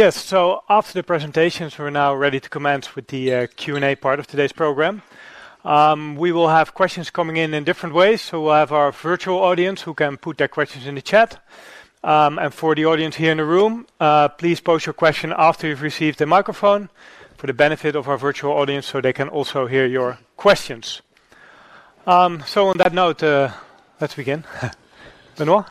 Yes, so after the presentations, we're now ready to commence with the Q&A part of today's program. We will have questions coming in in different ways, so we'll have our virtual audience who can put their questions in the chat. And for the audience here in the room, please post your question after you've received the microphone for the benefit of our virtual audience so they can also hear your questions. So on that note, let's begin. Benoît.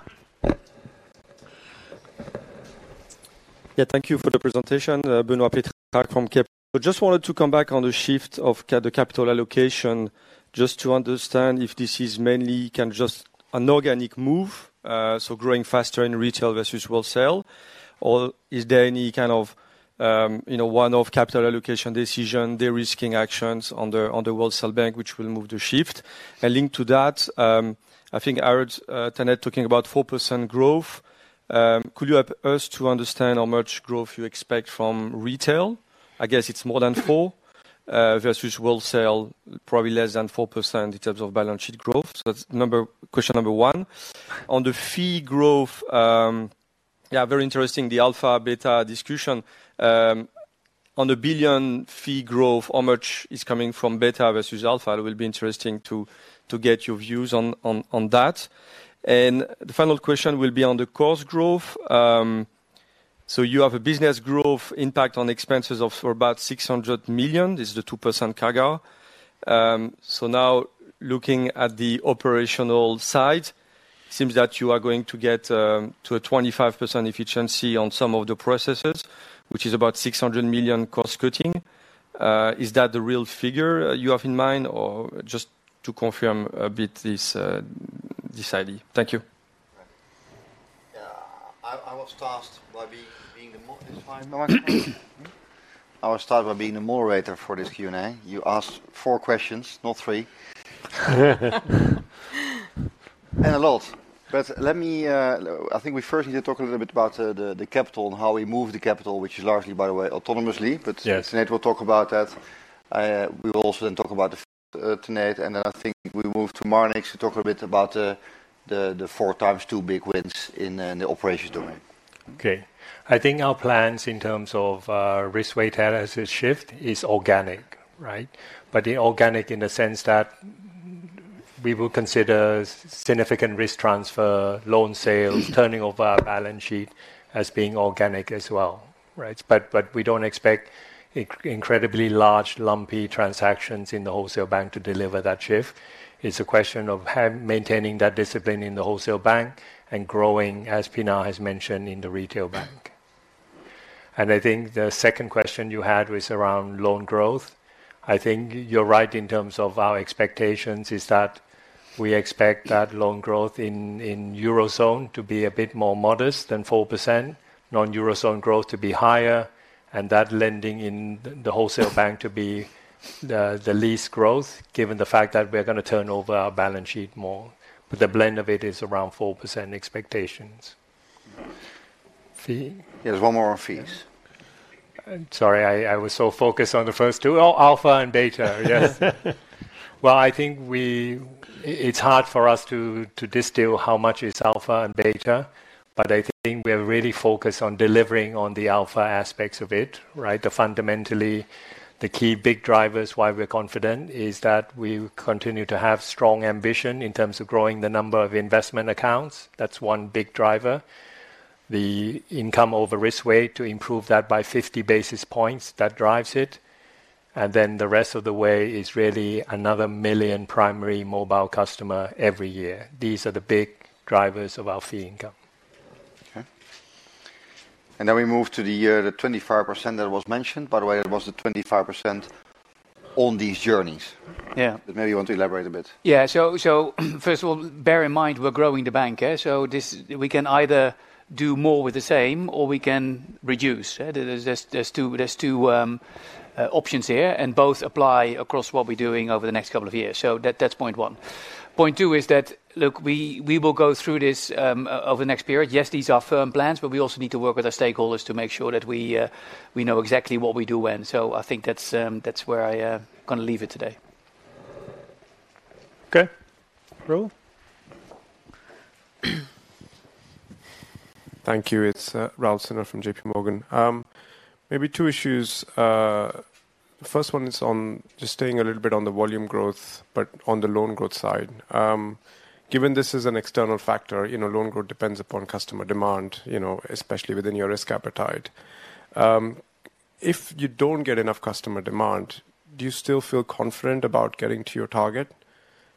Yeah, thank you for the presentation. Benoît Petrarque from Kepler Cheuvreux. I just wanted to come back on the shift of the capital allocation, just to understand if this is mainly just an organic move, so growing faster in retail versus wholesale, or is there any kind of one-off capital allocation decision, de-risking actions on the wholesale bank which will move the shift? Linked to that, I think I heard Tanate talking about 4% growth. Could you help us to understand how much growth you expect from retail? I guess it's more than 4% versus wholesale, probably less than 4% in terms of balance sheet growth. So that's question number one. On the fee growth, yeah, very interesting, the alpha beta discussion. On the 1 billion fee growth, how much is coming from beta versus alpha? It will be interesting to get your views on that. The final question will be on the cost growth. So you have a business growth impact on expenses of about 600 million. This is the 2% CAGR. So now looking at the operational side, it seems that you are going to get to a 25% efficiency on some of the processes, which is about 600 million cost cutting. Is that the real figure you have in mind, or just to confirm a bit this idea? Thank you. I was tasked by being the moderator for this Q&A. You asked four questions, not three. And a lot. But let me, I think we first need to talk a little bit about the capital and how we move the capital, which is largely, by the way, autonomously. But Tanate will talk about that. We will also then talk about Tanate, and then I think we move to Marnix to talk a bit about the four times two big wins in the operations domain. Okay. I think our plans in terms of risk weighted assets shift is organic, right? But the organic in the sense that we will consider significant risk transfer, loan sales, turning over our balance sheet as being organic as well, right? But we don't expect incredibly large, lumpy transactions in the wholesale bank to deliver that shift. It's a question of maintaining that discipline in the wholesale bank and growing, as Pinar has mentioned, in the retail bank. And I think the second question you had was around loan growth. I think you're right in terms of our expectations is that we expect that loan growth in Eurozone to be a bit more modest than 4%, non-Eurozone growth to be higher, and that Lending in the wholesale bank to be the least growth given the fact that we're going to turn over our balance sheet more. But the blend of it is around 4% expectations. Fees. Yeah, there's one more on fees. Sorry, I was so focused on the first two. Oh, alpha and beta, yes. Well, I think it's hard for us to distill how much it's alpha and beta, but I think we are really focused on delivering on the alpha aspects of it, right? Fundamentally, the key big drivers why we're confident is that we continue to have strong ambition in terms of growing the number of investment accounts. That's one big driver. The income over risk weight to improve that by 50 basis points, that drives it. Then the rest of the way is really another million primary mobile customers every year. These are the big drivers of our fee income. Okay .Then we move to the year, the 25% that was mentioned. By the way, it was the 25% on these journeys. Yeah. Maybe you want to elaborate a bit. Yeah. So first of all, bear in mind we're growing the bank, so we can either do more with the same or we can reduce. There's two options here, and both apply across what we're doing over the next couple of years. So that's point one. Point two is that, look, we will go through this over the next period. Yes, these are firm plans, but we also need to work with our stakeholders to make sure that we know exactly what we do when. So I think that's where I'm going to leave it today. Okay. Raul Thank you. It's Raul Sinha from JPMorgan. Maybe two issues. The first one is on just staying a little bit on the volume growth, but on the loan growth side. Given this is an external factor, loan growth depends upon customer demand, especially within your risk appetite. If you don't get enough customer demand, do you still feel confident about getting to your target?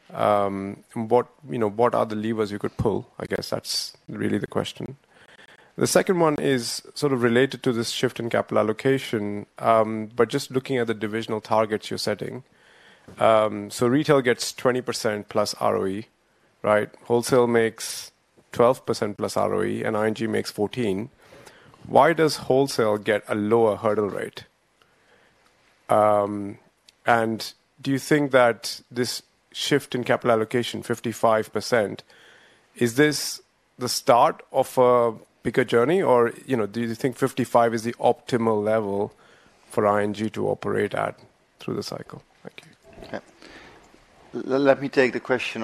What are the levers you could pull? I guess that's really the question. The second one is sort of related to this shift in capital allocation, but just looking at the divisional targets you're setting. So retail gets 20%+ ROE, right? Wholesale makes 12% plus ROE, and ING makes 14. Why does wholesale get a lower hurdle rate? And do you think that this shift in capital allocation, 55%, is this the start of a bigger journey, or do you think 55 is the optimal level for ING to operate at through the cycle? Thank you. Okay. Let me take the question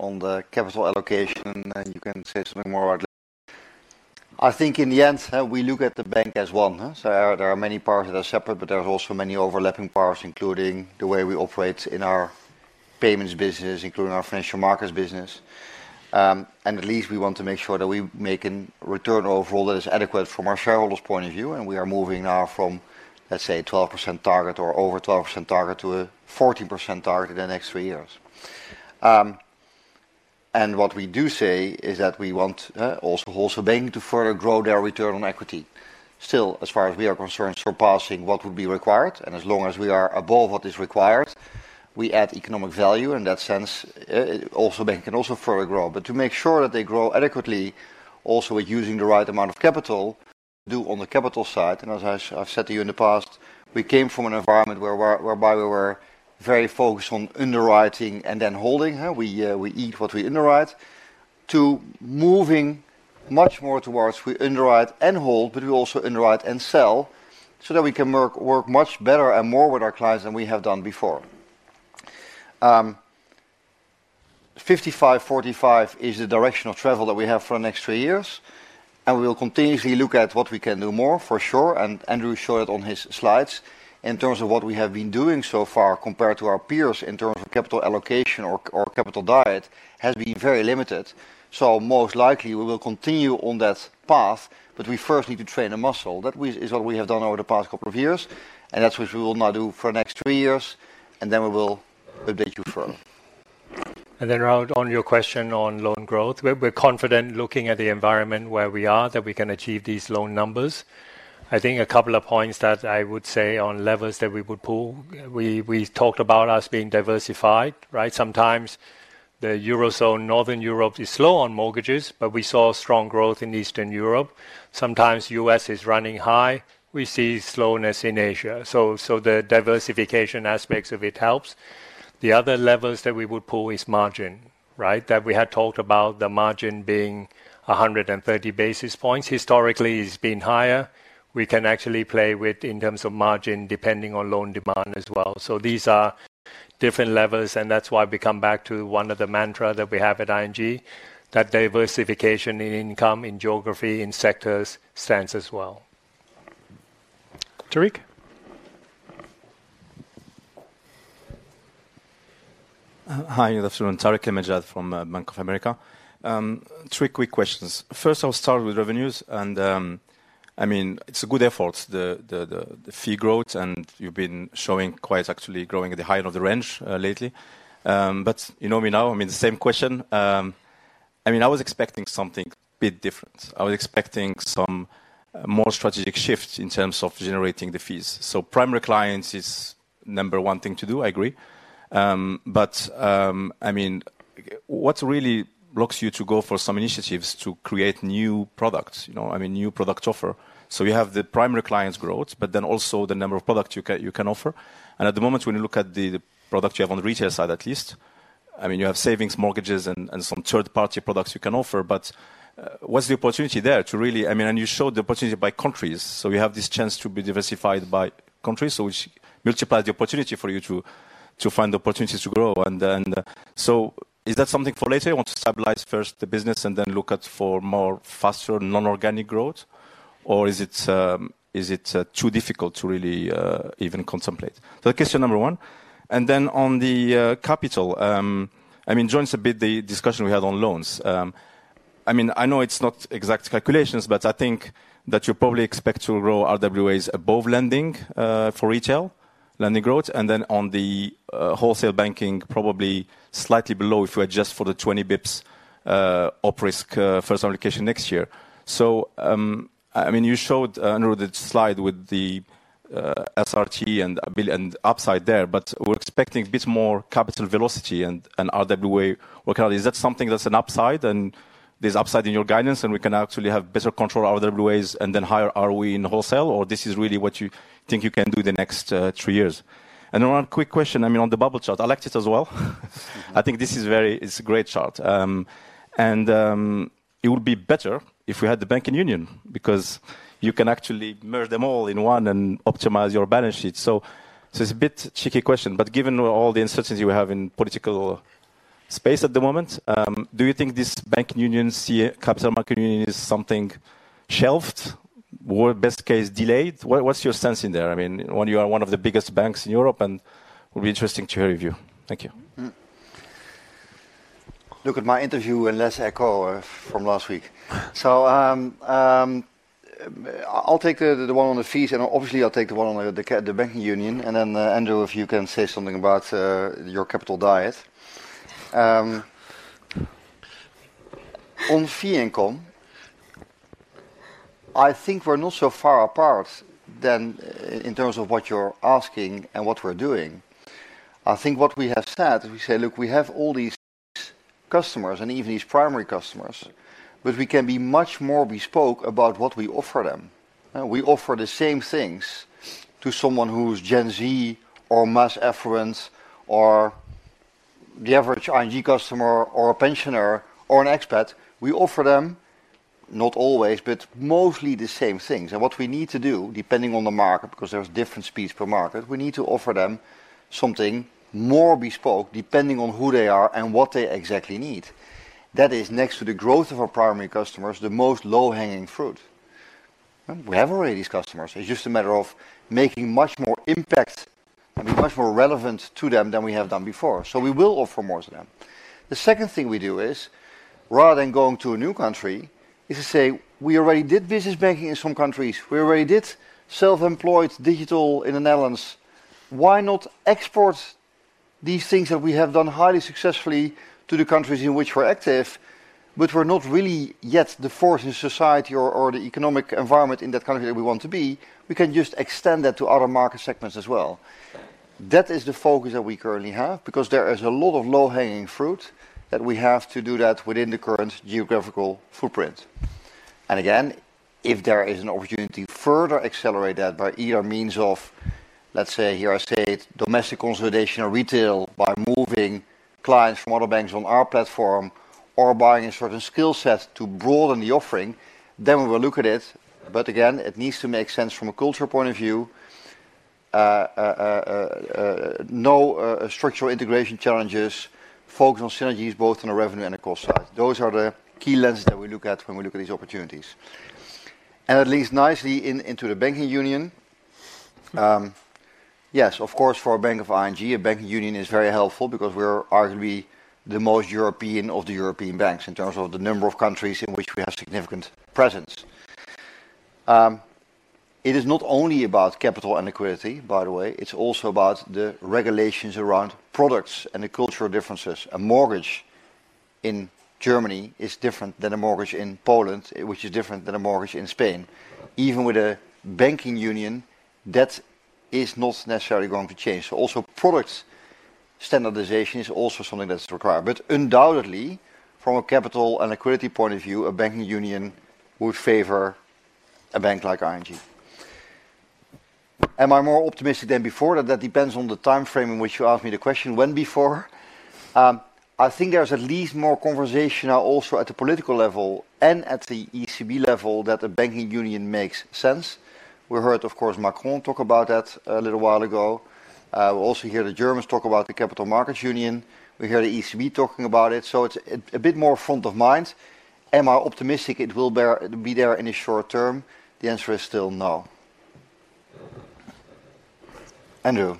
on the capital allocation, and then you can say something more about it. I think in the end, we look at the bank as one. So there are many parts that are separate, but there are also many overlapping parts, including the way we operate in our payments business, including our Financial Markets business. And at least we want to make sure that we make a return overall that is adequate from our shareholders' of view. We are moving now from, let's say, a 12% target or over 12% target to a 14% target in the next three years. What we do say is that we want also wholesale bank to further grow their return on equity. Still, as far as we are concerned, surpassing what would be required. As long as we are above what is required, we add economic value. In that sense, wholesale bank can also further grow. But to make sure that they grow adequately, also with using the right amount of capital, do on the capital side. As I've said to you in the past, we came from an environment whereby we were very focused on underwriting and then holding. We eat what we underwrite to moving much more towards we underwrite and hold, but we also underwrite and sell so that we can work much better and more with our clients than we have done before. 55-45 is the direction of travel that we have for the next three years. We will continuously look at what we can do more, for sure. Andrew showed it on his slides. In terms of what we have been doing so far compared to our peers in terms of capital allocation or capital diet, has been very limited. So most likely, we will continue on that path, but we first need to train a muscle. That is what we have done over the past couple of years. That's what we will now do for the next three years. Then we will update you further. And then Raul, on your question on loan growth, we're confident looking at the environment where we are that we can achieve these loan numbers. I think a couple of points that I would say on levers that we would pull. We talked about us being diversified, right? Sometimes the Eurozone, Northern Europe is slow on mortgages, but we saw strong growth in Eastern Europe. Sometimes U.S. is running high. We see slowness in Asia. So the diversification aspects of it helps. The other levers that we would pull is margin, right? That we had talked about the margin being 130 basis points. Historically, it's been higher. We can actually play with in terms of margin depending on loan demand as well. So these are different levers. That's why we come back to one of the mantras that we have at ING, that diversification in income, in geography, in sectors stands us well. Tarik. Hi, good afternoon. Tarik El Mejjad from Bank of America. Three quick questions. First, I'll start with revenues. I mean, it's a good effort. The fee growth and you've been showing quite actually growing at the height of the range lately. But you know me now. I mean, the same question. I mean, I was expecting something a bit different. I was expecting some more strategic shift in terms of generating the fees. So primary clients is number one thing to do, I agree. But I mean, what really blocks you to go for some initiatives to create new products, I mean, new product offer? So you have the primary clients' growth, but then also the number of products you can offer. At the moment, when you look at the product you have on the retail side at least, I mean, you have savings, mortgages, and some third-party products you can offer. But what's the opportunity there to really, I mean, and you showed the opportunity by countries. So you have this chance to be diversified by countries, which multiplies the opportunity for you to find opportunities to grow. And so is that something for later? You want to stabilize first the business and then look for more faster non-organic growth? Or is it too difficult to really even contemplate? So that's question number one. And then on the capital, I mean, joins a bit the discussion we had on loans. I mean, I know it's not exact calculations, but I think that you probably expect to grow RWAs above Lending for retail, Lending growth. And then on the wholesale banking, probably slightly below if we adjust for the 20 basis points up risk first application next year. So I mean, you showed under the slide with the SRT and upside there, but we're expecting a bit more capital velocity and RWA workaround. Is that something that's an upside? And there's upside in your guidance, and we can actually have better control of RWAs and then higher ROE in wholesale? Or this is really what you think you can do the next three years? And then one quick question. I mean, on the bubble chart, I liked it as well. I think this is a great chart. And it would be better if we had the bank in one because you can actually merge them all in one and optimize your balance sheet. So it's a bit tricky question. But given all the uncertainty we have in the political space at the moment, do you think this banking union, capital markets union is something shelved or best case delayed? What's your sense in there? I mean, when you are one of the biggest banks in Europe, and it would be interesting to hear your view. Thank you. Look at my interview and Les Echos from last week. So I'll take the one on the fees, and obviously, I'll take the one on the banking union. And then Andrew, if you can say something about your capital adequacy. On fee income, I think we're not so far apart from in terms of what you're asking and what we're doing. I think what we have said is we say, look, we have all these customers and even these primary customers, but we can be much more bespoke about what we offer them. We offer the same things to someone who's Gen Z or mass affluent or the average ING customer or a pensioner or an expat. We offer them, not always, but mostly the same things. And what we need to do, depending on the market, because there's different speeds per market, we need to offer them something more bespoke depending on who they are and what they exactly need. That is, next to the growth of our primary customers, the most low-hanging fruit. We have already these customers. It's just a matter of making much more impact and be much more relevant to them than we have done before. So we will offer more to them. The second thing we do is, rather than going to a new country, is to say, we already did Business Banking in some countries. We already did self-employed digital in the Netherlands. Why not export these things that we have done highly successfully to the countries in which we're active, but we're not really yet the force in society or the economic environment in that country that we want to be? We can just extend that to other market segments as well. That is the focus that we currently have because there is a lot of low-hanging fruit that we have to do that within the current geographical footprint. And again, if there is an opportunity to further accelerate that by either means of, let's say, here I say, domestic consolidation or retail by moving clients from other banks on our platform or buying a certain skill set to broaden the offering, then we will look at it. But again, it needs to make sense from a culture point of view. No structural integration challenges. Focus on synergies both on a revenue and a cost side. Those are the key lenses that we look at when we look at these opportunities. And it leads nicely into the banking union. Yes, of course, for a bank like ING, a banking union is very helpful because we are arguably the most European of the European banks in terms of the number of countries in which we have significant presence. It is not only about capital and liquidity, by the way. It's also about the regulations around products and the cultural differences. A mortgage in Germany is different than a mortgage in Poland, which is different than a mortgage in Spain. Even with a banking union, that is not necessarily going to change. So also product standardization is also something that's required. But undoubtedly, from a capital and liquidity point of view, a banking union would favor a bank like ING. Am I more optimistic than before? That depends on the time frame in which you asked me the question. When before? I think there's at least more conversation now also at the political level and at the ECB level that a banking union makes sense. We heard, of course, Macron talk about that a little while ago. We also hear the Germans talk about the Capital Markets Union. We hear the ECB talking about it. So it's a bit more front of mind. Am I optimistic it will be there in the short term? The answer is still no. Andrew.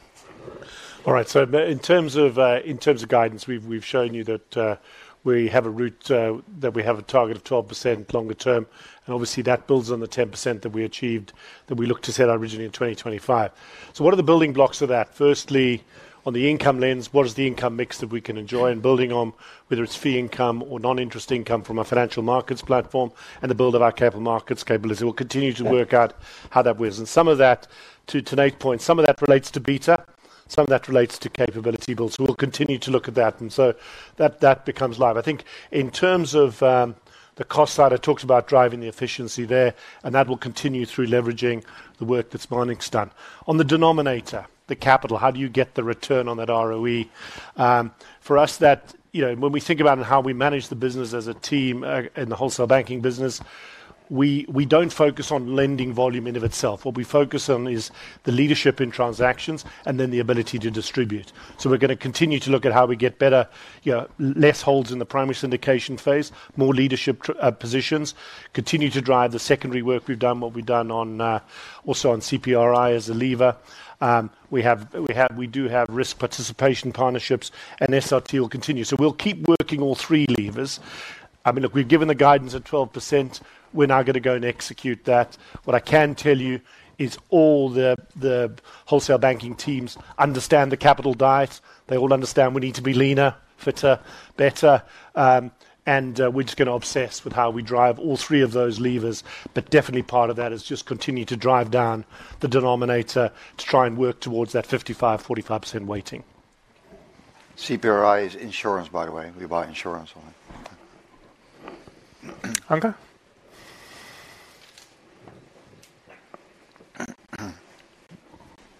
All right. So in terms of guidance, we've shown you that we have a route, that we have a target of 12% longer term. And obviously, that builds on the 10% that we achieved that we looked to set originally in 2025. So what are the building blocks of that? Firstly, on the income lens, what is the income mix that we can enjoy and build on, whether it's fee income or non-interest income from a Financial Markets platform and the build of our capital markets capability? We'll continue to work out how that weighs. And some of that, to Tanate's point, some of that relates to beta. Some of that relates to capability builds. We'll continue to look at that. And so that becomes live. I think in terms of the cost side, I talked about driving the efficiency there, and that will continue through leveraging the work that's being done. On the denominator, the capital, how do you get the return on that ROE? For us, when we think about how we manage the business as a team in the wholesale banking business, we don't focus on Lending volume in and of itself. What we focus on is the leadership in transactions and then the ability to distribute. So we're going to continue to look at how we get better, less holds in the primary syndication phase, more leadership positions, continue to drive the secondary work we've done, what we've done also on CPRI as a lever. We do have risk participation partnerships, and SRT will continue. So we'll keep working all three levers. I mean, look, we've given the guidance at 12%. We're now going to go and execute that. What I can tell you is all the wholesale banking teams understand the capital diet. They all understand we need to be leaner, fitter, better. And we're just going to obsess with how we drive all three of those levers. But definitely part of that is just continue to drive down the denominator to try and work towards that 55-45% weighting. CPRI is insurance, by the way. We buy insurance on it. Thank you.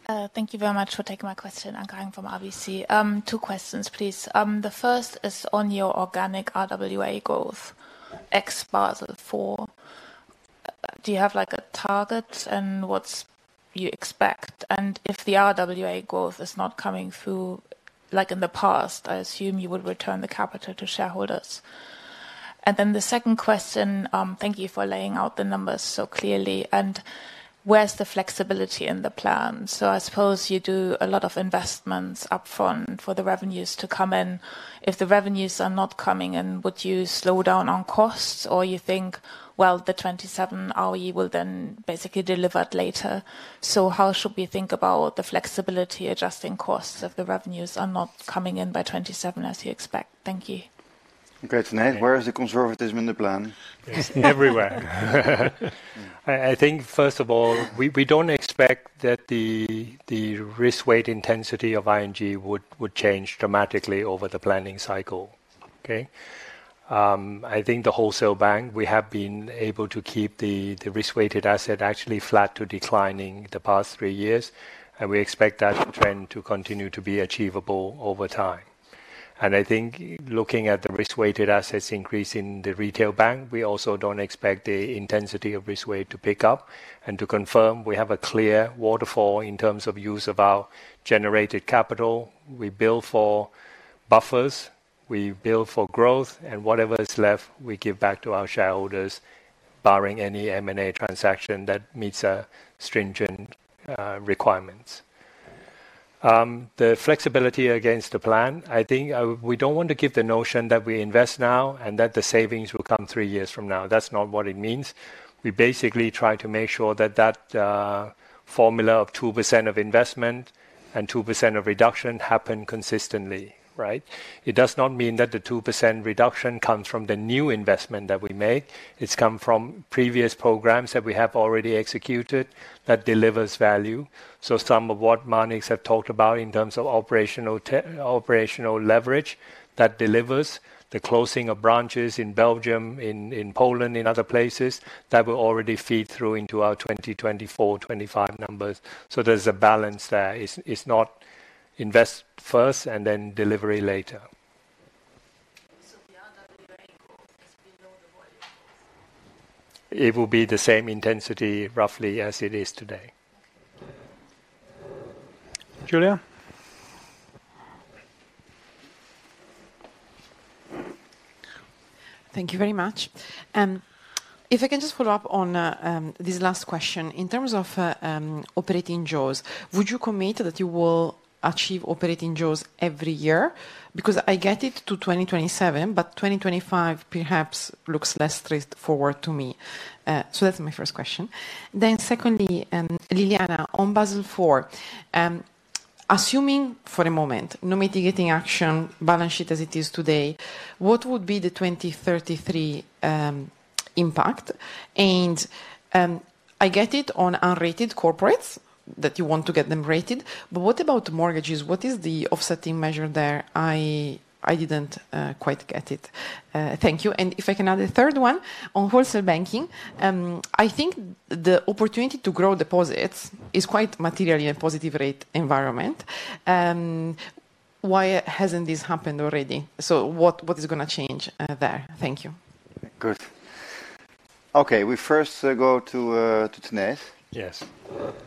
Thank you very much for taking my question. I'm coming from RBC. Two questions, please. The first is on your organic RWA growth. X bar is at four. Do you have a target and what you expect? And if the RWA growth is not coming through like in the past, I assume you would return the capital to shareholders. Then the second question, thank you for laying out the numbers so clearly. Where's the flexibility in the plan? So I suppose you do a lot of investments upfront for the revenues to come in. If the revenues are not coming in, would you slow down on costs or you think, well, the 27 ROE will then basically deliver it later? So how should we think about the flexibility adjusting costs if the revenues are not coming in by 27 as you expect? Thank you. Okay, Tanate, where is the conservatism in the plan? Everywhere. I think, first of all, we don't expect that the risk weight intensity of ING would change dramatically over the planning cycle. Okay? I think the wholesale bank, we have been able to keep the risk-weighted asset actually flat to declining the past three years. We expect that trend to continue to be achievable over time. I think looking at the risk-weighted assets increase in the retail bank, we also don't expect the intensity of risk weight to pick up. To confirm, we have a clear waterfall in terms of use of our generated capital. We build for buffers. We build for growth. Whatever is left, we give back to our shareholders, barring any M&A transaction that meets our stringent requirements. The flexibility against the plan, I think we don't want to give the notion that we invest now and that the savings will come three years from now. That's not what it means. We basically try to make sure that that formula of 2% of investment and 2% of reduction happen consistently, right? It does not mean that the 2% reduction comes from the new investment that we make. It's come from previous programs that we have already executed that delivers value. So some of what Marnix have talked about in terms of operational leverage that delivers the closing of branches in Belgium, in Poland, in other places, that will already feed through into our 2024, 2025 numbers. So there's a balance there. It's not invest first and then delivery later. So the RWA growth is below the volume growth? It will be the same intensity, roughly, as it is today. Julia? Thank you very much. If I can just follow up on this last question. In terms of operating jaws, would you commit that you will achieve operating jaws every year? Because I get it to 2027, but 2025 perhaps looks less straightforward to me. So that's my first question. Then secondly, Liliana, on Basel IV, assuming for a moment no mitigating action, balance sheet as it is today, what would be the 2033 impact? And I get it on unrated corporates that you want to get them rated, but what about mortgages? What is the offsetting measure there? I didn't quite get it. Thank you. And if I can add a third one, on wholesale banking, I think the opportunity to grow deposits is quite materially a positive rate environment. Why hasn't this happened already? So what is going to change there? Thank you. Good. Okay, we first go to Tanate.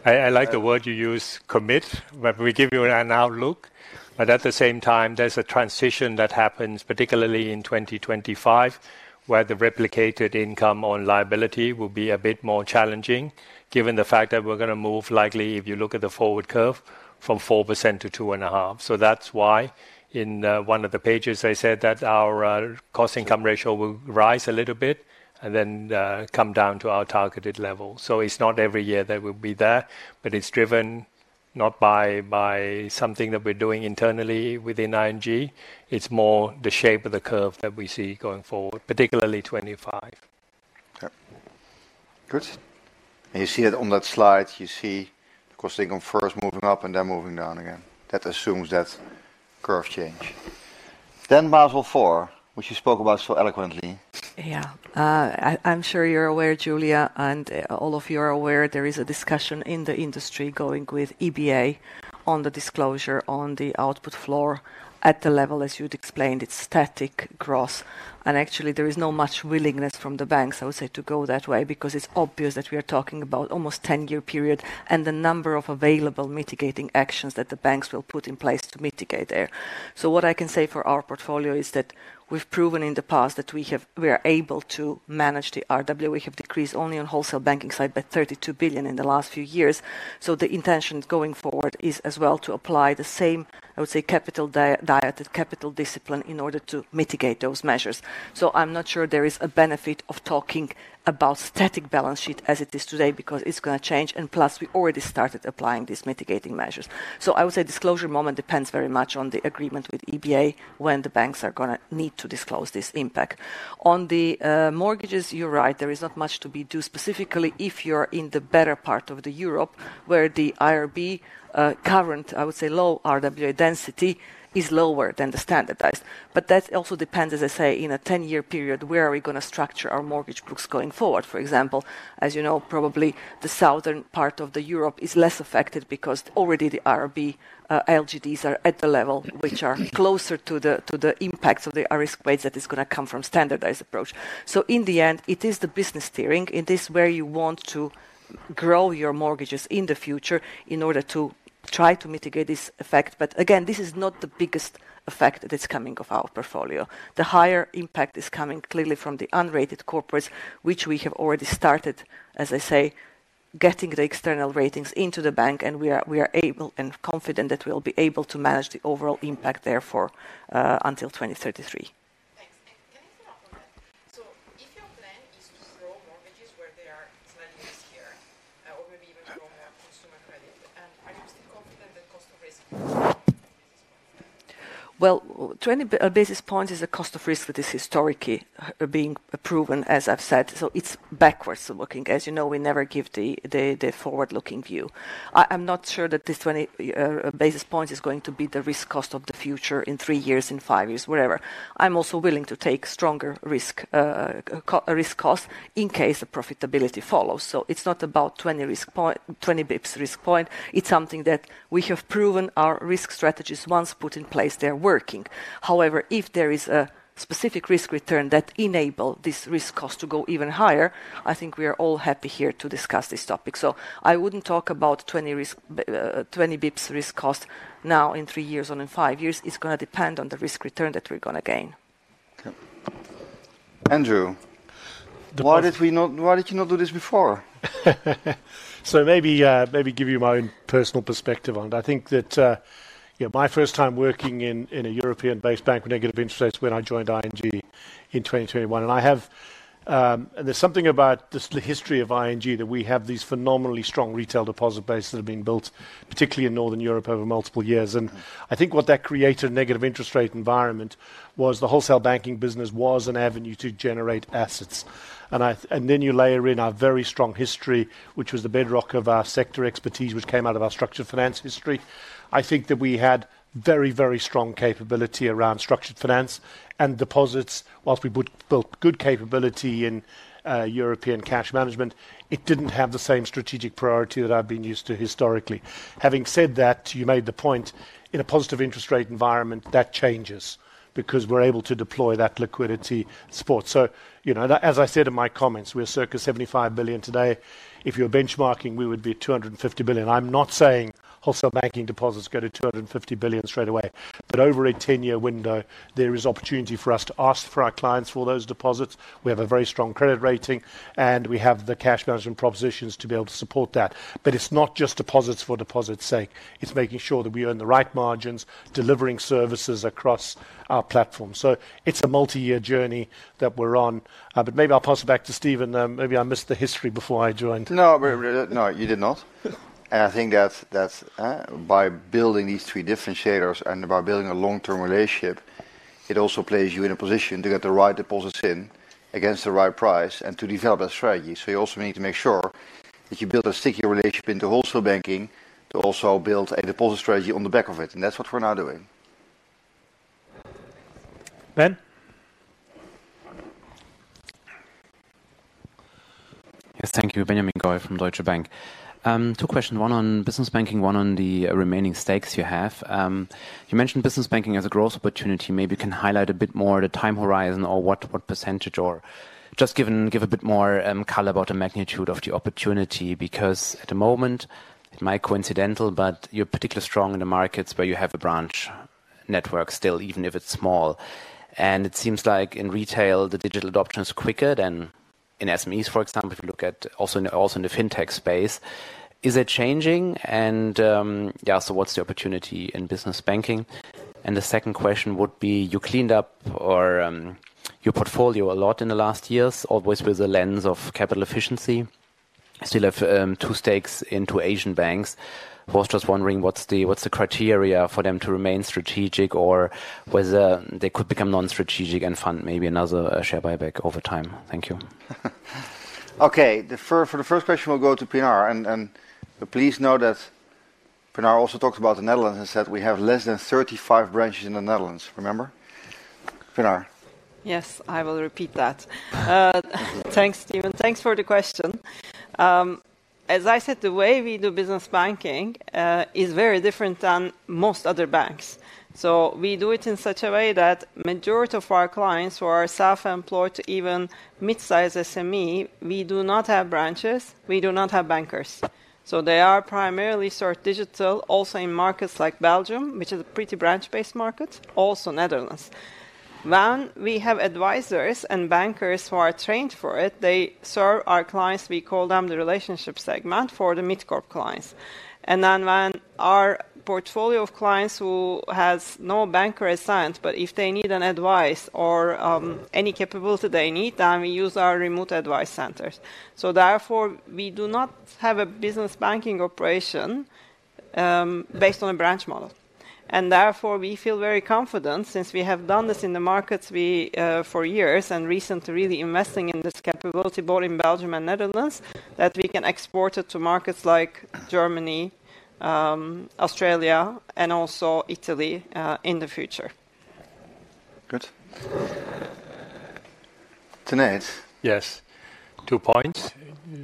I like the word you use, commit, but we give you an outlook. But at the same time, there's a transition that happens, particularly in 2025, where the replicated income on liability will be a bit more challenging given the fact that we're going to move likely, if you look at the forward curve, from 4%-2.5%. So that's why in one of the pages, I said that our cost-income ratio will rise a little bit and then come down to our targeted level. So it's not every year that we'll be there, but it's driven not by something that we're doing internally within ING. It's more the shape of the curve that we see going forward, particularly 25. Good. And you see it on that slide, you see the cost-income first moving up and then moving down again. That assumes that curve change. Then Basel IV, which you spoke about so eloquently. Yeah. I'm sure you're aware, Julia, and all of you are aware, there is a discussion in the industry going with EBA on the disclosure on the output floor at the level, as you'd explained, it's static gross. And actually, there is not much willingness from the banks, I would say, to go that way because it's obvious that we are talking about almost a 10-year period and the number of available mitigating actions that the banks will put in place to mitigate there. So what I can say for our portfolio is that we've proven in the past that we are able to manage the RWA. We have decreased only on the wholesale banking side by 32 billion in the last few years. So the intention going forward is as well to apply the same, I would say, capital diet, capital discipline in order to mitigate those measures. So I'm not sure there is a benefit of talking about static balance sheet as it is today because it's going to change. And plus, we already started applying these mitigating measures. So I would say disclosure moment depends very much on the agreement with EBA when the banks are going to need to disclose this impact. On the mortgages, you're right, there is not much to be done specifically if you're in the better part of the Europe where the IRB current, I would say, low RWA density is lower than the standardized. But that also depends, as I say, in a 10-year period, where are we going to structure our mortgage books going forward? For example, as you know, probably the southern part of the Europe is less affected because already the IRB LGDs are at the level which are closer to the impact of the risk weights that is going to come from the standardized approach. So in the end, it is the business steering. It is where you want to grow your mortgages in the future in order to try to mitigate this effect. But again, this is not the biggest effect that is coming of our portfolio. The higher impact is coming clearly from the unrated corporates, which we have already started, as I say, getting the external ratings into the bank, and we are able and confident that we'll be able to manage the overall impact therefore until 2033. Thanks. Can I follow up on that? So if your plan is to throw mortgages where they are slightly riskier or maybe even throw more consumer credit, are you still confident that cost of risk is a basis point? Well, 20 basis points is a cost of risk that is historically being proven, as I've said. So it's backward looking. As you know, we never give the forward-looking view. I'm not sure that this 20 basis point is going to be the risk cost of the future in three years, in five years, whatever. I'm also willing to take stronger risk costs in case the profitability follows. So it's not about 20 basis points risk point. It's something that we have proven our risk strategies once put in place, they're working. However, if there is a specific risk return that enables this risk cost to go even higher, I think we are all happy here to discuss this topic. So I wouldn't talk about 20 bps risk cost now in three years, or in five years. It's going to depend on the risk return that we're going to gain. Okay. Andrew. Why did you not do this before? So maybe give you my own personal perspective on it. I think that my first time working in a European-based bank with negative interest rates when I joined ING in 2021. And there's something about the history of ING that we have these phenomenally strong retail deposit bases that are being built, particularly in Northern Europe over multiple years. And I think what that created a negative interest rate environment was the wholesale banking business was an avenue to generate assets. Then you layer in our very strong history, which was the bedrock of our sector expertise, which came out of our structured finance history. I think that we had very, very strong capability around structured finance and deposits. While we built good capability in European cash management, it didn't have the same strategic priority that I've been used to historically. Having said that, you made the point in a positive interest rate environment that changes because we're able to deploy that liquidity support. As I said in my comments, we're circa 75 billion today. If you're benchmarking, we would be 250 billion. I'm not saying wholesale banking deposits go to 250 billion straight away. But over a 10-year window, there is opportunity for us to ask for our clients for those deposits. We have a very strong credit rating, and we have the cash management propositions to be able to support that. But it's not just deposits for deposits' sake. It's making sure that we earn the right margins, delivering services across our platform. So it's a multi-year journey that we're on. But maybe I'll pass it back to Steven. Maybe I missed the history before I joined. No, No, you did not. And I think that by building these three differentiators and by building a long-term relationship, it also plays you in a position to get the right deposits in against the right price and to develop a strategy. So you also need to make sure that you build a sticky relationship into wholesale banking to also build a deposit strategy on the back of it. And that's what we're now doing. Ben? Yes, thank you. Benjamin Goy from Deutsche Bank. Two questions. One on Business Banking, one on the remaining stakes you have. You mentioned Business Banking as a growth opportunity. Maybe you can highlight a bit more the time horizon or what percentage or just give a bit more color about the magnitude of the opportunity because at the moment, it might be coincidental, but you're particularly strong in the markets where you have a branch network still, even if it's small. It seems like in retail, the digital adoption is quicker than in SMEs, for example, if you look at also in the fintech space. Is it changing? Yeah, so what's the opportunity in Business Banking? The second question would be, you cleaned up your portfolio a lot in the last years, always with a lens of capital efficiency. Still have two stakes into Asian banks. I was just wondering what's the criteria for them to remain strategic or whether they could become non-strategic and fund maybe another share buyback over time? Thank you. Okay, for the first question, we'll go to Pinar. And please know that Pinar also talked about the Netherlands and said we have less than 35 branches in the Netherlands. Remember? Pinar. Yes, I will repeat that. Thanks, Steven. Thanks for the question. As I said, the way we do Business Banking is very different than most other banks. So we do it in such a way that the majority of our clients, who are self-employed to even mid-size SME, we do not have branches. We do not have bankers. So they are primarily sort of digital, also in markets like Belgium, which is a pretty branch-based market, also Netherlands. When we have advisors and bankers who are trained for it, they serve our clients. We call them the relationship segment for the mid-corp clients. And then when our portfolio of clients who has no banker assigned, but if they need an advice or any capability they need, then we use our remote advice centers. So therefore, we do not have a Business Banking operation based on a branch model. And therefore, we feel very confident since we have done this in the markets for years and recently really investing in this capability both in Belgium and Netherlands that we can export it to markets like Germany, Australia, and also Italy in the future. Good. Tanate. Yes. Two points.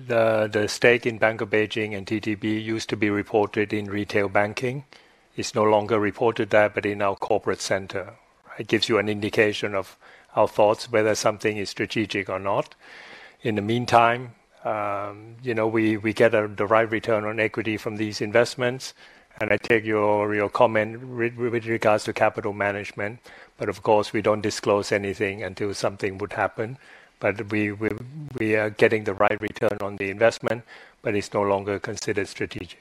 The stake in Bank of Beijing and TTB used to be reported in retail banking. It's no longer reported there, but in our corporate center. It gives you an indication of our thoughts whether something is strategic or not. In the meantime, we get the right return on equity from these investments. And I take your comment with regards to capital management. But of course, we don't disclose anything until something would happen. But we are getting the right return on the investment, but it's no longer considered strategic.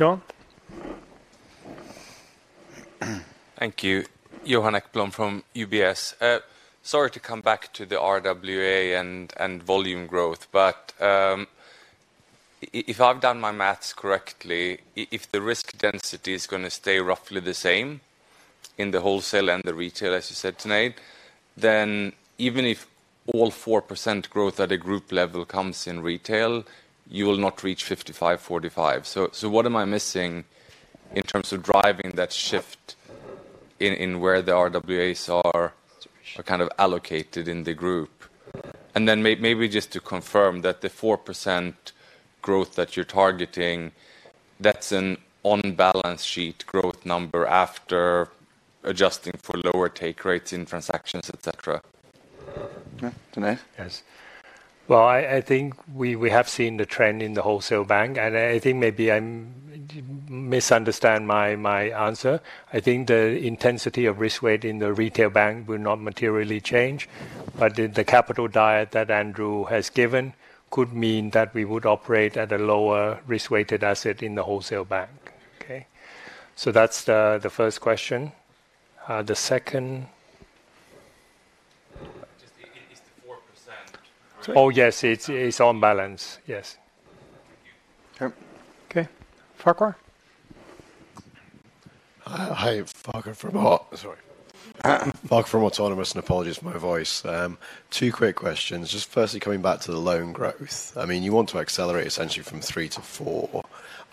Okay. Joan? Thank you. Johan Ekblom from UBS. Sorry to come back to the RWA and volume growth, but if I've done my math correctly, if the risk density is going to stay roughly the same in the wholesale and the retail, as you said, Tanate, then even if all 4% growth at a group level comes in retail, you will not reach 55, 45. So what am I missing in terms of driving that shift in where the RWAs are kind of allocated in the group? And then maybe just to confirm that the 4% growth that you're targeting, that's an on-balance sheet growth number after adjusting for lower take rates in transactions, etc.? Tanate? Yes. Well, I think we have seen the trend in the wholesale bank, and I think maybe I misunderstand my answer. I think the intensity of risk weight in the retail bank will not materially change, but the capital diet that Andrew has given could mean that we would operate at a lower risk-weighted asset in the wholesale bank. Okay? So that's the first question. The second. Is the 4%? Oh, yes, it's on balance. Yes. Okay. Farquhar? Hi, Farquhar from. Sorry. Farquhar from Autonomous, and apologies for my voice. Two quick questions. Just firstly, coming back to the loan growth, I mean, you want to accelerate essentially from 3 to 4.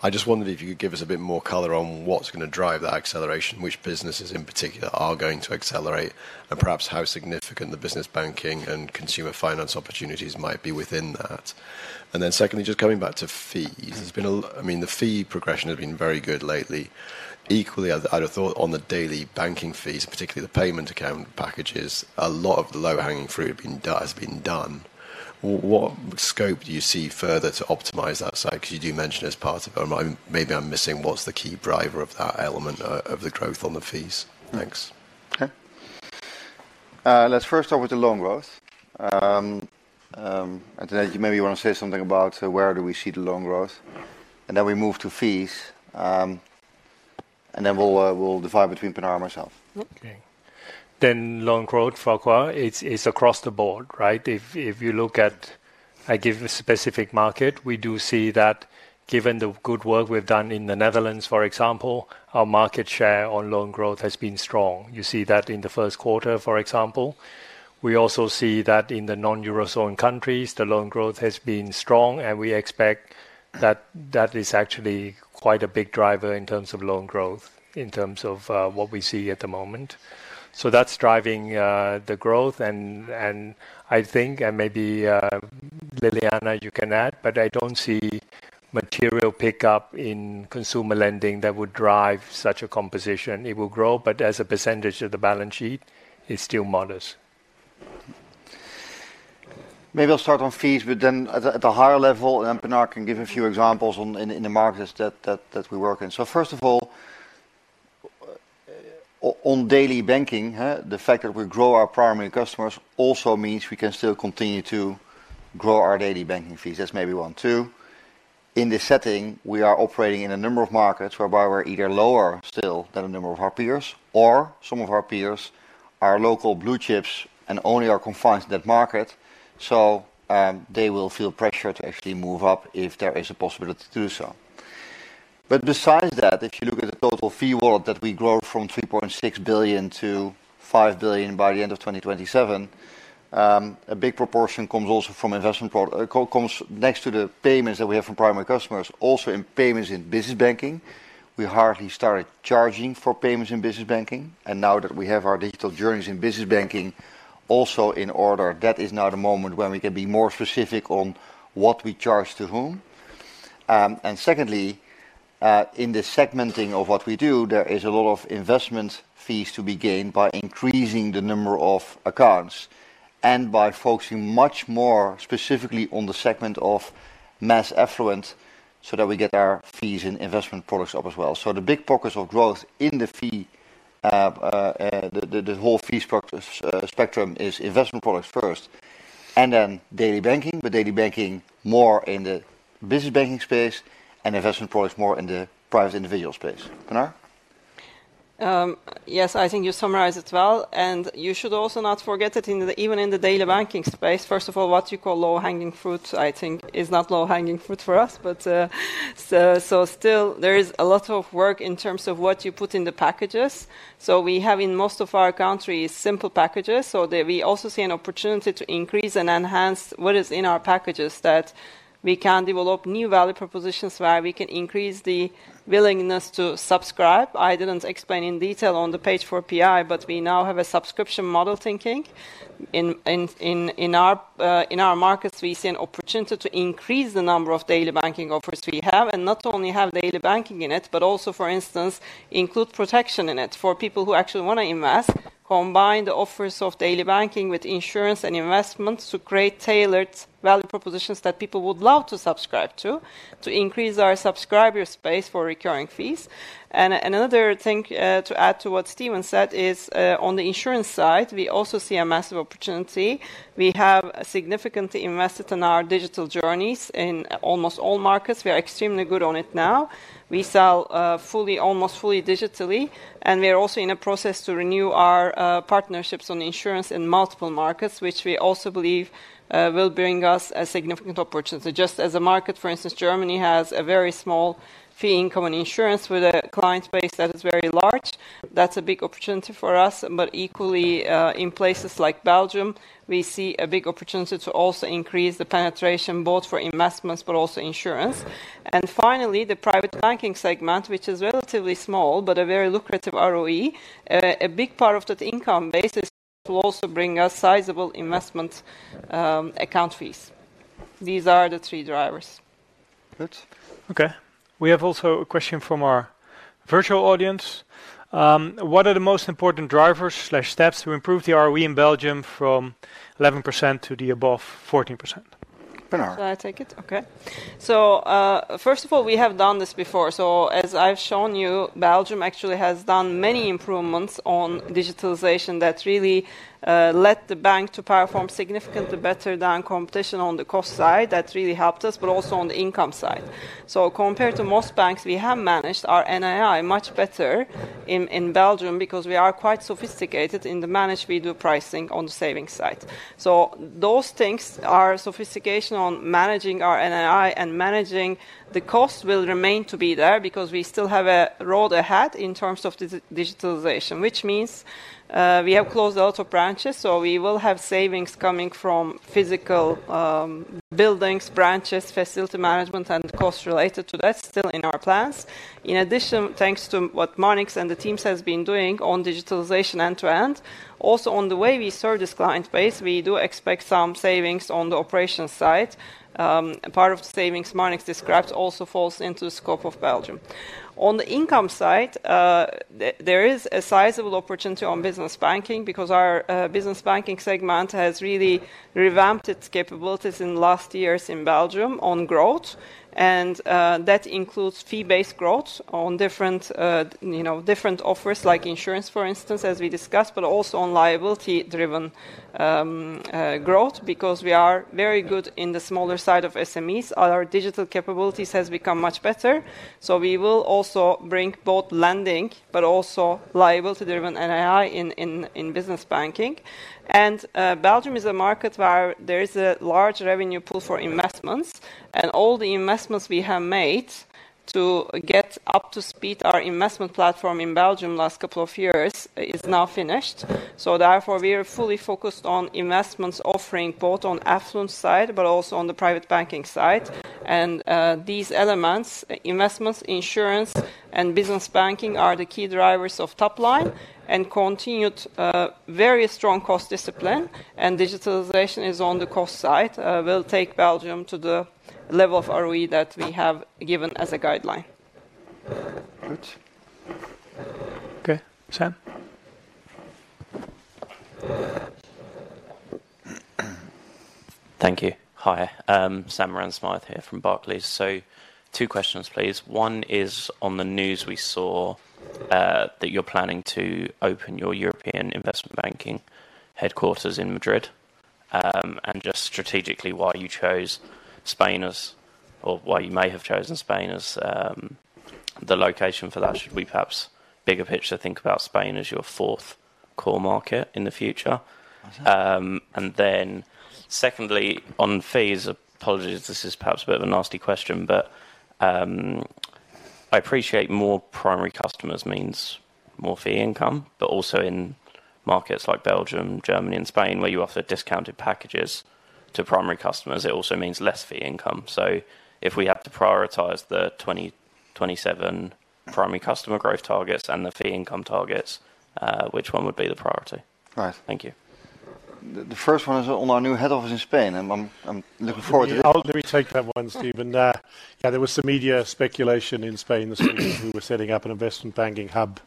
I just wondered if you could give us a bit more color on what's going to drive that acceleration, which businesses in particular are going to accelerate, and perhaps how significant the Business Banking and consumer finance opportunities might be within that. And then secondly, just coming back to fees, I mean, the fee progression has been very good lately. Equally, I'd have thought on the daily banking fees, particularly the payment account packages, a lot of the low-hanging fruit has been done. What scope do you see further to optimize that side? Because you do mention it as part of it. Maybe I'm missing what's the key driver of that element of the growth on the fees. Thanks. Okay. Let's first start with the loan growth. Maybe you want to say something about where do we see the loan growth? Then we move to fees. Then we'll divide between Pinar and myself. Okay. Then loan growth, Farquhar, is across the board, right? If you look at, I give a specific market, we do see that given the good work we've done in the Netherlands, for example, our market share on loan growth has been strong. You see that in the first quarter, for example. We also see that in the non-Eurozone countries, the loan growth has been strong, and we expect that that is actually quite a big driver in terms of loan growth, in terms of what we see at the moment. So that's driving the growth. And I think, and maybe Ljiljana, you can add, but I don't see material pickup in consumer Lending that would drive such a composition. It will grow, but as a percentage of the balance sheet, it's still modest. Maybe I'll start on fees, but then at a higher level, and Pinar can give a few examples in the markets that we work in. So first of all, on daily banking, the fact that we grow our primary customers also means we can still continue to grow our daily banking fees. That's maybe one too. In this setting, we are operating in a number of markets whereby we're either lower still than a number of our peers, or some of our peers are local blue chips and only are confined to that market. So they will feel pressure to actually move up if there is a possibility to do so. But besides that, if you look at the total fee wallet that we grow from 3.6 billion-5 billion by the end of 2027, a big proportion comes also from investment, comes next to the payments that we have from primary customers. Also in payments inBusiness Banking, we hardly started charging for payments in Business Banking. And now that we have our digital journeys in Business Banking, also in order, that is now the moment when we can be more specific on what we charge to whom. And secondly, in the segmenting of what we do, there is a lot of investment fees to be gained by increasing the number of accounts and by focusing much more specifically on the segment of mass affluent so that we get our fees and investment products up as well. The big pockets of growth in the fee, the whole fee spectrum is investment products first, and then daily banking, but daily banking more in the business banking space and investment products more in the private individual space. Pinar? Yes, I think you summarized it well. You should also not forget that even in the daily banking space, first of all, what you call low-hanging fruit, I think, is not low-hanging fruit for us. But so still, there is a lot of work in terms of what you put in the packages. So we have in most of our countries simple packages. So we also see an opportunity to increase and enhance what is in our packages that we can develop new value propositions where we can increase the willingness to subscribe. I didn't explain in detail on the page for PI, but we now have a subscription model thinking. In our markets, we see an opportunity to increase the number of daily banking offers we have and not only have daily banking in it, but also, for instance, include protection in it for people who actually want to invest, combine the offers of daily banking with insurance and investment to create tailored value propositions that people would love to subscribe to, to increase our subscriber space for recurring fees. And another thing to add to what Steven said is on the insurance side, we also see a massive opportunity. We have significantly invested in our digital journeys in almost all markets. We are extremely good on it now. We sell almost fully digitally. We are also in a process to renew our partnerships on insurance in multiple markets, which we also believe will bring us a significant opportunity. Just as a market, for instance, Germany has a very small fee income on insurance with a client base that is very large. That's a big opportunity for us. Equally, in places like Belgium, we see a big opportunity to also increase the penetration both for investments but also insurance. Finally, the private banking segment, which is relatively small but a very lucrative ROE, a big part of that income base will also bring us sizable investment account fees. These are the three drivers. Good. Okay. We have also a question from our virtual audience. What are the most important drivers/steps to improve the ROE in Belgium from 11% to the above 14%? Pinar. Should I take it? Okay. So, first of all, we have done this before. So, as I've shown you, Belgium actually has done many improvements on digitalization that really let the bank to perform significantly better than competition on the cost side. That really helped us, but also on the income side. So, compared to most banks, we have managed our NII much better in Belgium because we are quite sophisticated in the management we do pricing on the savings side. So, those things, sophistication on managing our NII and managing the cost, will remain to be there because we still have a road ahead in terms of digitalization, which means we have closed a lot of branches. So, we will have savings coming from physical buildings, branches, facility management, and costs related to that still in our plans. In addition, thanks to what Marnix and the team has been doing on digitalization end-to-end, also on the way we serve this client base, we do expect some savings on the operations side. Part of the savings Marnix described also falls into the scope of Belgium. On the income side, there is a sizable opportunity on Business Banking because our Business Banking segment has really revamped its capabilities in the last years in Belgium on growth. And that includes fee-based growth on different offers like insurance, for instance, as we discussed, but also on liability-driven growth because we are very good in the smaller side of SMEs. Our digital capabilities have become much better. So we will also bring both Lending but also liability-driven NII in Business Banking. And Belgium is a market where there is a large revenue pool for investments. All the investments we have made to get up to speed our investment platform in Belgium last couple of years is now finished. Therefore, we are fully focused on investments offering both on affluent side but also on the private banking side. These elements, investments, insurance, and Business Banking are the key drivers of top line and continued very strong cost discipline. Digitalization is on the cost side. We'll take Belgium to the level of ROE that we have given as a guideline. Good. Okay. Sam? Thank you. Hi. Sam Smith here from Barclays. Two questions, please. One is on the news we saw that you're planning to open your European investment banking headquarters in Madrid. Just strategically, why you chose Spain or why you may have chosen Spain as the location for that? Should we perhaps bigger picture think about Spain as your fourth core market in the future? And then secondly, on fees, apologies, this is perhaps a bit of a nasty question, but I appreciate more primary customers means more fee income, but also in markets like Belgium, Germany, and Spain, where you offer discounted packages to primary customers, it also means less fee income. So if we have to prioritize the 2027 primary customer growth targets and the fee income targets, which one would be the priority? Right. Thank you. The first one is on our new head office in Spain. I'm looking forward to that. I'll retake that one, Steven. Yeah, there was some media speculation in Spain that we were setting up an investment banking hub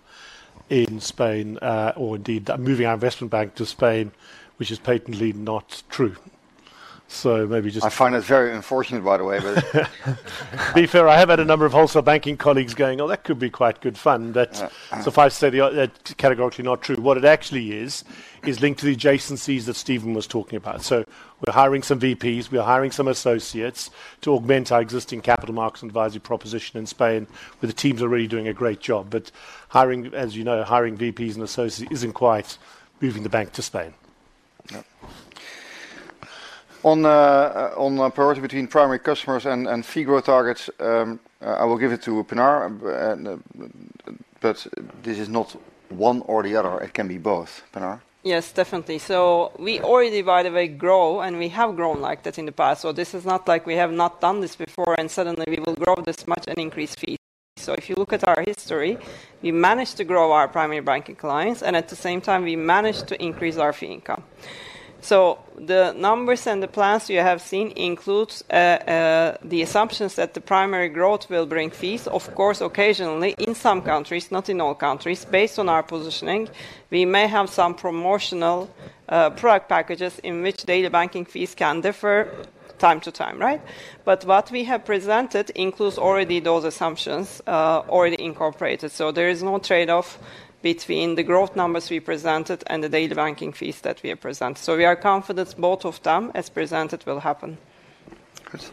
in Spain, or indeed moving our investment bank to Spain, which is patently not true. So maybe just. I find it very unfortunate, by the way. Be fair. I have had a number of wholesale banking colleagues going, "Oh, that could be quite good fun." So if I say that's categorically not true, what it actually is is linked to the adjacencies that Steven was talking about. So we're hiring some VPs. We're hiring some associates to augment our existing capital markets advisory proposition in Spain, where the teams are already doing a great job. But hiring, as you know, hiring VPs and associates isn't quite moving the bank to Spain. On the priority between primary customers and fee growth targets, I will give it to Pinar, but this is not one or the other. It can be both, Pinar. Yes, definitely. So we already, by the way, grow, and we have grown like that in the past. So this is not like we have not done this before, and suddenly we will grow this much and increase fees. So if you look at our history, we managed to grow our primary banking clients, and at the same time, we managed to increase our fee income. So the numbers and the plans you have seen include the assumptions that the primary growth will bring fees. Of course, occasionally, in some countries, not in all countries, based on our positioning, we may have some promotional product packages in which daily banking fees can differ from time to time, right? But what we have presented includes already those assumptions already incorporated. So there is no trade-off between the growth numbers we presented and the daily banking fees that we have presented. So we are confident both of them, as presented, will happen. Good.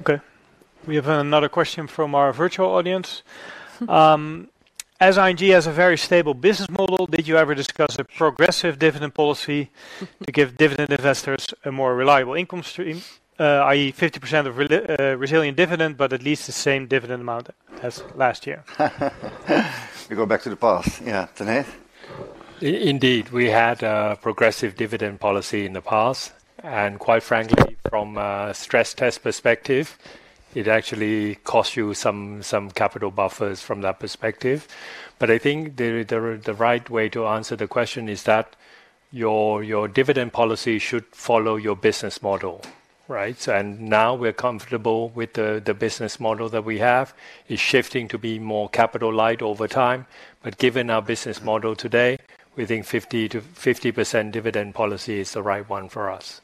Okay. We have another question from our virtual audience. As ING has a very stable business model, did you ever discuss a progressive dividend policy to give dividend investors a more reliable income stream, i.e., 50% of resilient dividend, but at least the same dividend amount as last year? We go back to the past. Yeah. Indeed. We had a progressive dividend policy in the past. And quite frankly, from a stress test perspective, it actually costs you some capital buffers from that perspective. But I think the right way to answer the question is that your dividend policy should follow your business model, right? And now we're comfortable with the business model that we have. It's shifting to be more capital-light over time. But given our business model today, we think 50% dividend policy is the right one for us.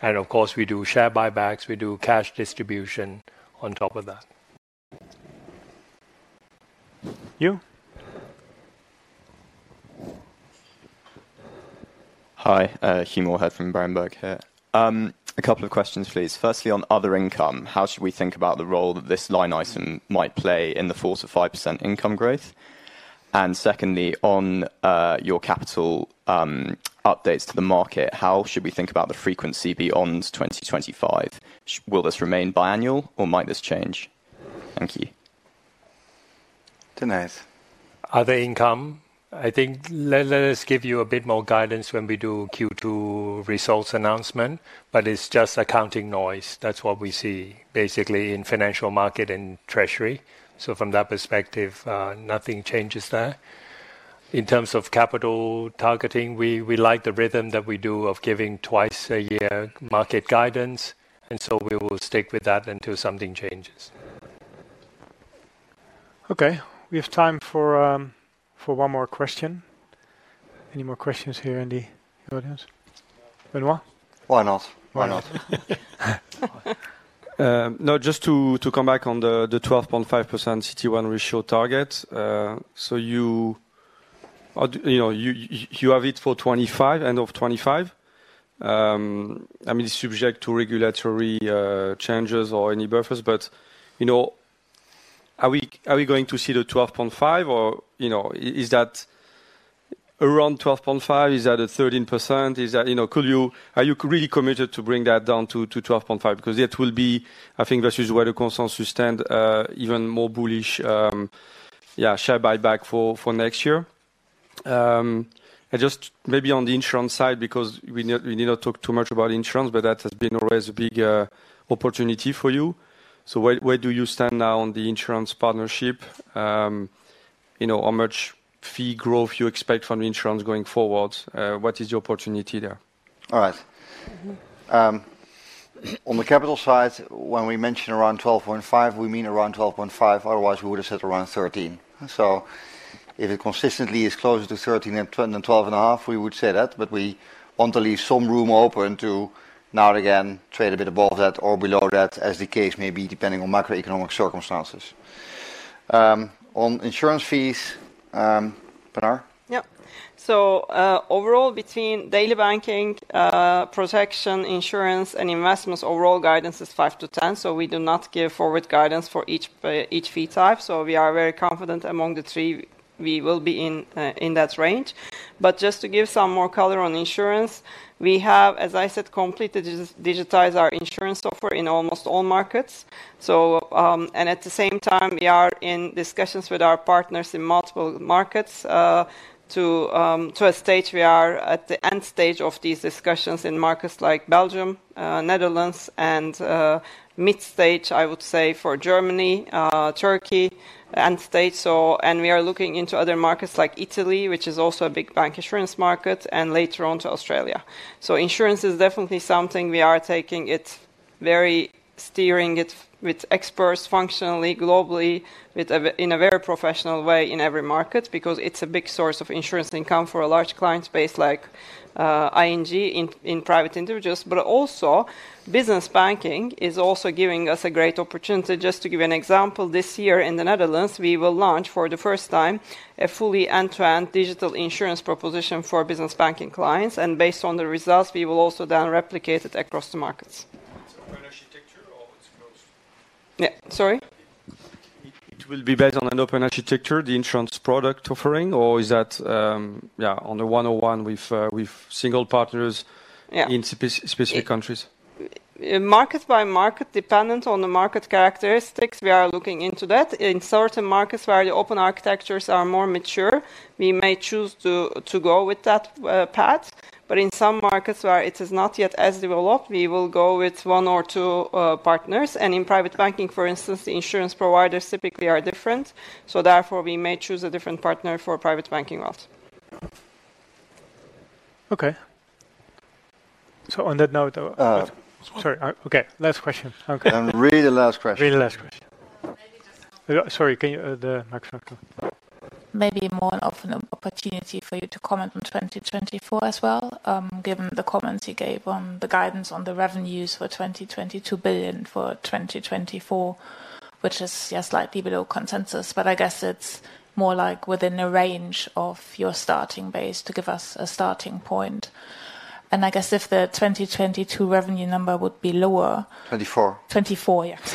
And of course, we do share buybacks. We do cash distribution on top of that. You? Hi. Hugh here from Berenberg here. A couple of questions, please. Firstly, on other income, how should we think about the role that this line item might play in the 4%-5% income growth? And secondly, on your capital updates to the market, how should we think about the frequency beyond 2025? Thank you. Other income, I think let us give you a bit more guidance when we do Q2 results announcement, but it's just accounting noise. That's what we see basically in financial market and treasury. So from that perspective, nothing changes there. In terms of capital targeting, we like the rhythm that we do of giving twice a year market guidance. And so we will stick with that until something changes. Okay. We have time for one more question. Any more questions here in the audience? Benoit? Why not? Why not? No, just to come back on the 12.5% CET1 ratio target. So you have it for end of 2025. I mean, it's subject to regulatory changes or any buffers, but are we going to see the 12.5, or is that around 12.5? Is that a 13%? Are you really committed to bring that down to 12.5? Because it will be, I think, versus where the consensus stand, even more bullish share buyback for next year. And just maybe on the insurance side, because we did not talk too much about insurance, but that has been always a big opportunity for you. So where do you stand now on the insurance partnership? How much fee growth do you expect from insurance going forward? What is your opportunity there? All right. On the capital side, when we mentioned around 12.5, we mean around 12.5. Otherwise, we would have said around 13. So if it consistently is closer to 13 than 12.5, we would say that. But we want to leave some room open to now and again trade a bit above that or below that, as the case may be depending on macroeconomic circumstances. On insurance fees, Pinar. Yeah. So overall, between daily banking, protection, insurance, and investments, overall guidance is 5-10. So we do not give forward guidance for each fee type. So we are very confident among the three we will be in that range. But just to give some more color on insurance, we have, as I said, completely digitized our insurance software in almost all markets. At the same time, we are in discussions with our partners in multiple markets to a stage we are at the end stage of these discussions in markets like Belgium, Netherlands, and mid-stage, I would say, for Germany, Turkey, end stage. And we are looking into other markets like Italy, which is also a big bank insurance market, and later on to Australia. So insurance is definitely something we are taking it very steering it with experts functionally globally in a very professional way in every market because it's a big source of insurance income for a large client base like ING in private individuals. But also, Business Banking is also giving us a great opportunity. Just to give you an example, this year in the Netherlands, we will launch for the first time a fully end-to-end digital insurance proposition for Business Banking clients. Based on the results, we will also then replicate it across the markets. Open architecture or it's closed? Yeah. Sorry? It will be based on an open architecture, the insurance product offering, or is that on a one-on-one with single partners in specific countries? Market by market, dependent on the market characteristics, we are looking into that. In certain markets where the open architectures are more mature, we may choose to go with that path. But in some markets where it is not yet as developed, we will go with one or two partners. And in private banking, for instance, the insurance providers typically are different. So therefore, we may choose a different partner for private banking route. Okay. So on that note, sorry. Okay. Last question. Okay. And really last question. Really last question. Sorry. Maybe more of an opportunity for you to comment on 2024 as well, given the comments you gave on the guidance on the revenues for 22 billion for 2024, which is slightly below consensus. But I guess it's more like within the range of your starting base to give us a starting point. And I guess if the 2022 revenue number would be lower. 2024. 2024, yes.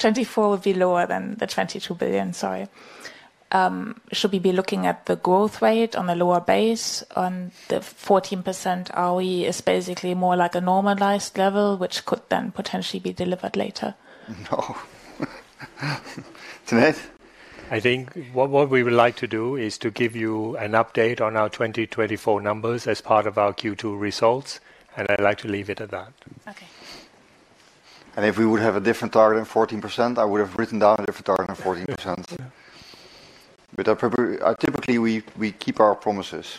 2024 would be lower than the 22 billion, sorry. Should we be looking at the growth rate on a lower base on the 14% ROE is basically more like a normalized level, which could then potentially be delivered later? No. I think what we would like to do is to give you an update on our 2024 numbers as part of our Q2 results. And I'd like to leave it at that. Okay. If we would have a different target in 14%, I would have written down a different target in 14%. Typically, we keep our promises.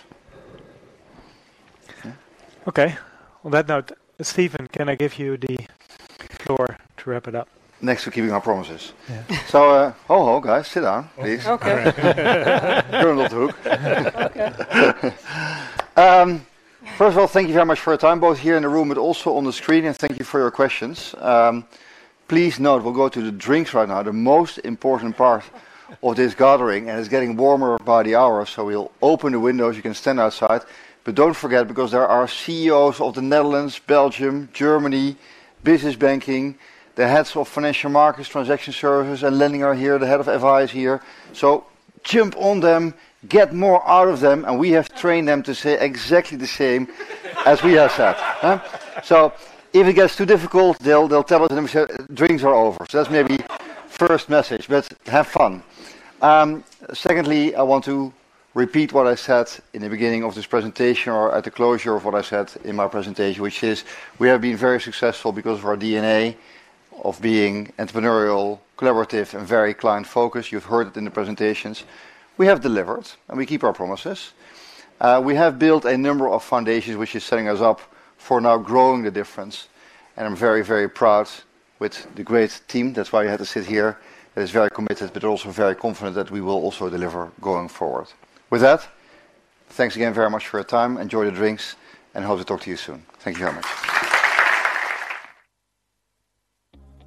Okay. On that note, Steven, can I give you the floor to wrap it up? Next to keeping our promises. Ho-ho, guys, sit down, please. Turn off the heat. First of all, thank you very much for your time, both here in the room but also on the screen. Thank you for your questions. Please note, we'll go to the drinks right now, the most important part of this gathering. It's getting warmer by the hour. We'll open the windows. You can stand outside. Don't forget, because there are CEOs of the Netherlands, Belgium, Germany, Business Banking, the heads of Transaction Services, and Lending are here. The head of FI is here. So, jump on them, get more out of them. We have trained them to say exactly the same as we have said. So if it gets too difficult, they'll tell us, "Drinks are over." So that's maybe the first message. But have fun. Secondly, I want to repeat what I said in the beginning of this presentation or at the closure of what I said in my presentation, which is we have been very successful because of our DNA of being entrepreneurial, collaborative, and very client-focused. You've heard it in the presentations. We have delivered, and we keep our promises. We have built a number of foundations, which is setting us up for now growing the difference. And I'm very, very proud with the great team. That's why you had to sit here. It is very committed, but also very confident that we will also deliver going forward. With that, thanks again very much for your time. Enjoy the drinks, and hope to talk to you soon. Thank you very much.